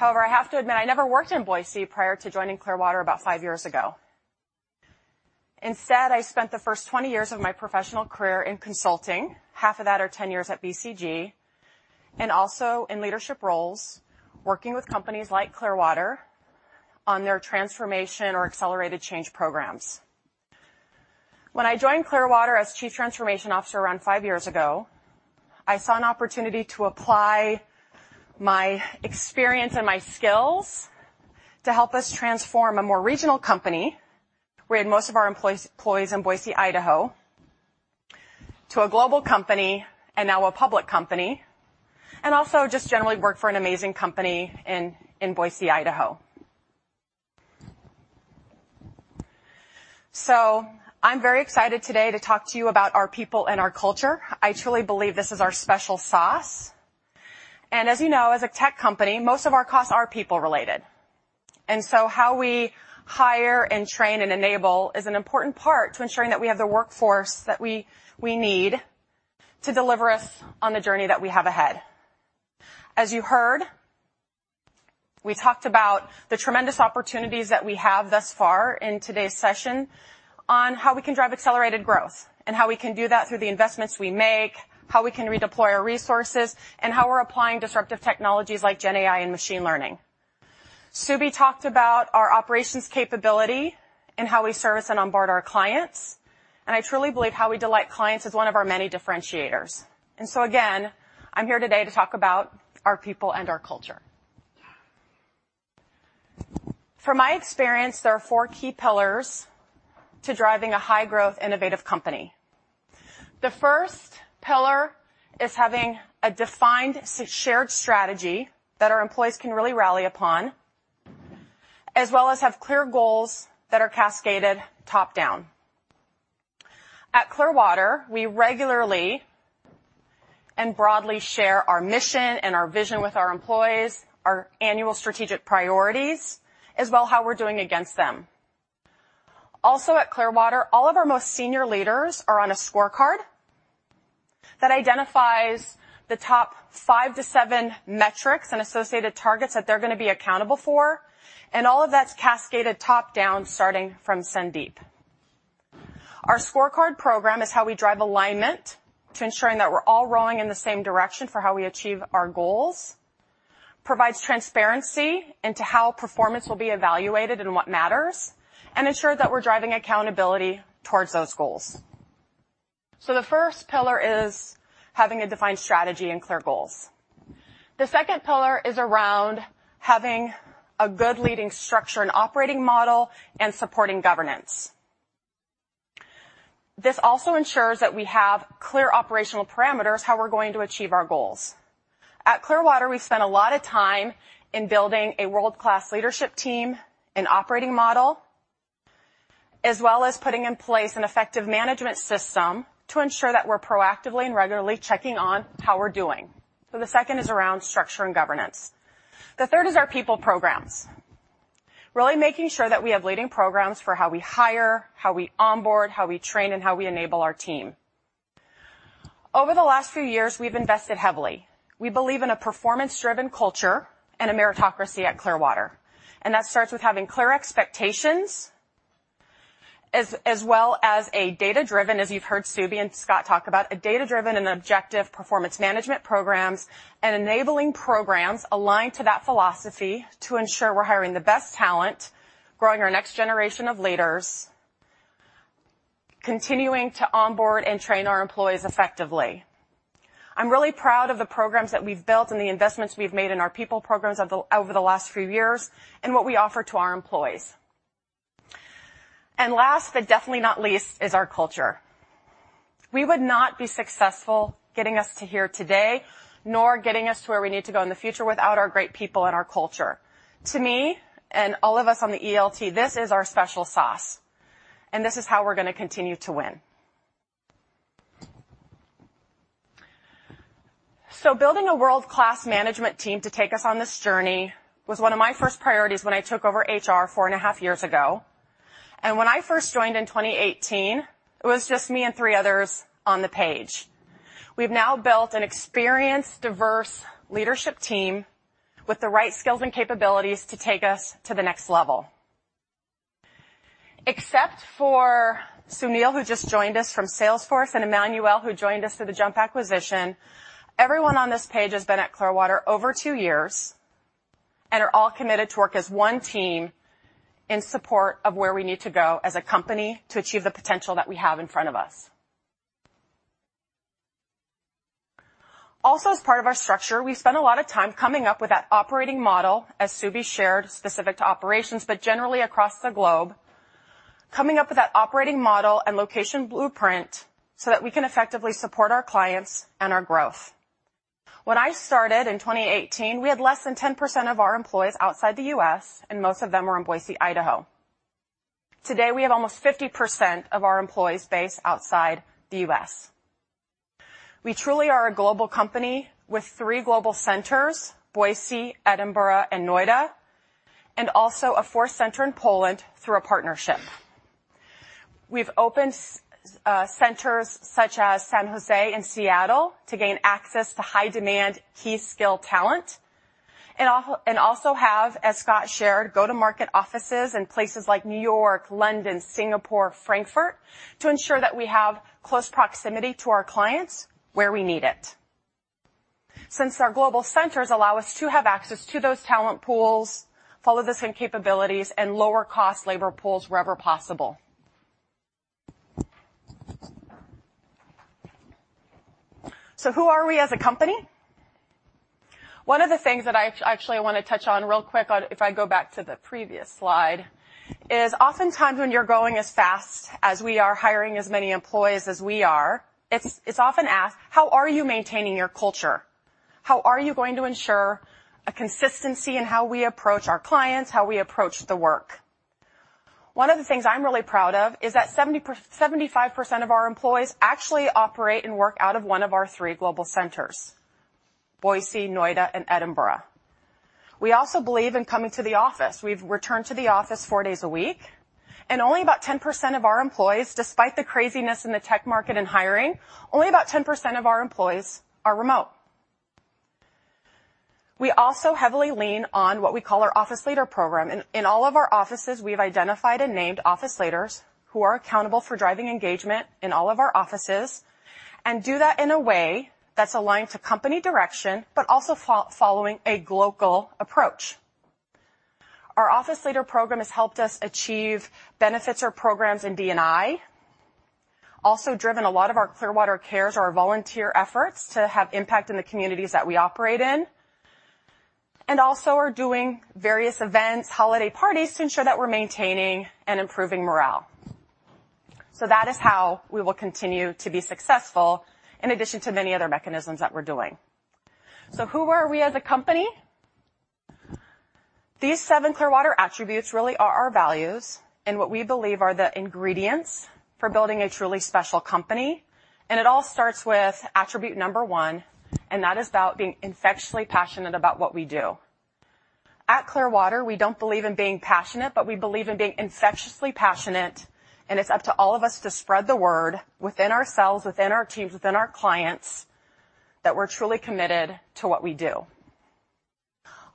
However, I have to admit, I never worked in Boise prior to joining Clearwater about 5 years ago. Instead, I spent the first 20 years of my professional career in consulting, half of that or 10 years at BCG, and also in leadership roles, working with companies like Clearwater on their transformation or accelerated change programs. When I joined Clearwater as Chief Transformation Officer around five years ago, I saw an opportunity to apply my experience and my skills to help us transform a more regional company, where most of our employees, employees in Boise, Idaho, to a global company and now a public company, and also just generally work for an amazing company in, in Boise, Idaho. So I'm very excited today to talk to you about our people and our culture. I truly believe this is our special sauce. As you know, as a tech company, most of our costs are people-related. And so how we hire and train and enable is an important part to ensuring that we have the workforce that we, we need to deliver us on the journey that we have ahead. As you heard, we talked about the tremendous opportunities that we have thus far in today's session on how we can drive accelerated growth and how we can do that through the investments we make, how we can redeploy our resources, and how we're applying disruptive technologies like GenAI and machine learning. Subi talked about our operations capability and how we service and onboard our clients, and I truly believe how we delight clients is one of our many differentiators. So again, I'm here today to talk about our people and our culture. From my experience, there are four key pillars to driving a high-growth, innovative company. The first pillar is having a defined shared strategy that our employees can really rally upon, as well as have clear goals that are cascaded top-down. At Clearwater, we regularly and broadly share our mission and our vision with our employees, our annual strategic priorities, as well as how we're doing against them. Also, at Clearwater, all of our most senior leaders are on a scorecard that identifies the top 5-7 metrics and associated targets that they're gonna be accountable for, and all of that's cascaded top-down, starting from Sandeep. Our scorecard program is how we drive alignment to ensuring that we're all rowing in the same direction for how we achieve our goals, provides transparency into how performance will be evaluated and what matters, and ensure that we're driving accountability towards those goals. So the first pillar is having a defined strategy and clear goals. The second pillar is around having a good leading structure and operating model and supporting governance. This also ensures that we have clear operational parameters, how we're going to achieve our goals. At Clearwater, we spent a lot of time in building a world-class leadership team and operating model, as well as putting in place an effective management system to ensure that we're proactively and regularly checking on how we're doing. So the second is around structure and governance. The third is our people programs. Really making sure that we have leading programs for how we hire, how we onboard, how we train, and how we enable our team. Over the last few years, we've invested heavily. We believe in a performance-driven culture and a meritocracy at Clearwater, and that starts with having clear expectations as, as well as a data-driven, as you've heard Subi and Scott talk about, a data-driven and objective performance management programs and enabling programs aligned to that philosophy to ensure we're hiring the best talent, growing our next generation of leaders, continuing to onboard and train our employees effectively. I'm really proud of the programs that we've built and the investments we've made in our people programs over the last few years and what we offer to our employees. And last, but definitely not least, is our culture. We would not be successful getting us to here today, nor getting us to where we need to go in the future without our great people and our culture. To me and all of us on the ELT, this is our special sauce, and this is how we're gonna continue to win. So building a world-class management team to take us on this journey was one of my first priorities when I took over HR four and a half years ago, and when I first joined in 2018, it was just me and three others on the page. We've now built an experienced, diverse leadership team with the right skills and capabilities to take us to the next level. Except for Sunil, who just joined us from Salesforce, and Emmanuel, who joined us for the JUMP acquisition, everyone on this page has been at Clearwater over two years and are all committed to work as one team in support of where we need to go as a company to achieve the potential that we have in front of us. Also, as part of our structure, we spent a lot of time coming up with that operating model, as Subi shared, specific to operations, but generally across the globe, coming up with that operating model and location blueprint so that we can effectively support our clients and our growth. When I started in 2018, we had less than 10% of our employees outside the U.S., and most of them were in Boise, Idaho.... Today, we have almost 50% of our employees based outside the U.S. We truly are a global company with three global centers: Boise, Edinburgh, and Noida, and also a fourth center in Poland through a partnership. We've opened centers such as San Jose and Seattle to gain access to high-demand, key-skill talent, and also have, as Scott shared, go-to-market offices in places like New York, London, Singapore, Frankfurt, to ensure that we have close proximity to our clients where we need it. Since our global centers allow us to have access to those talent pools, follow the same capabilities, and lower-cost labor pools wherever possible. So who are we as a company? One of the things that I actually wanna touch on real quick on, if I go back to the previous slide, is oftentimes when you're growing as fast as we are, hiring as many employees as we are, it's, it's often asked: How are you maintaining your culture? How are you going to ensure a consistency in how we approach our clients, how we approach the work? One of the things I'm really proud of is that 75% of our employees actually operate and work out of one of our three global centers, Boise, Noida, and Edinburgh. We also believe in coming to the office. We've returned to the office four days a week, and only about 10% of our employees, despite the craziness in the tech market and hiring, only about 10% of our employees are remote. We also heavily lean on what we call our office leader program. In all of our offices, we've identified and named office leaders who are accountable for driving engagement in all of our offices and do that in a way that's aligned to company direction, but also following a global approach. Our office leader program has helped us achieve benefits or programs in D&I, also driven a lot of our Clearwater Cares or our volunteer efforts to have impact in the communities that we operate in, and also are doing various events, holiday parties, to ensure that we're maintaining and improving morale. So that is how we will continue to be successful, in addition to many other mechanisms that we're doing. So who are we as a company? These seven Clearwater attributes really are our values and what we believe are the ingredients for building a truly special company, and it all starts with attribute number one, and that is about being infectiously passionate about what we do. At Clearwater, we don't believe in being passionate, but we believe in being infectiously passionate, and it's up to all of us to spread the word within ourselves, within our teams, within our clients, that we're truly committed to what we do.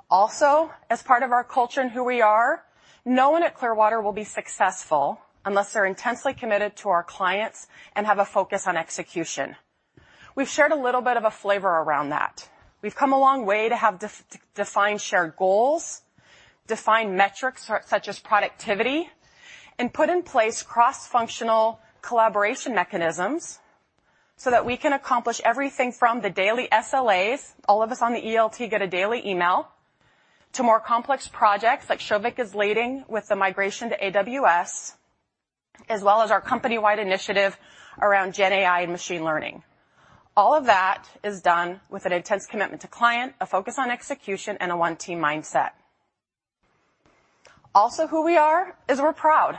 Also, as part of our culture and who we are, no one at Clearwater will be successful unless they're intensely committed to our clients and have a focus on execution. We've shared a little bit of a flavor around that. We've come a long way to have to define shared goals, define metrics such as productivity, and put in place cross-functional collaboration mechanisms so that we can accomplish everything from the daily SLAs, all of us on the ELT get a daily email, to more complex projects like Souvik is leading with the migration to AWS, as well as our company-wide initiative around GenAI and machine learning. All of that is done with an intense commitment to client, a focus on execution, and a one-team mindset. Also, who we are is we're proud.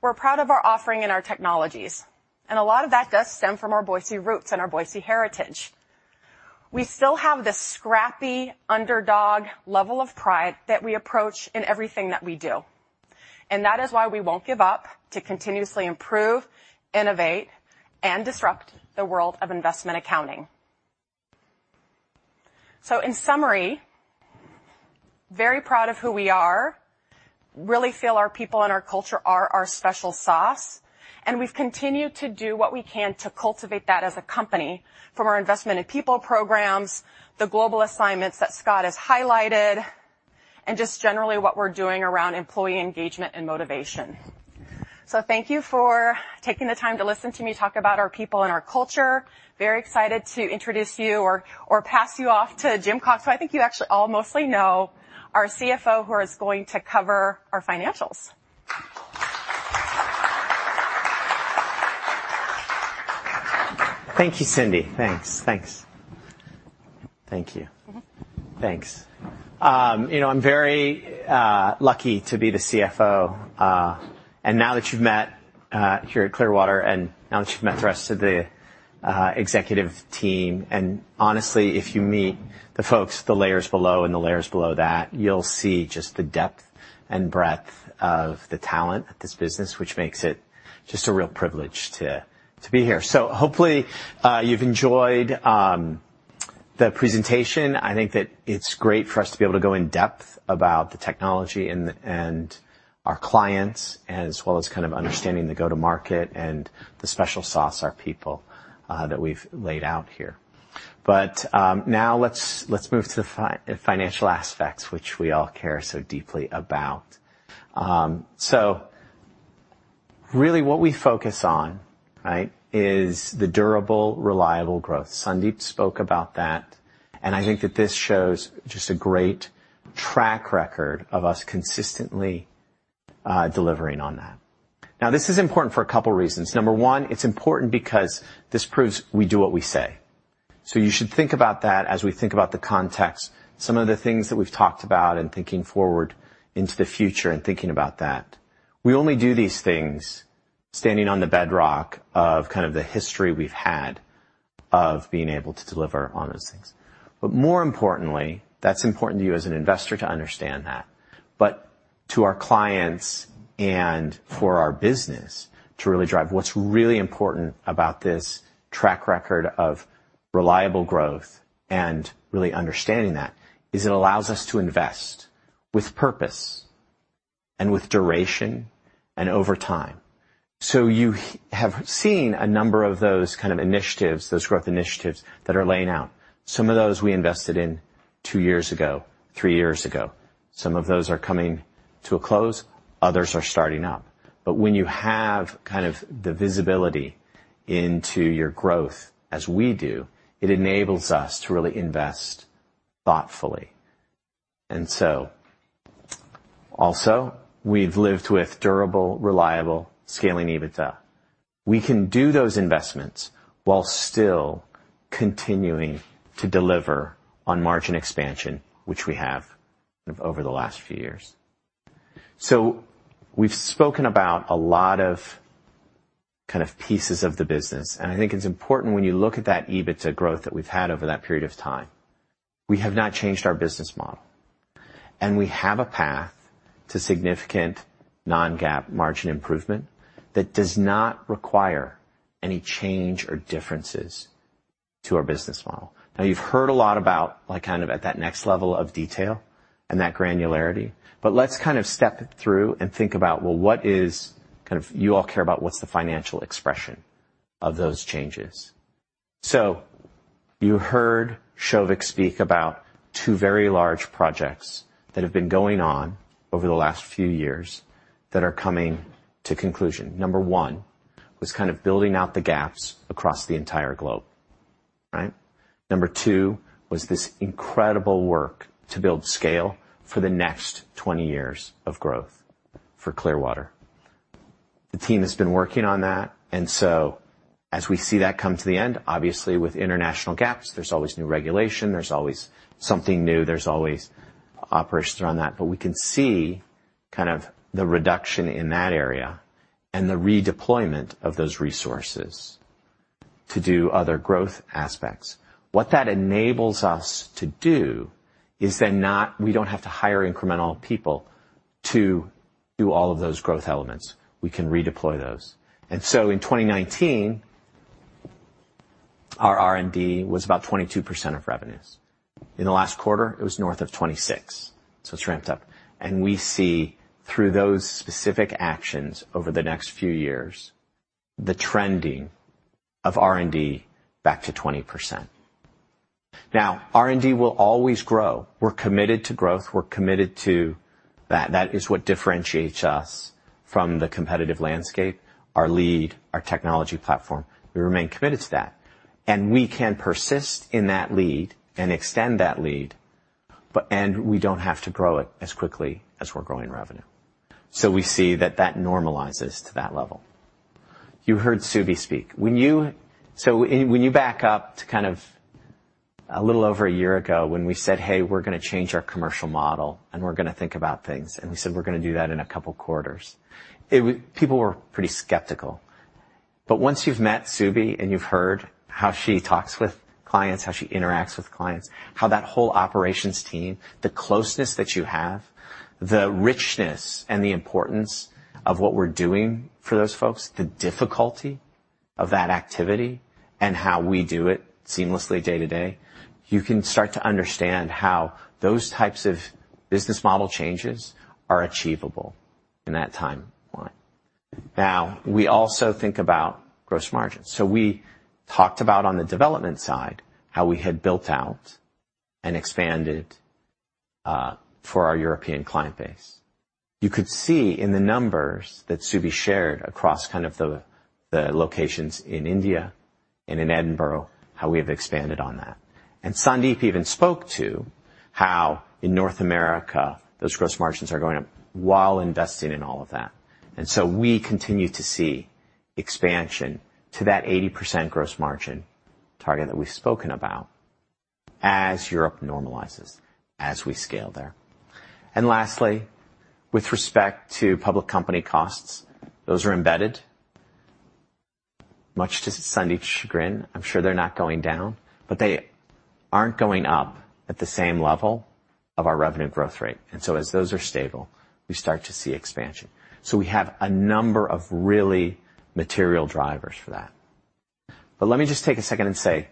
We're proud of our offering and our technologies, and a lot of that does stem from our Boise roots and our Boise heritage. We still have this scrappy, underdog level of pride that we approach in everything that we do, and that is why we won't give up to continuously improve, innovate, and disrupt the world of investment accounting. So in summary, very proud of who we are. Really feel our people and our culture are our special sauce, and we've continued to do what we can to cultivate that as a company from our investment in people programs, the global assignments that Scott has highlighted, and just generally what we're doing around employee engagement and motivation. So thank you for taking the time to listen to me talk about our people and our culture. Very excited to introduce you or, or pass you off to Jim Cox. So I think you actually all mostly know our CFO, who is going to cover our financials. Thank you, Cindy. Thanks. Thanks. Thank you. Mm-hmm. Thanks. You know, I'm very lucky to be the CFO. And now that you've met here at Clearwater, and now that you've met the rest of the executive team, and honestly, if you meet the folks, the layers below and the layers below that, you'll see just the depth and breadth of the talent at this business, which makes it just a real privilege to be here. So hopefully, you've enjoyed the presentation. I think that it's great for us to be able to go in depth about the technology and our clients, as well as kind of understanding the go-to-market and the special sauce, our people, that we've laid out here. But now let's move to the financial aspects, which we all care so deeply about. So really what we focus on, right, is the durable, reliable growth. Sandeep spoke about that, and I think that this shows just a great track record of us consistently delivering on that. Now, this is important for a couple reasons. Number one, it's important because this proves we do what we say. So you should think about that as we think about the context. Some of the things that we've talked about and thinking forward into the future and thinking about that. We only do these things standing on the bedrock of kind of the history we've had of being able to deliver on those things. But more importantly, that's important to you as an investor to understand that. But to our clients and for our business to really drive, what's really important about this track record of reliable growth and really understanding that is it allows us to invest with purpose and with duration and over time. So you have seen a number of those kind of initiatives, those growth initiatives, that are laying out. Some of those we invested in two years ago, three years ago. Some of those are coming to a close, others are starting up. But when you have kind of the visibility into your growth, as we do, it enables us to really invest thoughtfully. And so also, we've lived with durable, reliable, scaling EBITDA. We can do those investments while still continuing to deliver on margin expansion, which we have over the last few years. So we've spoken about a lot of kind of pieces of the business, and I think it's important when you look at that EBITDA growth that we've had over that period of time, we have not changed our business model. And we have a path to significant non-GAAP margin improvement that does not require any change or differences to our business model. Now, you've heard a lot about, like, kind of at that next level of detail and that granularity, but let's kind of step through and think about, well, what is... Kind of you all care about what's the financial expression of those changes. So you heard Souvik speak about two very large projects that have been going on over the last few years that are coming to conclusion. Number one was kind of building out the gaps across the entire globe, right? Number two was this incredible work to build scale for the next 20 years of growth for Clearwater. The team has been working on that, and so as we see that come to the end, obviously with international gaps, there's always new regulation, there's always something new, there's always operations around that. But we can see kind of the reduction in that area and the redeployment of those resources to do other growth aspects. What that enables us to do is then not – we don't have to hire incremental people to do all of those growth elements. We can redeploy those. And so in 2019, our R&D was about 22% of revenues. In the last quarter, it was north of 26%, so it's ramped up. And we see through those specific actions over the next few years, the trending of R&D back to 20%. Now, R&D will always grow. We're committed to growth. We're committed to... That is what differentiates us from the competitive landscape, our lead, our technology platform. We remain committed to that, and we can persist in that lead and extend that lead, but and we don't have to grow it as quickly as we're growing revenue. So we see that that normalizes to that level. You heard Subi speak. So when you back up to kind of a little over a year ago when we said, "Hey, we're gonna change our commercial model, and we're gonna think about things." And we said, "We're gonna do that in a couple of quarters," it, people were pretty skeptical. But once you've met Subi and you've heard how she talks with clients, how she interacts with clients, how that whole operations team, the closeness that you have, the richness and the importance of what we're doing for those folks, the difficulty of that activity and how we do it seamlessly day to day, you can start to understand how those types of business model changes are achievable in that timeline. Now, we also think about gross margins. So we talked about on the development side, how we had built out and expanded for our European client base. You could see in the numbers that Subi shared across kind of the locations in India and in Edinburgh, how we have expanded on that. And Sandeep even spoke to how in North America, those gross margins are going up while investing in all of that. And so we continue to see expansion to that 80% gross margin target that we've spoken about as Europe normalizes, as we scale there. And lastly, with respect to public company costs, those are embedded. Much to Sandeep's chagrin, I'm sure they're not going down, but they aren't going up at the same level of our revenue growth rate. And so, as those are stable, we start to see expansion. So we have a number of really material drivers for that. But let me just take a second and say,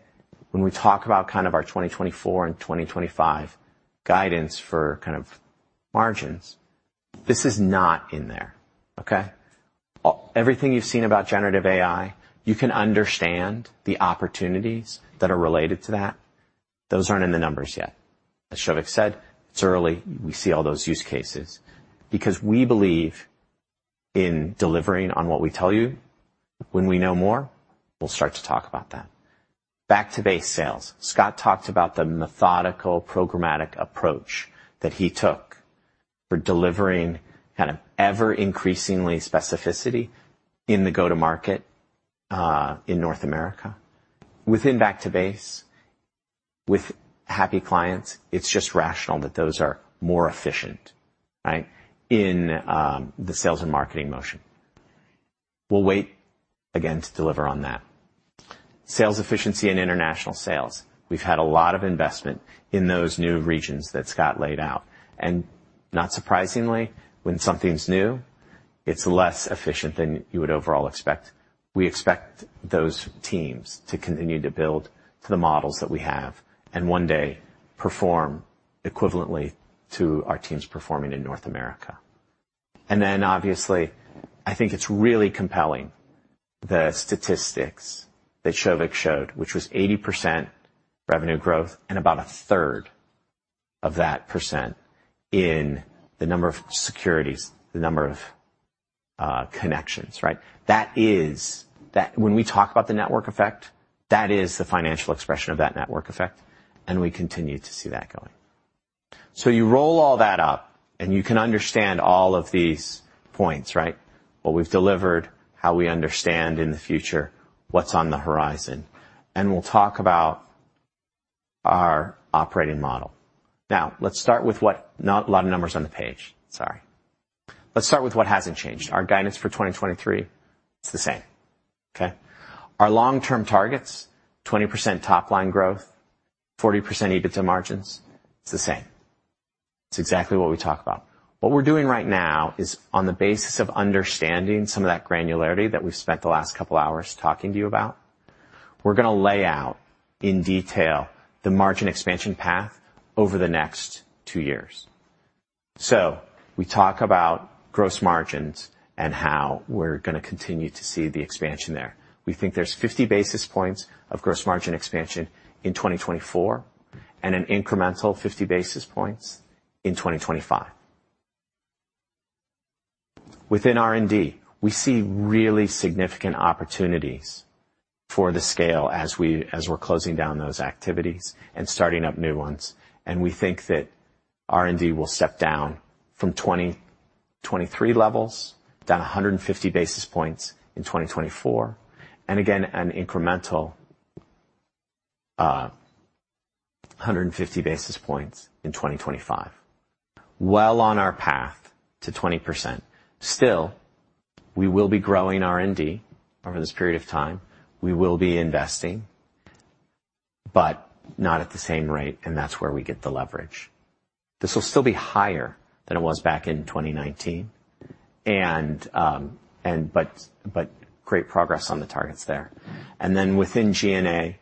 when we talk about kind of our 2024 and 2025 guidance for kind of margins, this is not in there, okay? Everything you've seen about generative AI, you can understand the opportunities that are related to that. Those aren't in the numbers yet. As Shouvik said, "It's early. We see all those use cases." Because we believe in delivering on what we tell you, when we know more, we'll start to talk about that. Back to base sales. Scott talked about the methodical, programmatic approach that he took for delivering kind of ever increasingly specificity in the go-to-market in North America. Within back to base, with happy clients, it's just rational that those are more efficient, right? In the sales and marketing motion. We'll wait again to deliver on that. Sales efficiency and international sales. We've had a lot of investment in those new regions that Scott laid out, and not surprisingly, when something's new, it's less efficient than you would overall expect. We expect those teams to continue to build to the models that we have and one day perform equivalently to our teams performing in North America. And then, obviously, I think it's really compelling, the statistics that Souvik showed, which was 80% revenue growth and about a third of that percent in the number of securities, the number of, connections, right? That is... That - when we talk about the network effect, that is the financial expression of that network effect, and we continue to see that going. So you roll all that up, and you can understand all of these points, right? What we've delivered, how we understand in the future, what's on the horizon, and we'll talk about our operating model. Now, let's start with what - not a lot of numbers on the page. Sorry. Let's start with what hasn't changed. Our guidance for 2023, it's the same, okay? Our long-term targets, 20% top-line growth, 40% EBITDA margins, it's the same. It's exactly what we talked about. What we're doing right now is on the basis of understanding some of that granularity that we've spent the last couple of hours talking to you about. We're gonna lay out, in detail, the margin expansion path over the next two years. So we talk about gross margins and how we're gonna continue to see the expansion there. We think there's 50 basis points of gross margin expansion in 2024 and an incremental 50 basis points in 2025. Within R&D, we see really significant opportunities for the scale as we, as we're closing down those activities and starting up new ones, and we think that R&D will step down from 2023 levels, down 150 basis points in 2024, and again, an incremental, one hundred and fifty basis points in 2025. Well on our path to 20%. Still, we will be growing R&D over this period of time. We will be investing, but not at the same rate, and that's where we get the leverage. This will still be higher than it was back in 2019, and but great progress on the targets there. And then within G&A,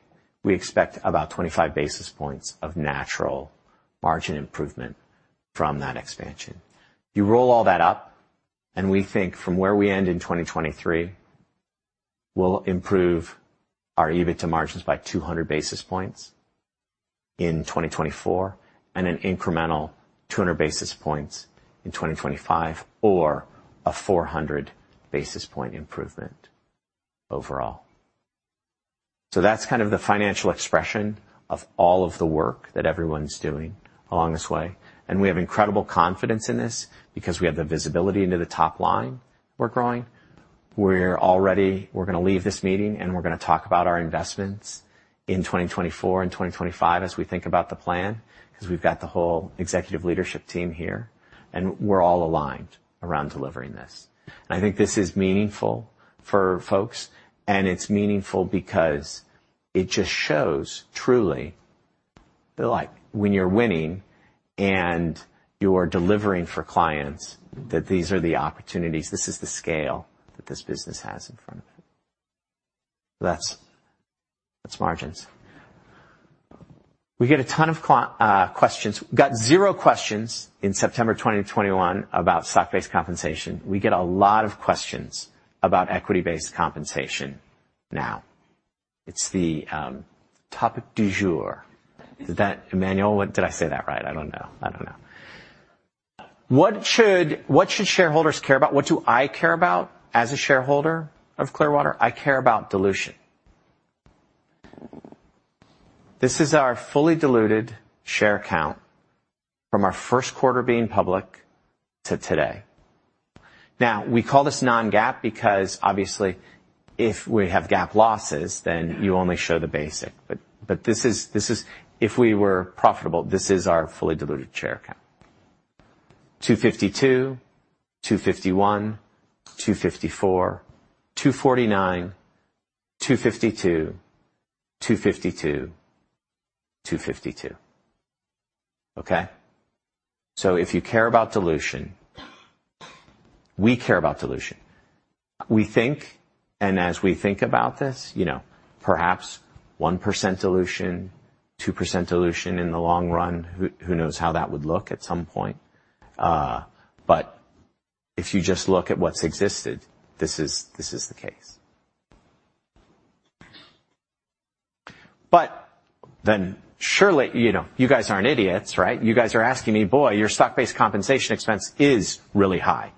we expect about 25 basis points of natural margin improvement from that expansion. You roll all that up, and we think from where we end in 2023, we'll improve our EBITDA margins by 200 basis points in 2024, and an incremental 200 basis points in 2025, or a 400 basis point improvement overall. So that's kind of the financial expression of all of the work that everyone's doing along this way, and we have incredible confidence in this because we have the visibility into the top line we're growing. We're gonna leave this meeting, and we're gonna talk about our investments in 2024 and 2025 as we think about the plan, because we've got the whole executive leadership team here, and we're all aligned around delivering this. And I think this is meaningful for folks, and it's meaningful because it just shows truly, that, like, when you're winning and you are delivering for clients, that these are the opportunities, this is the scale that this business has in front of it. That's margins. We get a ton of questions. We got zero questions in September 2021 about stock-based compensation. We get a lot of questions about equity-based compensation now. It's the topic du jour. Emmanuel, did I say that right? I don't know. I don't know. What should shareholders care about? What do I care about as a shareholder of Clearwater? I care about dilution. This is our fully diluted share count from our first quarter being public to today. Now, we call this non-GAAP because obviously if we have GAAP losses, then you only show the basic. But, but this is, this is if we were profitable, this is our fully diluted share count. 252, 251, 254, 249, 252, 252, 252. Okay? So if you care about dilution, we care about dilution. We think, and as we think about this, you know, perhaps 1% dilution, 2% dilution in the long run, who, who knows how that would look at some point? But if you just look at what's existed, this is, this is the case. But then surely, you know, you guys aren't idiots, right? You guys are asking me, "Boy, your stock-based compensation expense is really high."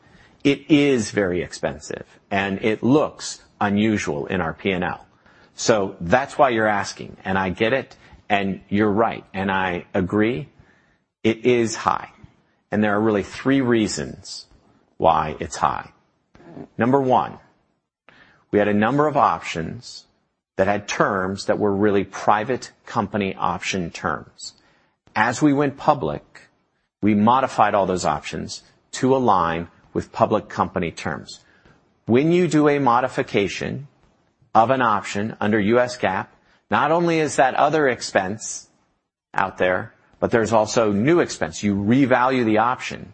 It is very expensive, and it looks unusual in our P&L. So that's why you're asking, and I get it, and you're right, and I agree. It is high, and there are really three reasons why it's high. Number one, we had a number of options that had terms that were really private company option terms. As we went public, we modified all those options to align with public company terms. When you do a modification of an option under U.S. GAAP, not only is that other expense out there, but there's also new expense. You revalue the option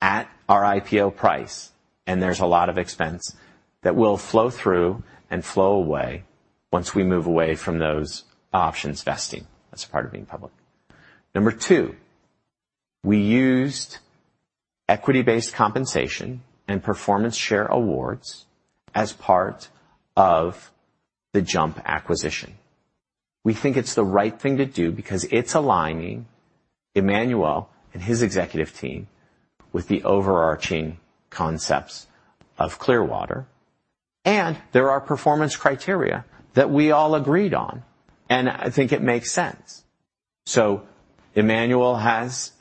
at our IPO price, and there's a lot of expense that will flow through and flow away once we move away from those options vesting. That's a part of being public. Number two, we used equity-based compensation and performance share awards as part of the JUMP acquisition. We think it's the right thing to do because it's aligning Emmanuel and his executive team with the overarching concepts of Clearwater, and there are performance criteria that we all agreed on, and I think it makes sense. So Emmanuel has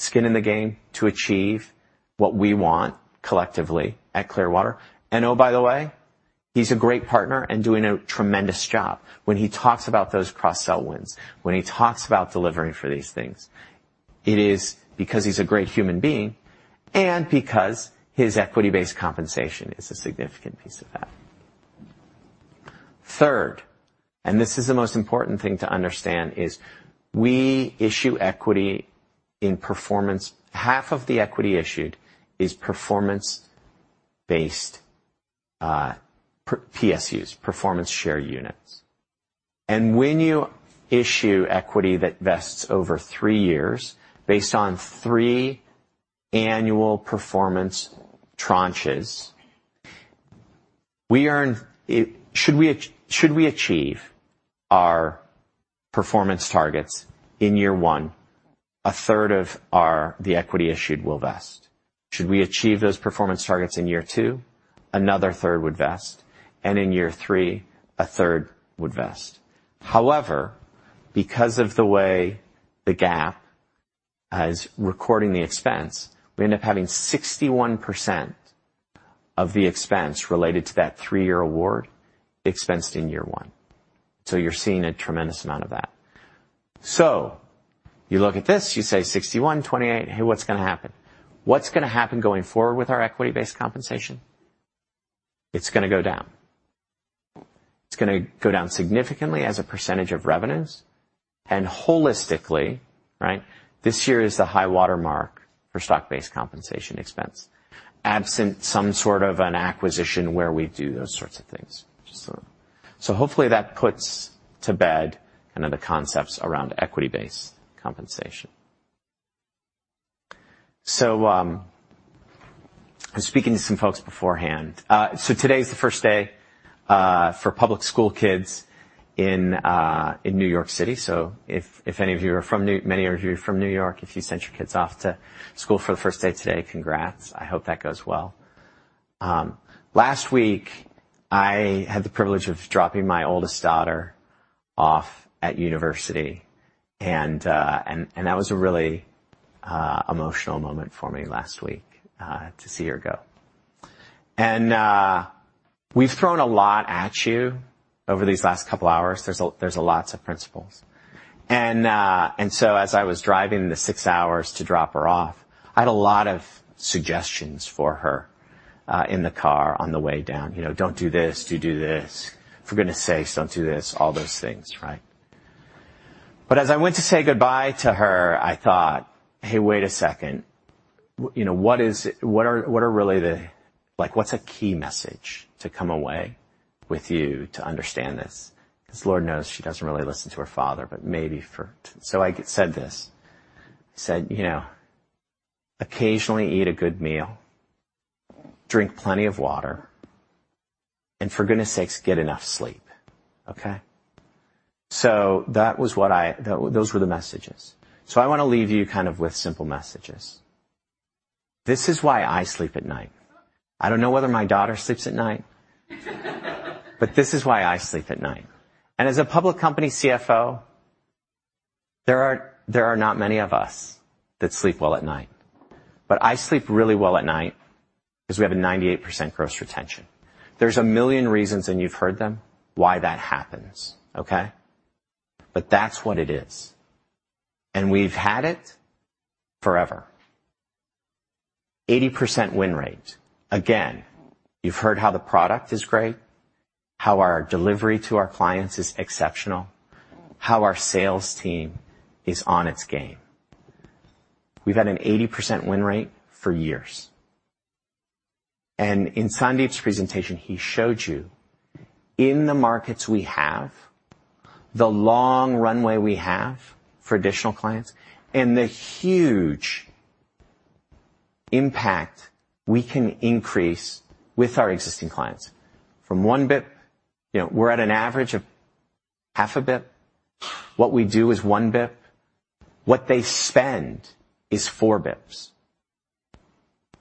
skin in the game to achieve what we want collectively at Clearwater. And oh, by the way, he's a great partner and doing a tremendous job. When he talks about those cross-sell wins, when he talks about delivering for these things, it is because he's a great human being and because his equity-based compensation is a significant piece of that. Third, and this is the most important thing to understand, is we issue equity in performance... Half of the equity issued is performance based, PSUs, performance share units. And when you issue equity that vests over three years based on three annual performance tranches, we earn it. Should we achieve our performance targets in year one, a third of the equity issued will vest. Should we achieve those performance targets in year two, another third would vest, and in year three, a third would vest. However, because of the way the GAAP is recording the expense, we end up having 61% of the expense related to that three-year award expensed in year one. So you're seeing a tremendous amount of that. So you look at this, you say 61, 28, hey, what's gonna happen? What's gonna happen going forward with our equity-based compensation? It's gonna go down. It's gonna go down significantly as a percentage of revenues and holistically, right? This year is the high water mark for stock-based compensation expense, absent some sort of an acquisition where we do those sorts of things. So hopefully that puts to bed any of the concepts around equity-based compensation. I was speaking to some folks beforehand. So today is the first day for public school kids in New York City. So if any of you are from New York. Many of you are from New York, if you sent your kids off to school for the first day today, congrats. I hope that goes well. Last week, I had the privilege of dropping my oldest daughter off at university, and that was a really emotional moment for me last week to see her go. And we've thrown a lot at you over these last couple of hours. There's a lot of principles. And so as I was driving the six hours to drop her off, I had a lot of suggestions for her in the car on the way down. "You know, don't do this, do this. For goodness sakes, don't do this." All those things, right? But as I went to say goodbye to her, I thought, "Hey, wait a second. You know, what is... What are really the-- Like, what's a key message to come away with you to understand this?" Because Lord knows, she doesn't really listen to her father, but maybe for... So I said this, I said, "You know, occasionally eat a good meal, drink plenty of water, and for goodness sakes, get enough sleep, okay?" So that was what I-- Those were the messages. So I want to leave you kind of with simple messages. This is why I sleep at night. I don't know whether my daughter sleeps at night... But this is why I sleep at night. And as a public company CFO, there are, there are not many of us that sleep well at night. But I sleep really well at night because we have a 98% gross retention. There's a million reasons, and you've heard them, why that happens, okay? But that's what it is. And we've had it forever. 80% win rate. Again, you've heard how the product is great, how our delivery to our clients is exceptional, how our sales team is on its game. We've had an 80% win rate for years. In Sandeep's presentation, he showed you in the markets we have, the long runway we have for additional clients, and the huge impact we can increase with our existing clients. From 1 bps, you know, we're at an average of 0.5 bps. What we do is 1 bps. What they spend is 4 bps.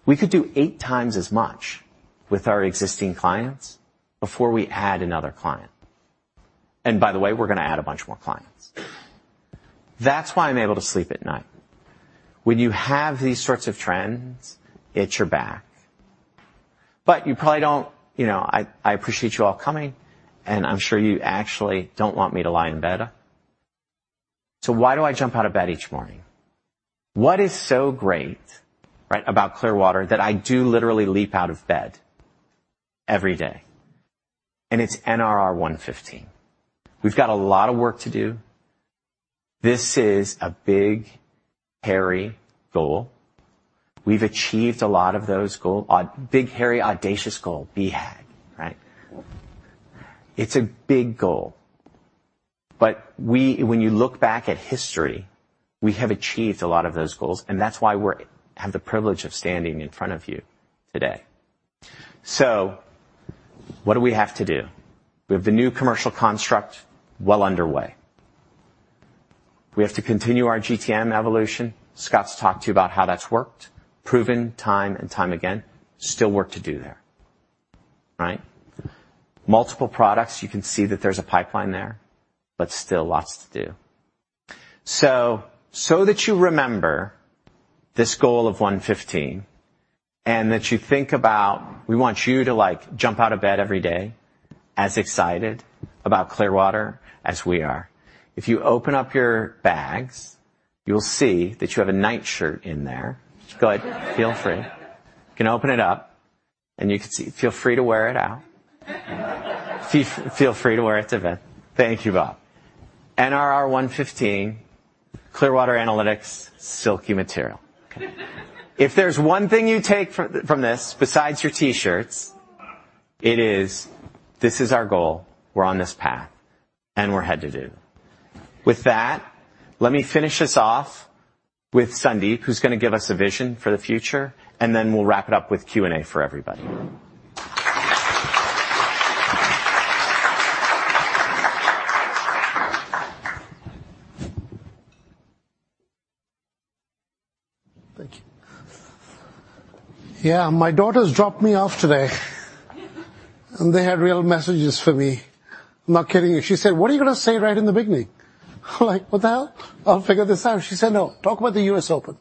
We could do 8x as much with our existing clients before we add another client. And by the way, we're going to add a bunch more clients. That's why I'm able to sleep at night. When you have these sorts of trends, it's your back. But you probably don't - You know, I appreciate you all coming, and I'm sure you actually don't want me to lie in bed. So why do I jump out of bed each morning? What is so great, right, about Clearwater that I do literally leap out of bed every day? It's NRR 115. We've got a lot of work to do. This is a big, hairy goal. We've achieved a lot of those goals. Big, hairy, audacious goal. BHAG, right? It's a big goal, but we, when you look back at history, we have achieved a lot of those goals, and that's why we're, have the privilege of standing in front of you today. What do we have to do? We have the new commercial construct well underway. We have to continue our GTM evolution. Scott's talked to you about how that's worked, proven time and time again. Still work to do there, right? Multiple products, you can see that there's a pipeline there, but still lots to do. So that you remember this goal of 115 and that you think about... We want you to, like, jump out of bed every day as excited about Clearwater as we are. If you open up your bags, you'll see that you have a night shirt in there. Go ahead, feel free. You can open it up, and you can see. Feel free to wear it out. Feel free to wear it to event. Thank you, Bob. NRR 115, Clearwater Analytics, silky material. If there's one thing you take from this besides your T-shirts, it is this is our goal, we're on this path, and we're headed to do. With that, let me finish us off with Sandeep, who's going to give us a vision for the future, and then we'll wrap it up with Q&A for everybody. Thank you. Yeah, my daughters dropped me off today, and they had real messages for me. I'm not kidding you. She said, "What are you gonna say right in the beginning?" I'm like, "What the hell? I'll figure this out." She said, "No, talk about the US Open."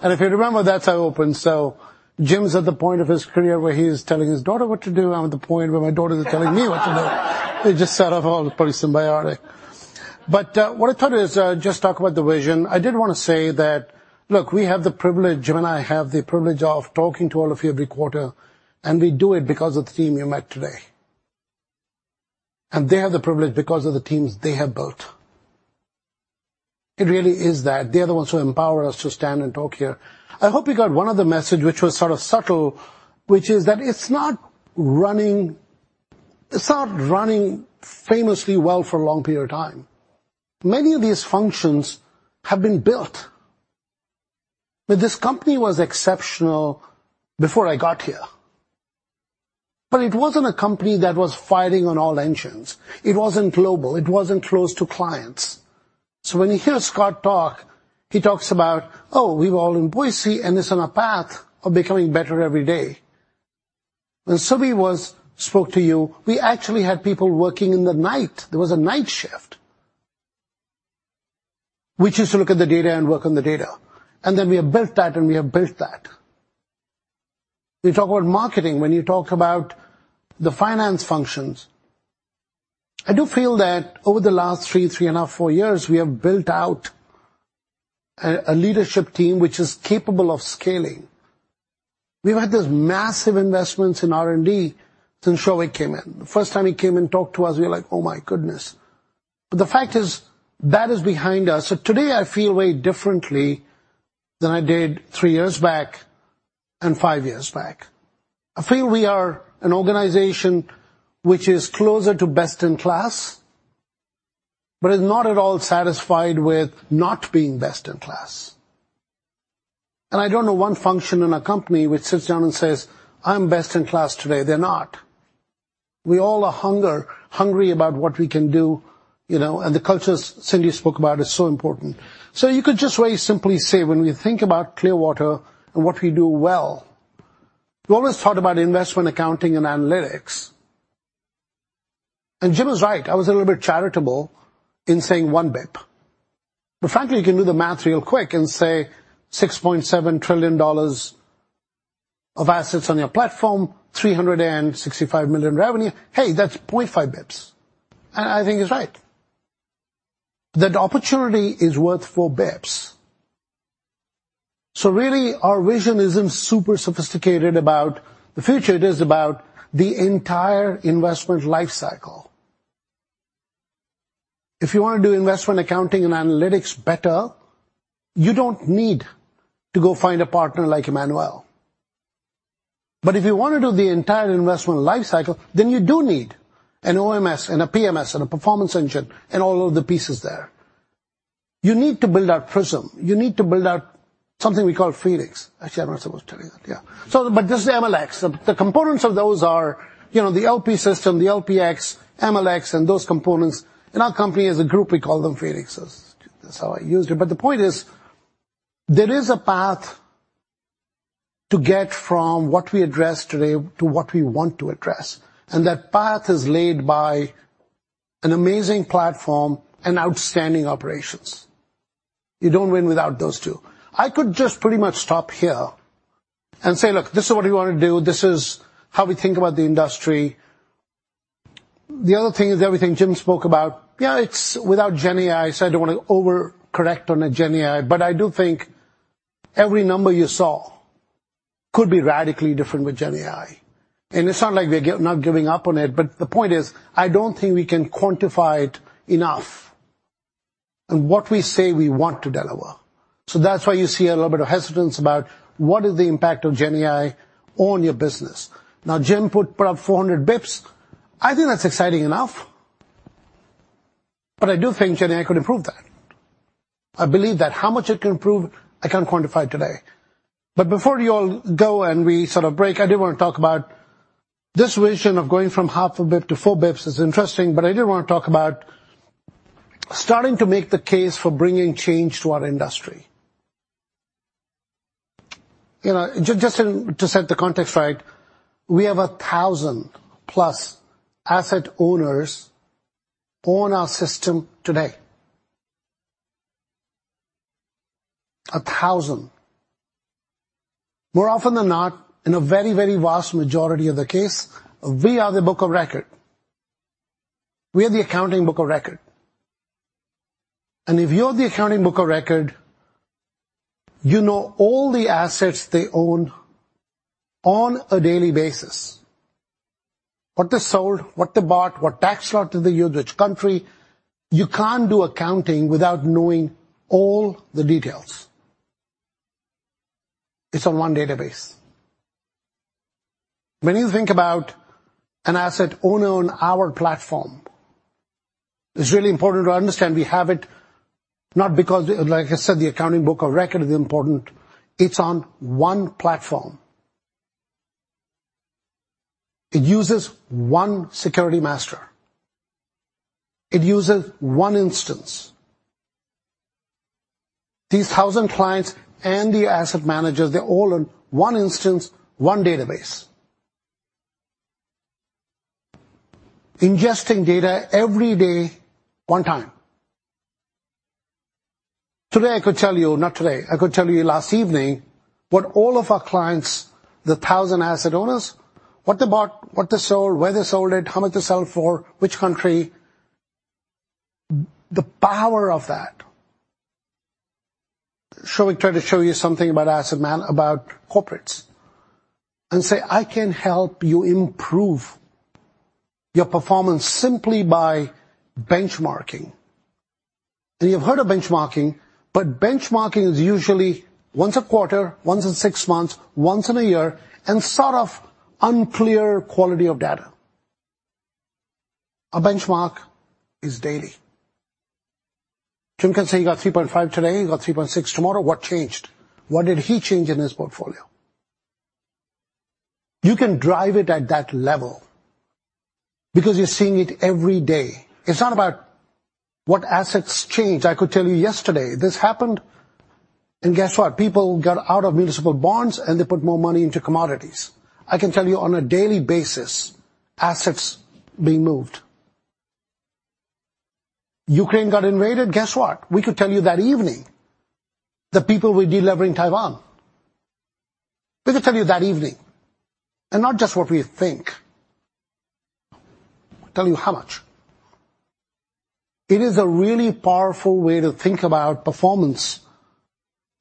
And if you remember, that's how I opened. So Jim's at the point of his career where he is telling his daughter what to do. I'm at the point where my daughter is telling me what to do. It just sort of all pretty symbiotic. But, what I thought is, just talk about the vision. I did want to say that, look, we have the privilege, Jim and I have the privilege of talking to all of you every quarter, and we do it because of the team you met today. They have the privilege because of the teams they have built. It really is that. They are the ones who empower us to stand and talk here. I hope you got one other message, which was sort of subtle, which is that it's not running, it's not running famously well for a long period of time. Many of these functions have been built, but this company was exceptional before I got here. But it wasn't a company that was firing on all engines. It wasn't global. It wasn't close to clients. So when you hear Scott talk, he talks about, "Oh, we're all in Boise, and it's on a path of becoming better every day." When Subi spoke to you, we actually had people working in the night. There was a night shift, which is to look at the data and work on the data, and then we have built that, and we have built that. We talk about marketing. When you talk about the finance functions, I do feel that over the last three, three and a half, four years, we have built out a leadership team which is capable of scaling. We've had these massive investments in R&D since Souvik came in. The first time he came and talked to us, we were like: Oh, my goodness! But the fact is, that is behind us. So today, I feel way differently than I did three years back and five years back. I feel we are an organization which is closer to best in class, but is not at all satisfied with not being best in class. I don't know one function in a company which sits down and says, "I'm best in class today." They're not. We all are hungry about what we can do, you know, and the culture Cindy spoke about is so important. So you could just very simply say, when we think about Clearwater and what we do well, we always thought about investment, accounting, and analytics. And Jim was right. I was a little bit charitable in saying 1 basis point. But frankly, you can do the math real quick and say $6.7 trillion of assets on your platform, $365 million revenue. Hey, that's 0.5 basis points. And I think he's right. That opportunity is worth 4 basis points. So really, our vision isn't super sophisticated about the future. It is about the entire investment life cycle. If you want to do investment accounting and analytics better, you don't need to go find a partner like Emmanuel. But if you want to do the entire investment life cycle, then you do need an OMS and a PMS and a performance engine and all of the pieces there. You need to build out Prism. You need to build out something we call Felix. Actually, I'm not supposed to tell you that. Yeah. So but this is MLx. The components of those are. You know, the LP system, the LPx, MLx, and those components, in our company, as a group, we call them Phoenixes. That's how I used it. But the point is, there is a path to get from what we addressed today to what we want to address, and that path is laid by an amazing platform and outstanding operations. You don't win without those two. I could just pretty much stop here and say: Look, this is what we wanna do. This is how we think about the industry. The other thing is everything Jim spoke about. Yeah, it's without GenAI, so I don't wanna over-correct on the GenAI, but I do think every number you saw could be radically different with GenAI. And it's not like we're not giving up on it, but the point is, I don't think we can quantify it enough in what we say we want to deliver. So that's why you see a little bit of hesitance about what is the impact of GenAI on your business. Now, Jim put up 400 basis points. I think that's exciting enough. But I do think GenAI could improve that. I believe that. How much it can improve, I can't quantify today. But before you all go, and we sort of break, I do wanna talk about this vision of going from half a basis point to four basis points is interesting, but I did wanna talk about starting to make the case for bringing change to our industry. You know, just to set the context right, we have 1,000+ asset owners on our system today. 1,000. More often than not, in a very, very vast majority of the case, we are the book of record. We are the accounting book of record. And if you're the accounting book of record, you know all the assets they own on a daily basis. What they sold, what they bought, what tax slot in the which country. You can't do accounting without knowing all the details. It's on one database. When you think about an asset owner on our platform, it's really important to understand we have it, not because, like I said, the accounting book of record is important. It's on one platform. It uses one security master. It uses one instance. These 1,000 clients and the asset managers, they're all in one instance, one database. Ingesting data every day, one time. Today, I could tell you... Not today, I could tell you last evening, what all of our clients, the 1,000 asset owners, what they bought, what they sold, where they sold it, how much they sold for, which country. The power of that. Shall we try to show you something about asset man-- about corporates, and say, "I can help you improve your performance simply by benchmarking"? You've heard of benchmarking, but benchmarking is usually once a quarter, once in six months, once in a year, and sort of unclear quality of data. Our benchmark is daily. Jim can say, "You got 3.5 today, you got 3.6 tomorrow. What changed? What did he change in his portfolio?" You can drive it at that level because you're seeing it every day. It's not about what assets changed. I could tell you yesterday, this happened, and guess what? People got out of municipal bonds, and they put more money into commodities. I can tell you on a daily basis, assets being moved. Ukraine got invaded, guess what? We could tell you that evening that people were delivering Taiwan. We could tell you that evening, and not just what we think. Tell you how much. It is a really powerful way to think about performance,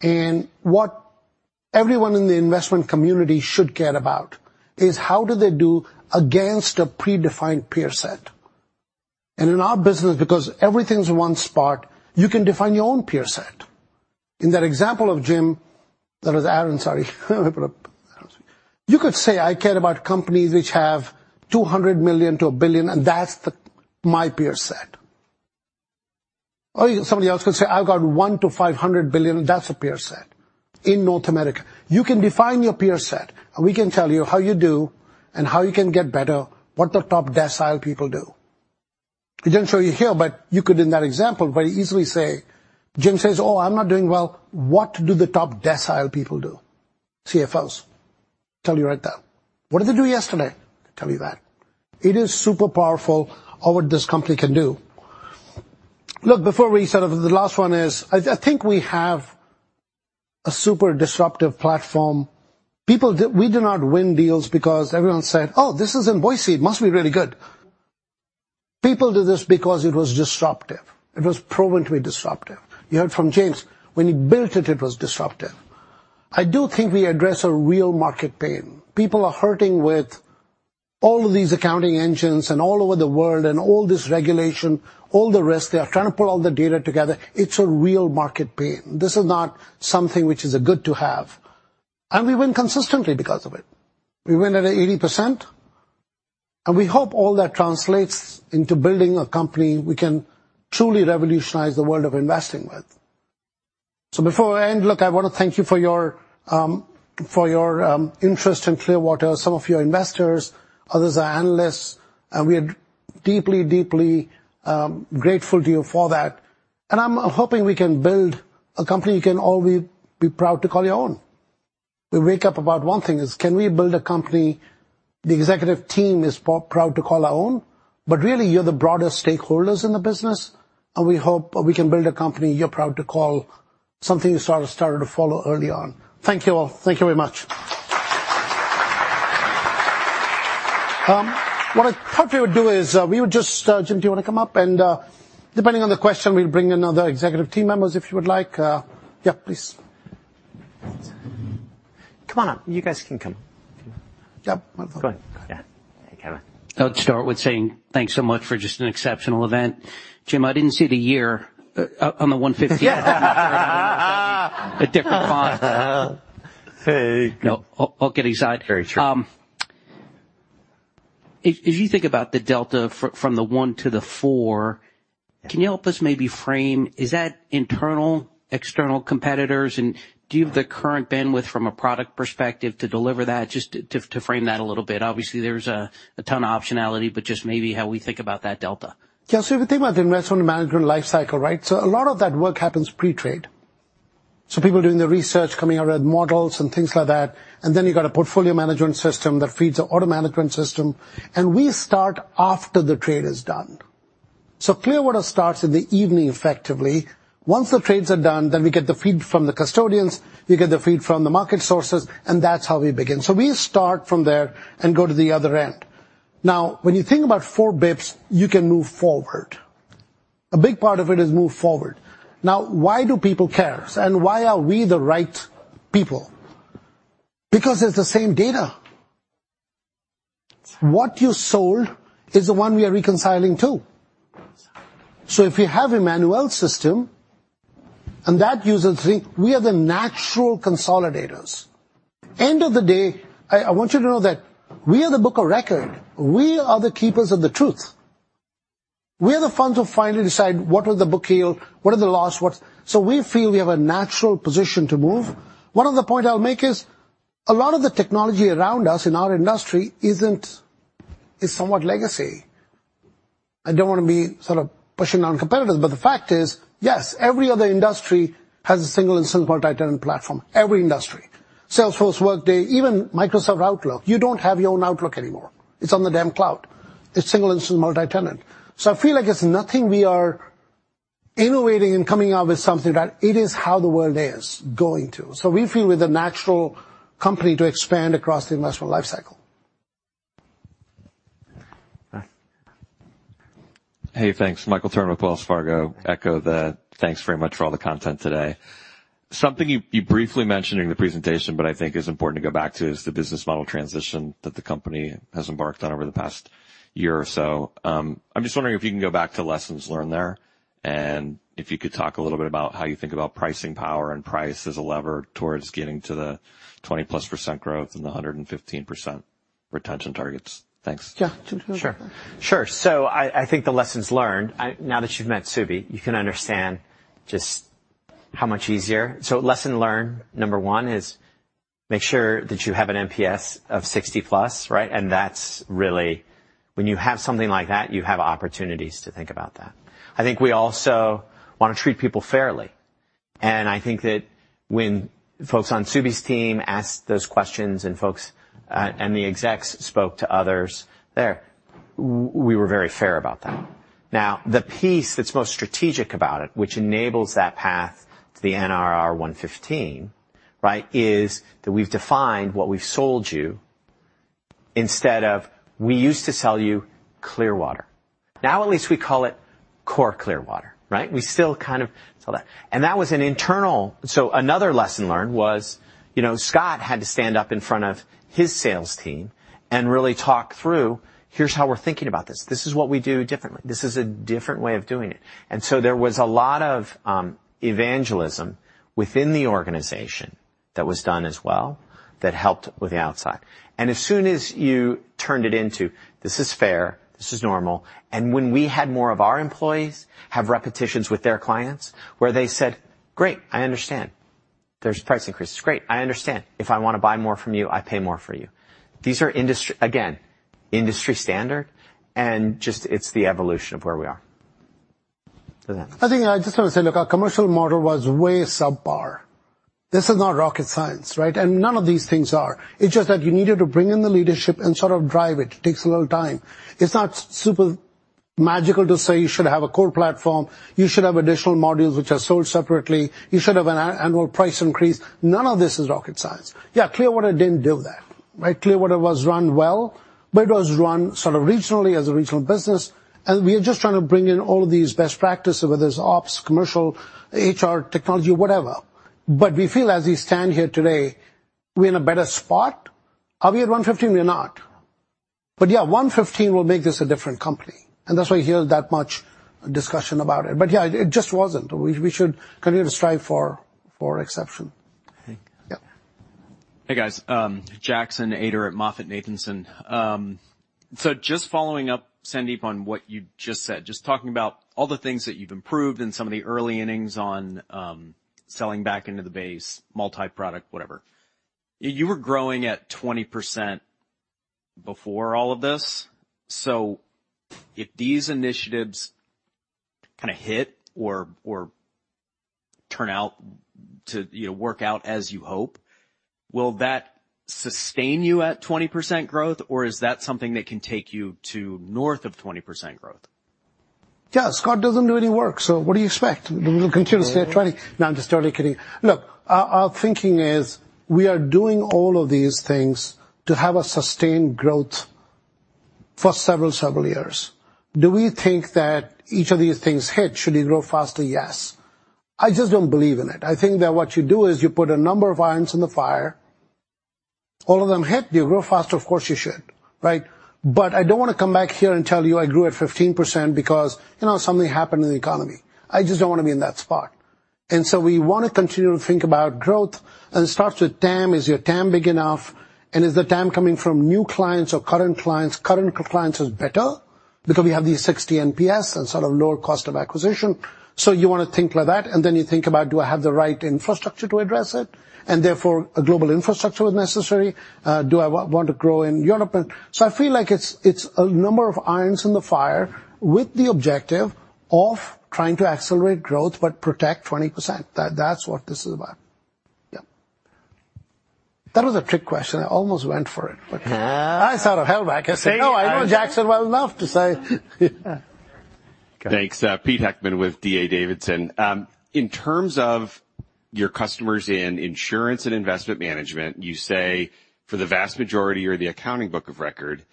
and what everyone in the investment community should care about is how do they do against a predefined peer set? In our business, because everything's in one spot, you can define your own peer set. In that example of Jim, that was Aaron, sorry, put it up. You could say: I care about companies which have $200 million-$1 billion, and that's the, my peer set. Or somebody else could say: I've got $1 billion-$500 billion, that's a peer set in North America. You can define your peer set, and we can tell you how you do and how you can get better, what the top decile people do. We didn't show you here, but you could, in that example, very easily say... Jim says, "Oh, I'm not doing well. What do the top decile people do?" CFOs. Tell you right there. What did they do yesterday? Tell you that. It is super powerful on what this company can do. Look, before we sort of. The last one is, I think we have a super disruptive platform. People did. We do not win deals because everyone said: "Oh, this is in Boise, it must be really good." People did this because it was disruptive. It was proven to be disruptive. You heard from James. When he built it, it was disruptive. I do think we address a real market pain. People are hurting with all of these accounting engines and all over the world and all this regulation, all the rest. They are trying to put all the data together. It's a real market pain. This is not something which is a good to have, and we win consistently because of it. We win at 80%, and we hope all that translates into building a company we can truly revolutionize the world of investing with. So before I end, look, I want to thank you for your interest in Clearwater. Some of you are investors, others are analysts, and we are deeply, deeply grateful to you for that. And I'm hoping we can build a company you can all be proud to call your own. We wake up about one thing, is can we build a company the executive team is proud to call our own? But really, you're the broader stakeholders in the business, and we hope we can build a company you're proud to call something you sort of started to follow early on. Thank you all. Thank you very much. What I thought we would do is just... Jim, do you want to come up? And depending on the question, we'll bring in other executive team members, if you would like... Yeah, please. Come on up. You guys can come. Yeah. Go ahead. Yeah. Hey, Kevin. I'll start with saying thanks so much for just an exceptional event. Jim, I didn't see the year on the 150. A different font. Hey. No, I'll get inside. Very true. If you think about the delta from the one to the four, can you help us maybe frame... Is that internal, external competitors? And do you have the current bandwidth from a product perspective to deliver that? Just to frame that a little bit. Obviously, there's a ton of optionality, but just maybe how we think about that delta. Yeah, so if you think about the investment management lifecycle, right? So a lot of that work happens pre-trade. So people doing the research, coming out with models and things like that, and then you've got a portfolio management system that feeds the order management system, and we start after the trade is done. So Clearwater starts in the evening, effectively. Once the trades are done, then we get the feed from the custodians, we get the feed from the market sources, and that's how we begin. So we start from there and go to the other end. Now, when you think about 4 bps, you can move forward. A big part of it is move forward. Now, why do people care, and why are we the right people? Because it's the same data. What you sold is the one we are reconciling to. So if you have a manual system, and that user think we are the natural consolidators. End of the day, I, I want you to know that we are the book of record. We are the keepers of the truth. We are the ones who finally decide what are the book yield, what are the loss, what. So we feel we have a natural position to move. One other point I'll make is a lot of the technology around us in our industry isn't, is somewhat legacy. I don't want to be sort of pushing on competitors, but the fact is, yes, every other industry has a single instant multi-tenant platform. Every industry. Salesforce, Workday, even Microsoft Outlook. You don't have your own Outlook anymore. It's on the damn cloud. It's single instant multi-tenant. I feel like it's nothing we are innovating and coming up with, something that it is how the world is going to. We feel we're the natural company to expand across the investment life cycle. Hey, thanks. Michael Turrin with Wells Fargo. Echo the thanks very much for all the content today. Something you briefly mentioned during the presentation, but I think is important to go back to, is the business model transition that the company has embarked on over the past year or so. I'm just wondering if you can go back to lessons learned there, and if you could talk a little bit about how you think about pricing power and price as a lever towards getting to the 20%+ growth and the 115% retention targets. Thanks. Yeah, sure. Sure. So I think the lessons learned. Now that you've met Subi, you can understand just how much easier. So lesson learned number one is make sure that you have an NPS of 60+, right? And that's really... When you have something like that, you have opportunities to think about that. I think we also want to treat people fairly. And I think that when folks on Subi's team asked those questions and folks and the execs spoke to others there, we were very fair about that. Now, the piece that's most strategic about it, which enables that path to the NRR 115%, right, is that we've defined what we've sold you, instead of we used to sell you Clearwater. Now, at least we call it core Clearwater, right? We still kind of sell that. That was internal. So another lesson learned was, you know, Scott had to stand up in front of his sales team and really talk through: Here's how we're thinking about this. This is what we do differently. This is a different way of doing it. And so there was a lot of evangelism within the organization that was done as well, that helped with the outside. And as soon as you turned it into, "This is fair, this is normal," and when we had more of our employees have repetitions with their clients, where they said, "Great, I understand. There's a price increase. It's great. I understand. If I want to buy more from you, I pay more for you," these are industry, again, industry standard, and just it's the evolution of where we are. I think I just want to say, look, our commercial model was way subpar. This is not rocket science, right? And none of these things are. It's just that you needed to bring in the leadership and sort of drive it. It takes a little time. It's not super magical to say you should have a core platform, you should have additional modules which are sold separately, you should have an annual price increase. None of this is rocket science. Yeah, Clearwater didn't do that, right? Clearwater was run well, but it was run sort of regionally, as a regional business, and we are just trying to bring in all of these best practices, whether it's ops, commercial, HR, technology, whatever. But we feel as we stand here today, we're in a better spot. Are we at 115? We're not. But yeah, 115 will make this a different company, and that's why you hear that much discussion about it. Yeah, it just wasn't. We should continue to strive for exception. Yeah.... Hey, guys, Jackson Ader at MoffettNathanson. So just following up, Sandeep, on what you just said, just talking about all the things that you've improved in some of the early innings on selling back into the base, multi-product, whatever. You were growing at 20% before all of this. So if these initiatives kind of hit or turn out to, you know, work out as you hope, will that sustain you at 20% growth, or is that something that can take you to north of 20% growth? Yeah, Scott doesn't do any work, so what do you expect? We will continue to stay at 20. No, I'm just totally kidding. Look, our thinking is we are doing all of these things to have a sustained growth for several years. Do we think that each of these things hit, should we grow faster? Yes. I just don't believe in it. I think that what you do is you put a number of irons in the fire, all of them hit, you grow faster, of course, you should, right? But I don't want to come back here and tell you I grew at 15% because, you know, something happened in the economy. I just don't want to be in that spot. So we want to continue to think about growth, and it starts with TAM. Is your TAM big enough? Is the TAM coming from new clients or current clients? Current clients is better because we have these 60 NPS and sort of lower cost of acquisition. So you want to think like that, and then you think about, do I have the right infrastructure to address it? And therefore, a global infrastructure is necessary. Do I want, want to grow in Europe? And so I feel like it's, it's a number of irons in the fire with the objective of trying to accelerate growth, but protect 20%. That, that's what this is about. Yeah. That was a trick question. I almost went for it. I sort of held back. I said, "No, I know Jackson well enough to say... Thanks. Pete Heckman with D.A. Davidson. In terms of your customers in insurance and investment management, you say for the vast majority, you're the accounting book of record.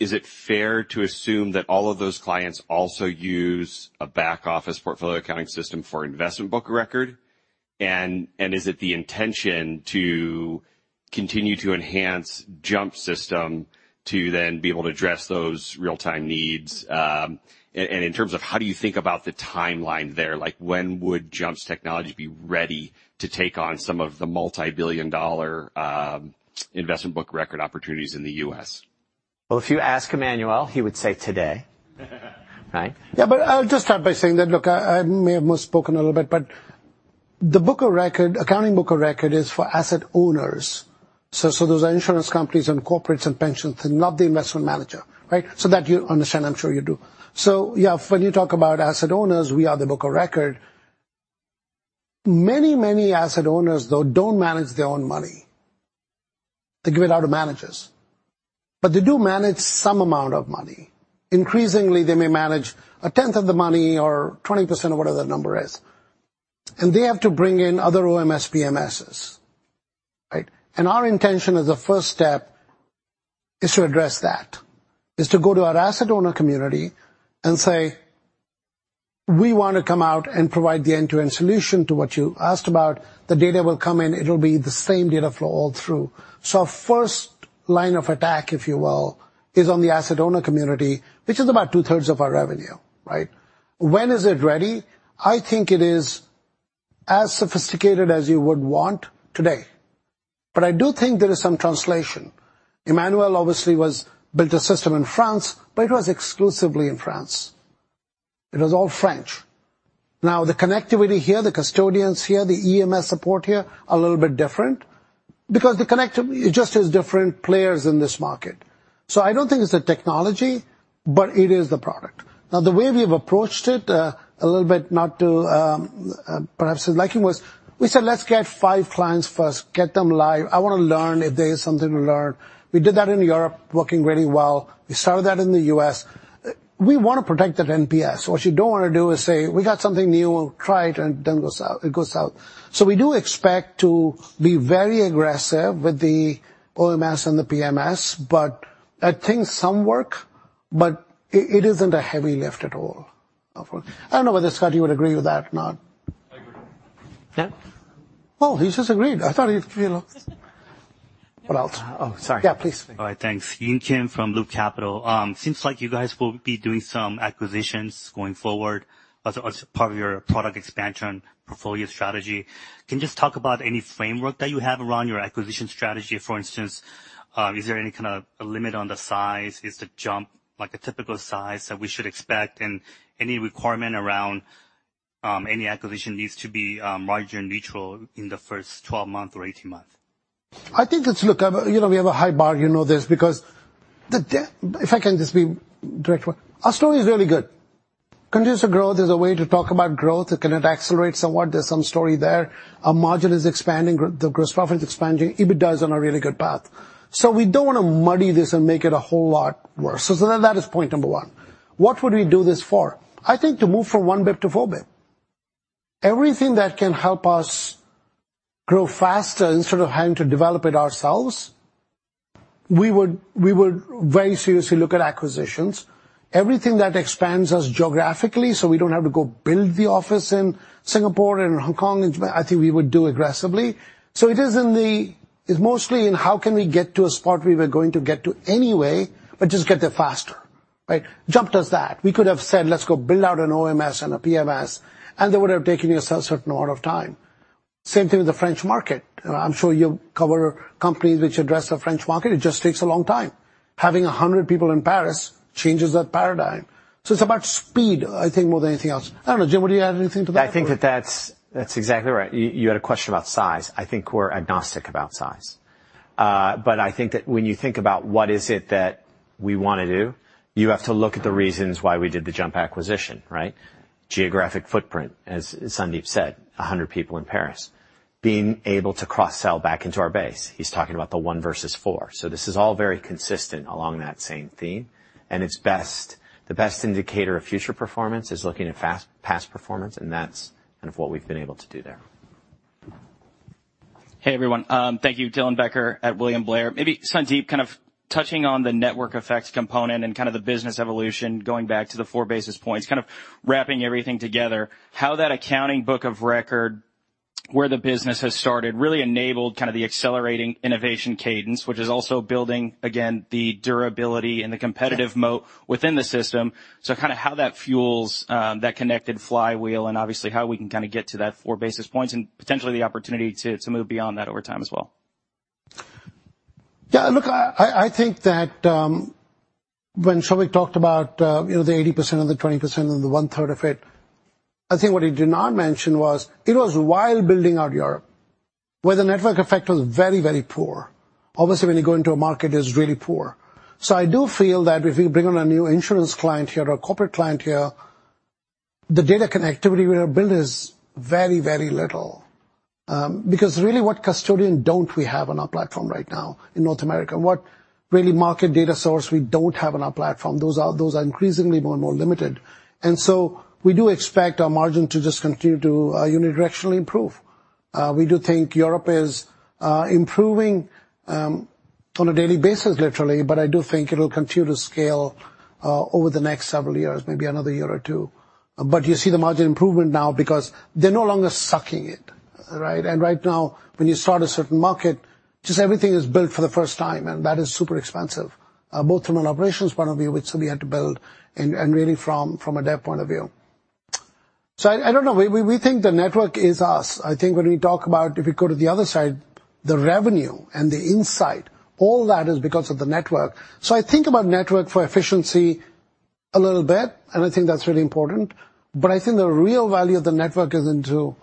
Is it fair to assume that all of those clients also use a back office portfolio accounting system for investment book of record? And is it the intention to continue to enhance JUMP system to then be able to address those real-time needs? And in terms of how do you think about the timeline there? Like, when would JUMP's technology be ready to take on some of the multi-billion-dollar investment book record opportunities in the U.S.? Well, if you ask Emmanuel, he would say today. Right? Yeah, but I'll just start by saying that, look, I may have misspoken a little bit, but the book of record, accounting book of record is for asset owners. So those are insurance companies and corporates and pensions, and not the investment manager, right? So that you understand, I'm sure you do. So yeah, when you talk about asset owners, we are the book of record. Many, many asset owners, though, don't manage their own money. They give it out to managers, but they do manage some amount of money. Increasingly, they may manage a tenth of the money or 20% or whatever the number is, and they have to bring in other OMS/PMSs, right? And our intention as a first step is to address that, is to go to our asset owner community and say, "We want to come out and provide the end-to-end solution to what you asked about. The data will come in. It'll be the same data flow all through." So first line of attack, if you will, is on the asset owner community, which is about two-thirds of our revenue, right? When is it ready? I think it is as sophisticated as you would want today, but I do think there is some translation. Emmanuel obviously was built a system in France, but it was exclusively in France. It was all French. Now, the connectivity here, the custodians here, the EMS support here, are a little bit different because the connector it just is different players in this market. I don't think it's the technology, but it is the product. Now, the way we have approached it, a little bit, not to, perhaps liking was, we said: Let's get five clients first, get them live. I want to learn if there is something to learn. We did that in Europe, working really well. We started that in the U.S. We want to protect that NPS. What you don't want to do is say, "We got something new, we'll try it," and then it goes out. We do expect to be very aggressive with the OMS and the PMS, but I think some work, but it, it isn't a heavy lift at all. I don't know whether, Scott, you would agree with that or not. I agree. Yeah. Well, he just agreed. I thought he, you know... What else? Oh, sorry. Yeah, please. All right, thanks. Yun Kim from Loop Capital. Seems like you guys will be doing some acquisitions going forward as part of your product expansion portfolio strategy. Can you just talk about any framework that you have around your acquisition strategy? For instance, is there any kind of a limit on the size? Is the JUMP like a typical size that we should expect? And any requirement around, any acquisition needs to be, margin neutral in the first 12 months or 18 months. I think it's. Look, you know, we have a high bar, you know this, because if I can just be direct, our story is really good. Continuous growth is a way to talk about growth. It cannot accelerate somewhat. There's some story there. Our margin is expanding, the gross profit is expanding, EBITDA is on a really good path. So we don't want to muddy this and make it a whole lot worse. So that is point number one. What would we do this for? I think to move from 1 bit to 4 bit. Everything that can help us grow faster instead of having to develop it ourselves, we would, we would very seriously look at acquisitions. Everything that expands us geographically, so we don't have to go build the office in Singapore and Hong Kong, I think we would do aggressively. So it is—it's mostly in how can we get to a spot where we're going to get to anyway, but just get there faster… Right? JUMP does that. We could have said, "Let's go build out an OMS and a PMS," and they would have taken us a certain amount of time. Same thing with the French market. I'm sure you cover companies which address the French market. It just takes a long time. Having 100 people in Paris changes that paradigm. So it's about speed, I think, more than anything else. I don't know, Jim, would you add anything to that? I think that that's exactly right. You had a question about size. I think we're agnostic about size. But I think that when you think about what is it that we wanna do, you have to look at the reasons why we did the JUMP acquisition, right? Geographic footprint, as Sandeep said, 100 people in Paris. Being able to cross-sell back into our base. He's talking about the one versus four. So this is all very consistent along that same theme, and it's the best indicator of future performance is looking at past performance, and that's kind of what we've been able to do there. Hey, everyone. Thank you. Dylan Becker at William Blair. Maybe, Sandeep, kind of touching on the network effects component and kind of the business evolution, going back to the four basis points, kind of wrapping everything together, how that accounting book of record, where the business has started, really enabled kind of the accelerating innovation cadence, which is also building, again, the durability and the competitive moat within the system. So kind of how that fuels that connected flywheel, and obviously, how we can kind of get to that four basis points, and potentially the opportunity to move beyond that over time as well. Yeah, look, I think that, when Souvik talked about, you know, the 80% and the 20% and the one-third of it, I think what he did not mention was it was while building out Europe, where the network effect was very, very poor. Obviously, when you go into a market, it's really poor. So I do feel that if you bring on a new insurance client here or a corporate client here, the data connectivity we have built is very, very little. Because really, what custodian don't we have on our platform right now in North America? What really market data source we don't have on our platform? Those are, those are increasingly more and more limited. And so we do expect our margin to just continue to, unidirectionally improve. We do think Europe is improving on a daily basis, literally, but I do think it'll continue to scale over the next several years, maybe another year or two. But you see the margin improvement now because they're no longer sucking it, right? And right now, when you start a certain market, just everything is built for the first time, and that is super expensive, both from an operations point of view, which we had to build, and really from a dev point of view. So I don't know. We think the network is us. I think when we talk about if you go to the other side, the revenue and the insight, all that is because of the network. So I think about network for efficiency a little bit, and I think that's really important, but I think the real value of the network is into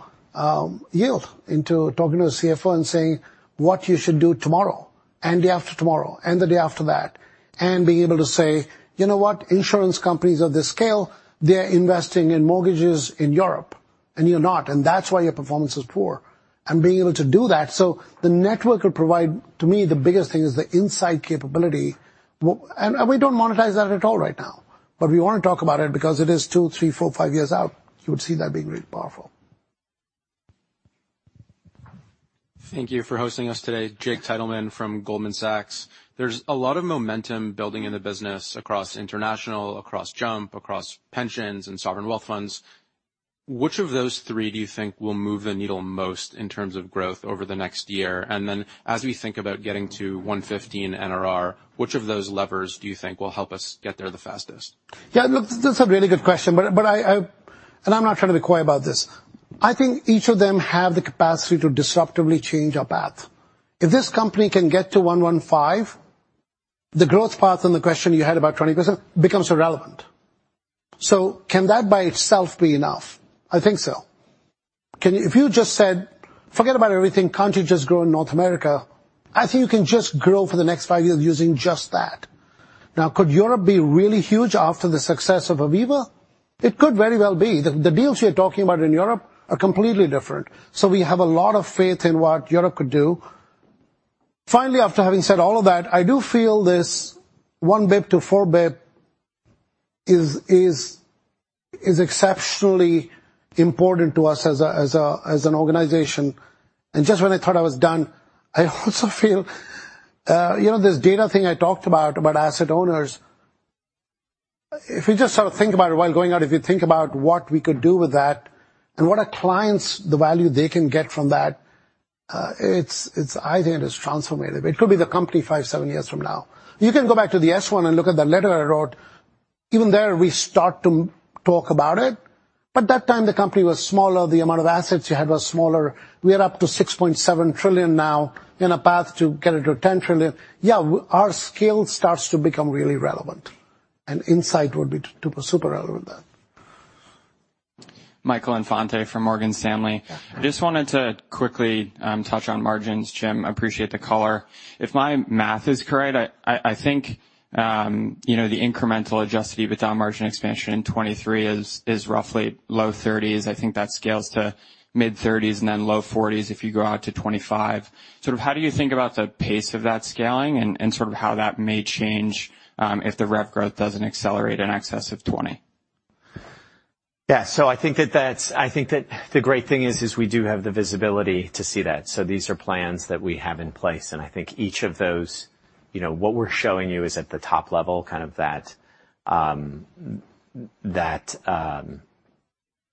yield, into talking to a CFO and saying what you should do tomorrow and the day after tomorrow and the day after that, and being able to say: "You know what? Insurance companies of this scale, they're investing in mortgages in Europe, and you're not, and that's why your performance is poor." And being able to do that. So the network will provide... To me, the biggest thing is the insight capability. And we don't monetize that at all right now, but we wanna talk about it because it is two, three, four, five years out, you would see that being really powerful. Thank you for hosting us today. Jake Titleman from Goldman Sachs. There's a lot of momentum building in the business across international, across JUMP, across pensions and sovereign wealth funds. Which of those three do you think will move the needle most in terms of growth over the next year? And then, as we think about getting to 115 NRR, which of those levers do you think will help us get there the fastest? Yeah, look, that's a really good question. But I—and I'm not trying to be coy about this. I think each of them have the capacity to disruptively change our path. If this company can get to 115, the growth path on the question you had about 20% becomes irrelevant. So can that by itself be enough? I think so. Can you—If you just said, "Forget about everything, can't you just grow in North America?" I think you can just grow for the next five years using just that. Now, could Europe be really huge after the success of Aviva? It could very well be. The deals we are talking about in Europe are completely different, so we have a lot of faith in what Europe could do. Finally, after having said all of that, I do feel this $1B-$4B is exceptionally important to us as an organization. Just when I thought I was done, I also feel, you know, this data thing I talked about, about asset owners, if you just sort of think about it while going out, if you think about what we could do with that and what our clients, the value they can get from that, it's... I think it is transformative. It could be the company five, seven years from now. You can go back to the S-1 and look at the letter I wrote. Even there, we start to talk about it, but that time, the company was smaller, the amount of assets you had was smaller. We are up to $6.7 trillion now, in a path to get it to $10 trillion. Yeah, our scale starts to become really relevant, and insight would be super relevant there. Michael Infante from Morgan Stanley. I just wanted to quickly touch on margins. Jim, I appreciate the color. If my math is correct, I think you know, the incremental Adjusted EBITDA margin expansion in 2023 is roughly low thirties. I think that scales to mid-thirties and then low forties if you go out to 2025. Sort of how do you think about the pace of that scaling and sort of how that may change if the rev growth doesn't accelerate in excess of 20? Yeah, so I think that's. I think the great thing is we do have the visibility to see that. So these are plans that we have in place, and I think each of those, you know, what we're showing you is at the top level, kind of that, that,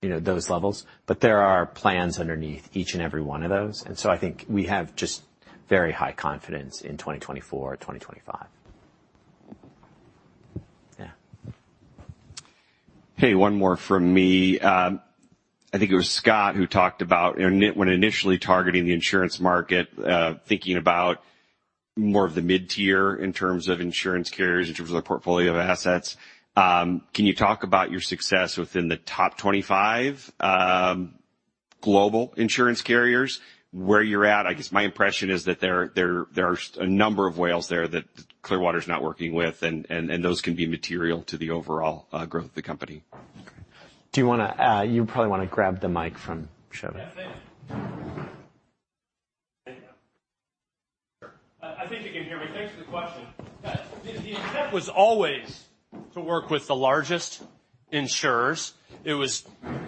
you know, those levels, but there are plans underneath each and every one of those. And so I think we have just very high confidence in 2024 or 2025. Yeah. Hey, one more from me. I think it was Scott who talked about when initially targeting the insurance market, thinking about more of the mid-tier in terms of insurance carriers, in terms of the portfolio of assets. Can you talk about your success within the Top 25 global insurance carriers, where you're at? I guess my impression is that there are a number of whales there that Clearwater's not working with, and those can be material to the overall growth of the company. Do you wanna, you probably wanna grab the mic from Sheldon. Yeah, thanks. I, I think you can hear me. Thanks for the question. The, the intent was always to work with the largest insurers. It was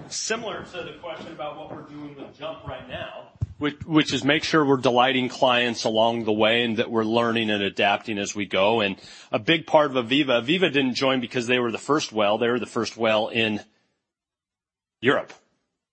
similar to the question about what we're doing with Jump right now, which, which is make sure we're delighting clients along the way and that we're learning and adapting as we go. And a big part of Aviva, Aviva didn't join because they were the first whale. They were the first whale in Europe.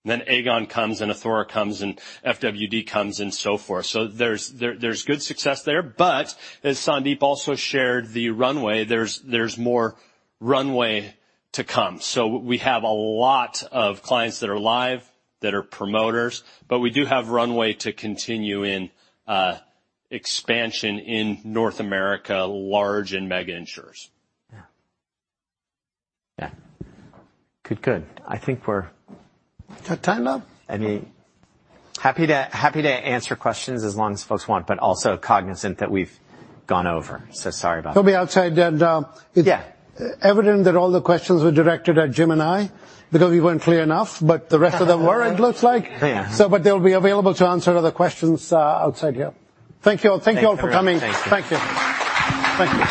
Then Aegon comes, and Athora comes, and FWD comes, and so forth. So there's, there, there's good success there, but as Sandeep also shared, the runway, there's, there's more runway to come. So we have a lot of clients that are live, that are promoters, but we do have runway to continue in, expansion in North America, large and mega insurers. Yeah. Yeah. Good, good. I think we're- Time up? I mean, happy to, happy to answer questions as long as folks want, but also cognizant that we've gone over, so sorry about that. We'll be outside then. Yeah. Evident that all the questions were directed at Jim and I, because we weren't clear enough, but the rest of them were, it looks like. Yeah. But they'll be available to answer other questions, outside here. Thank you all. Thank you all for coming. Thanks. Thank you. Thank you.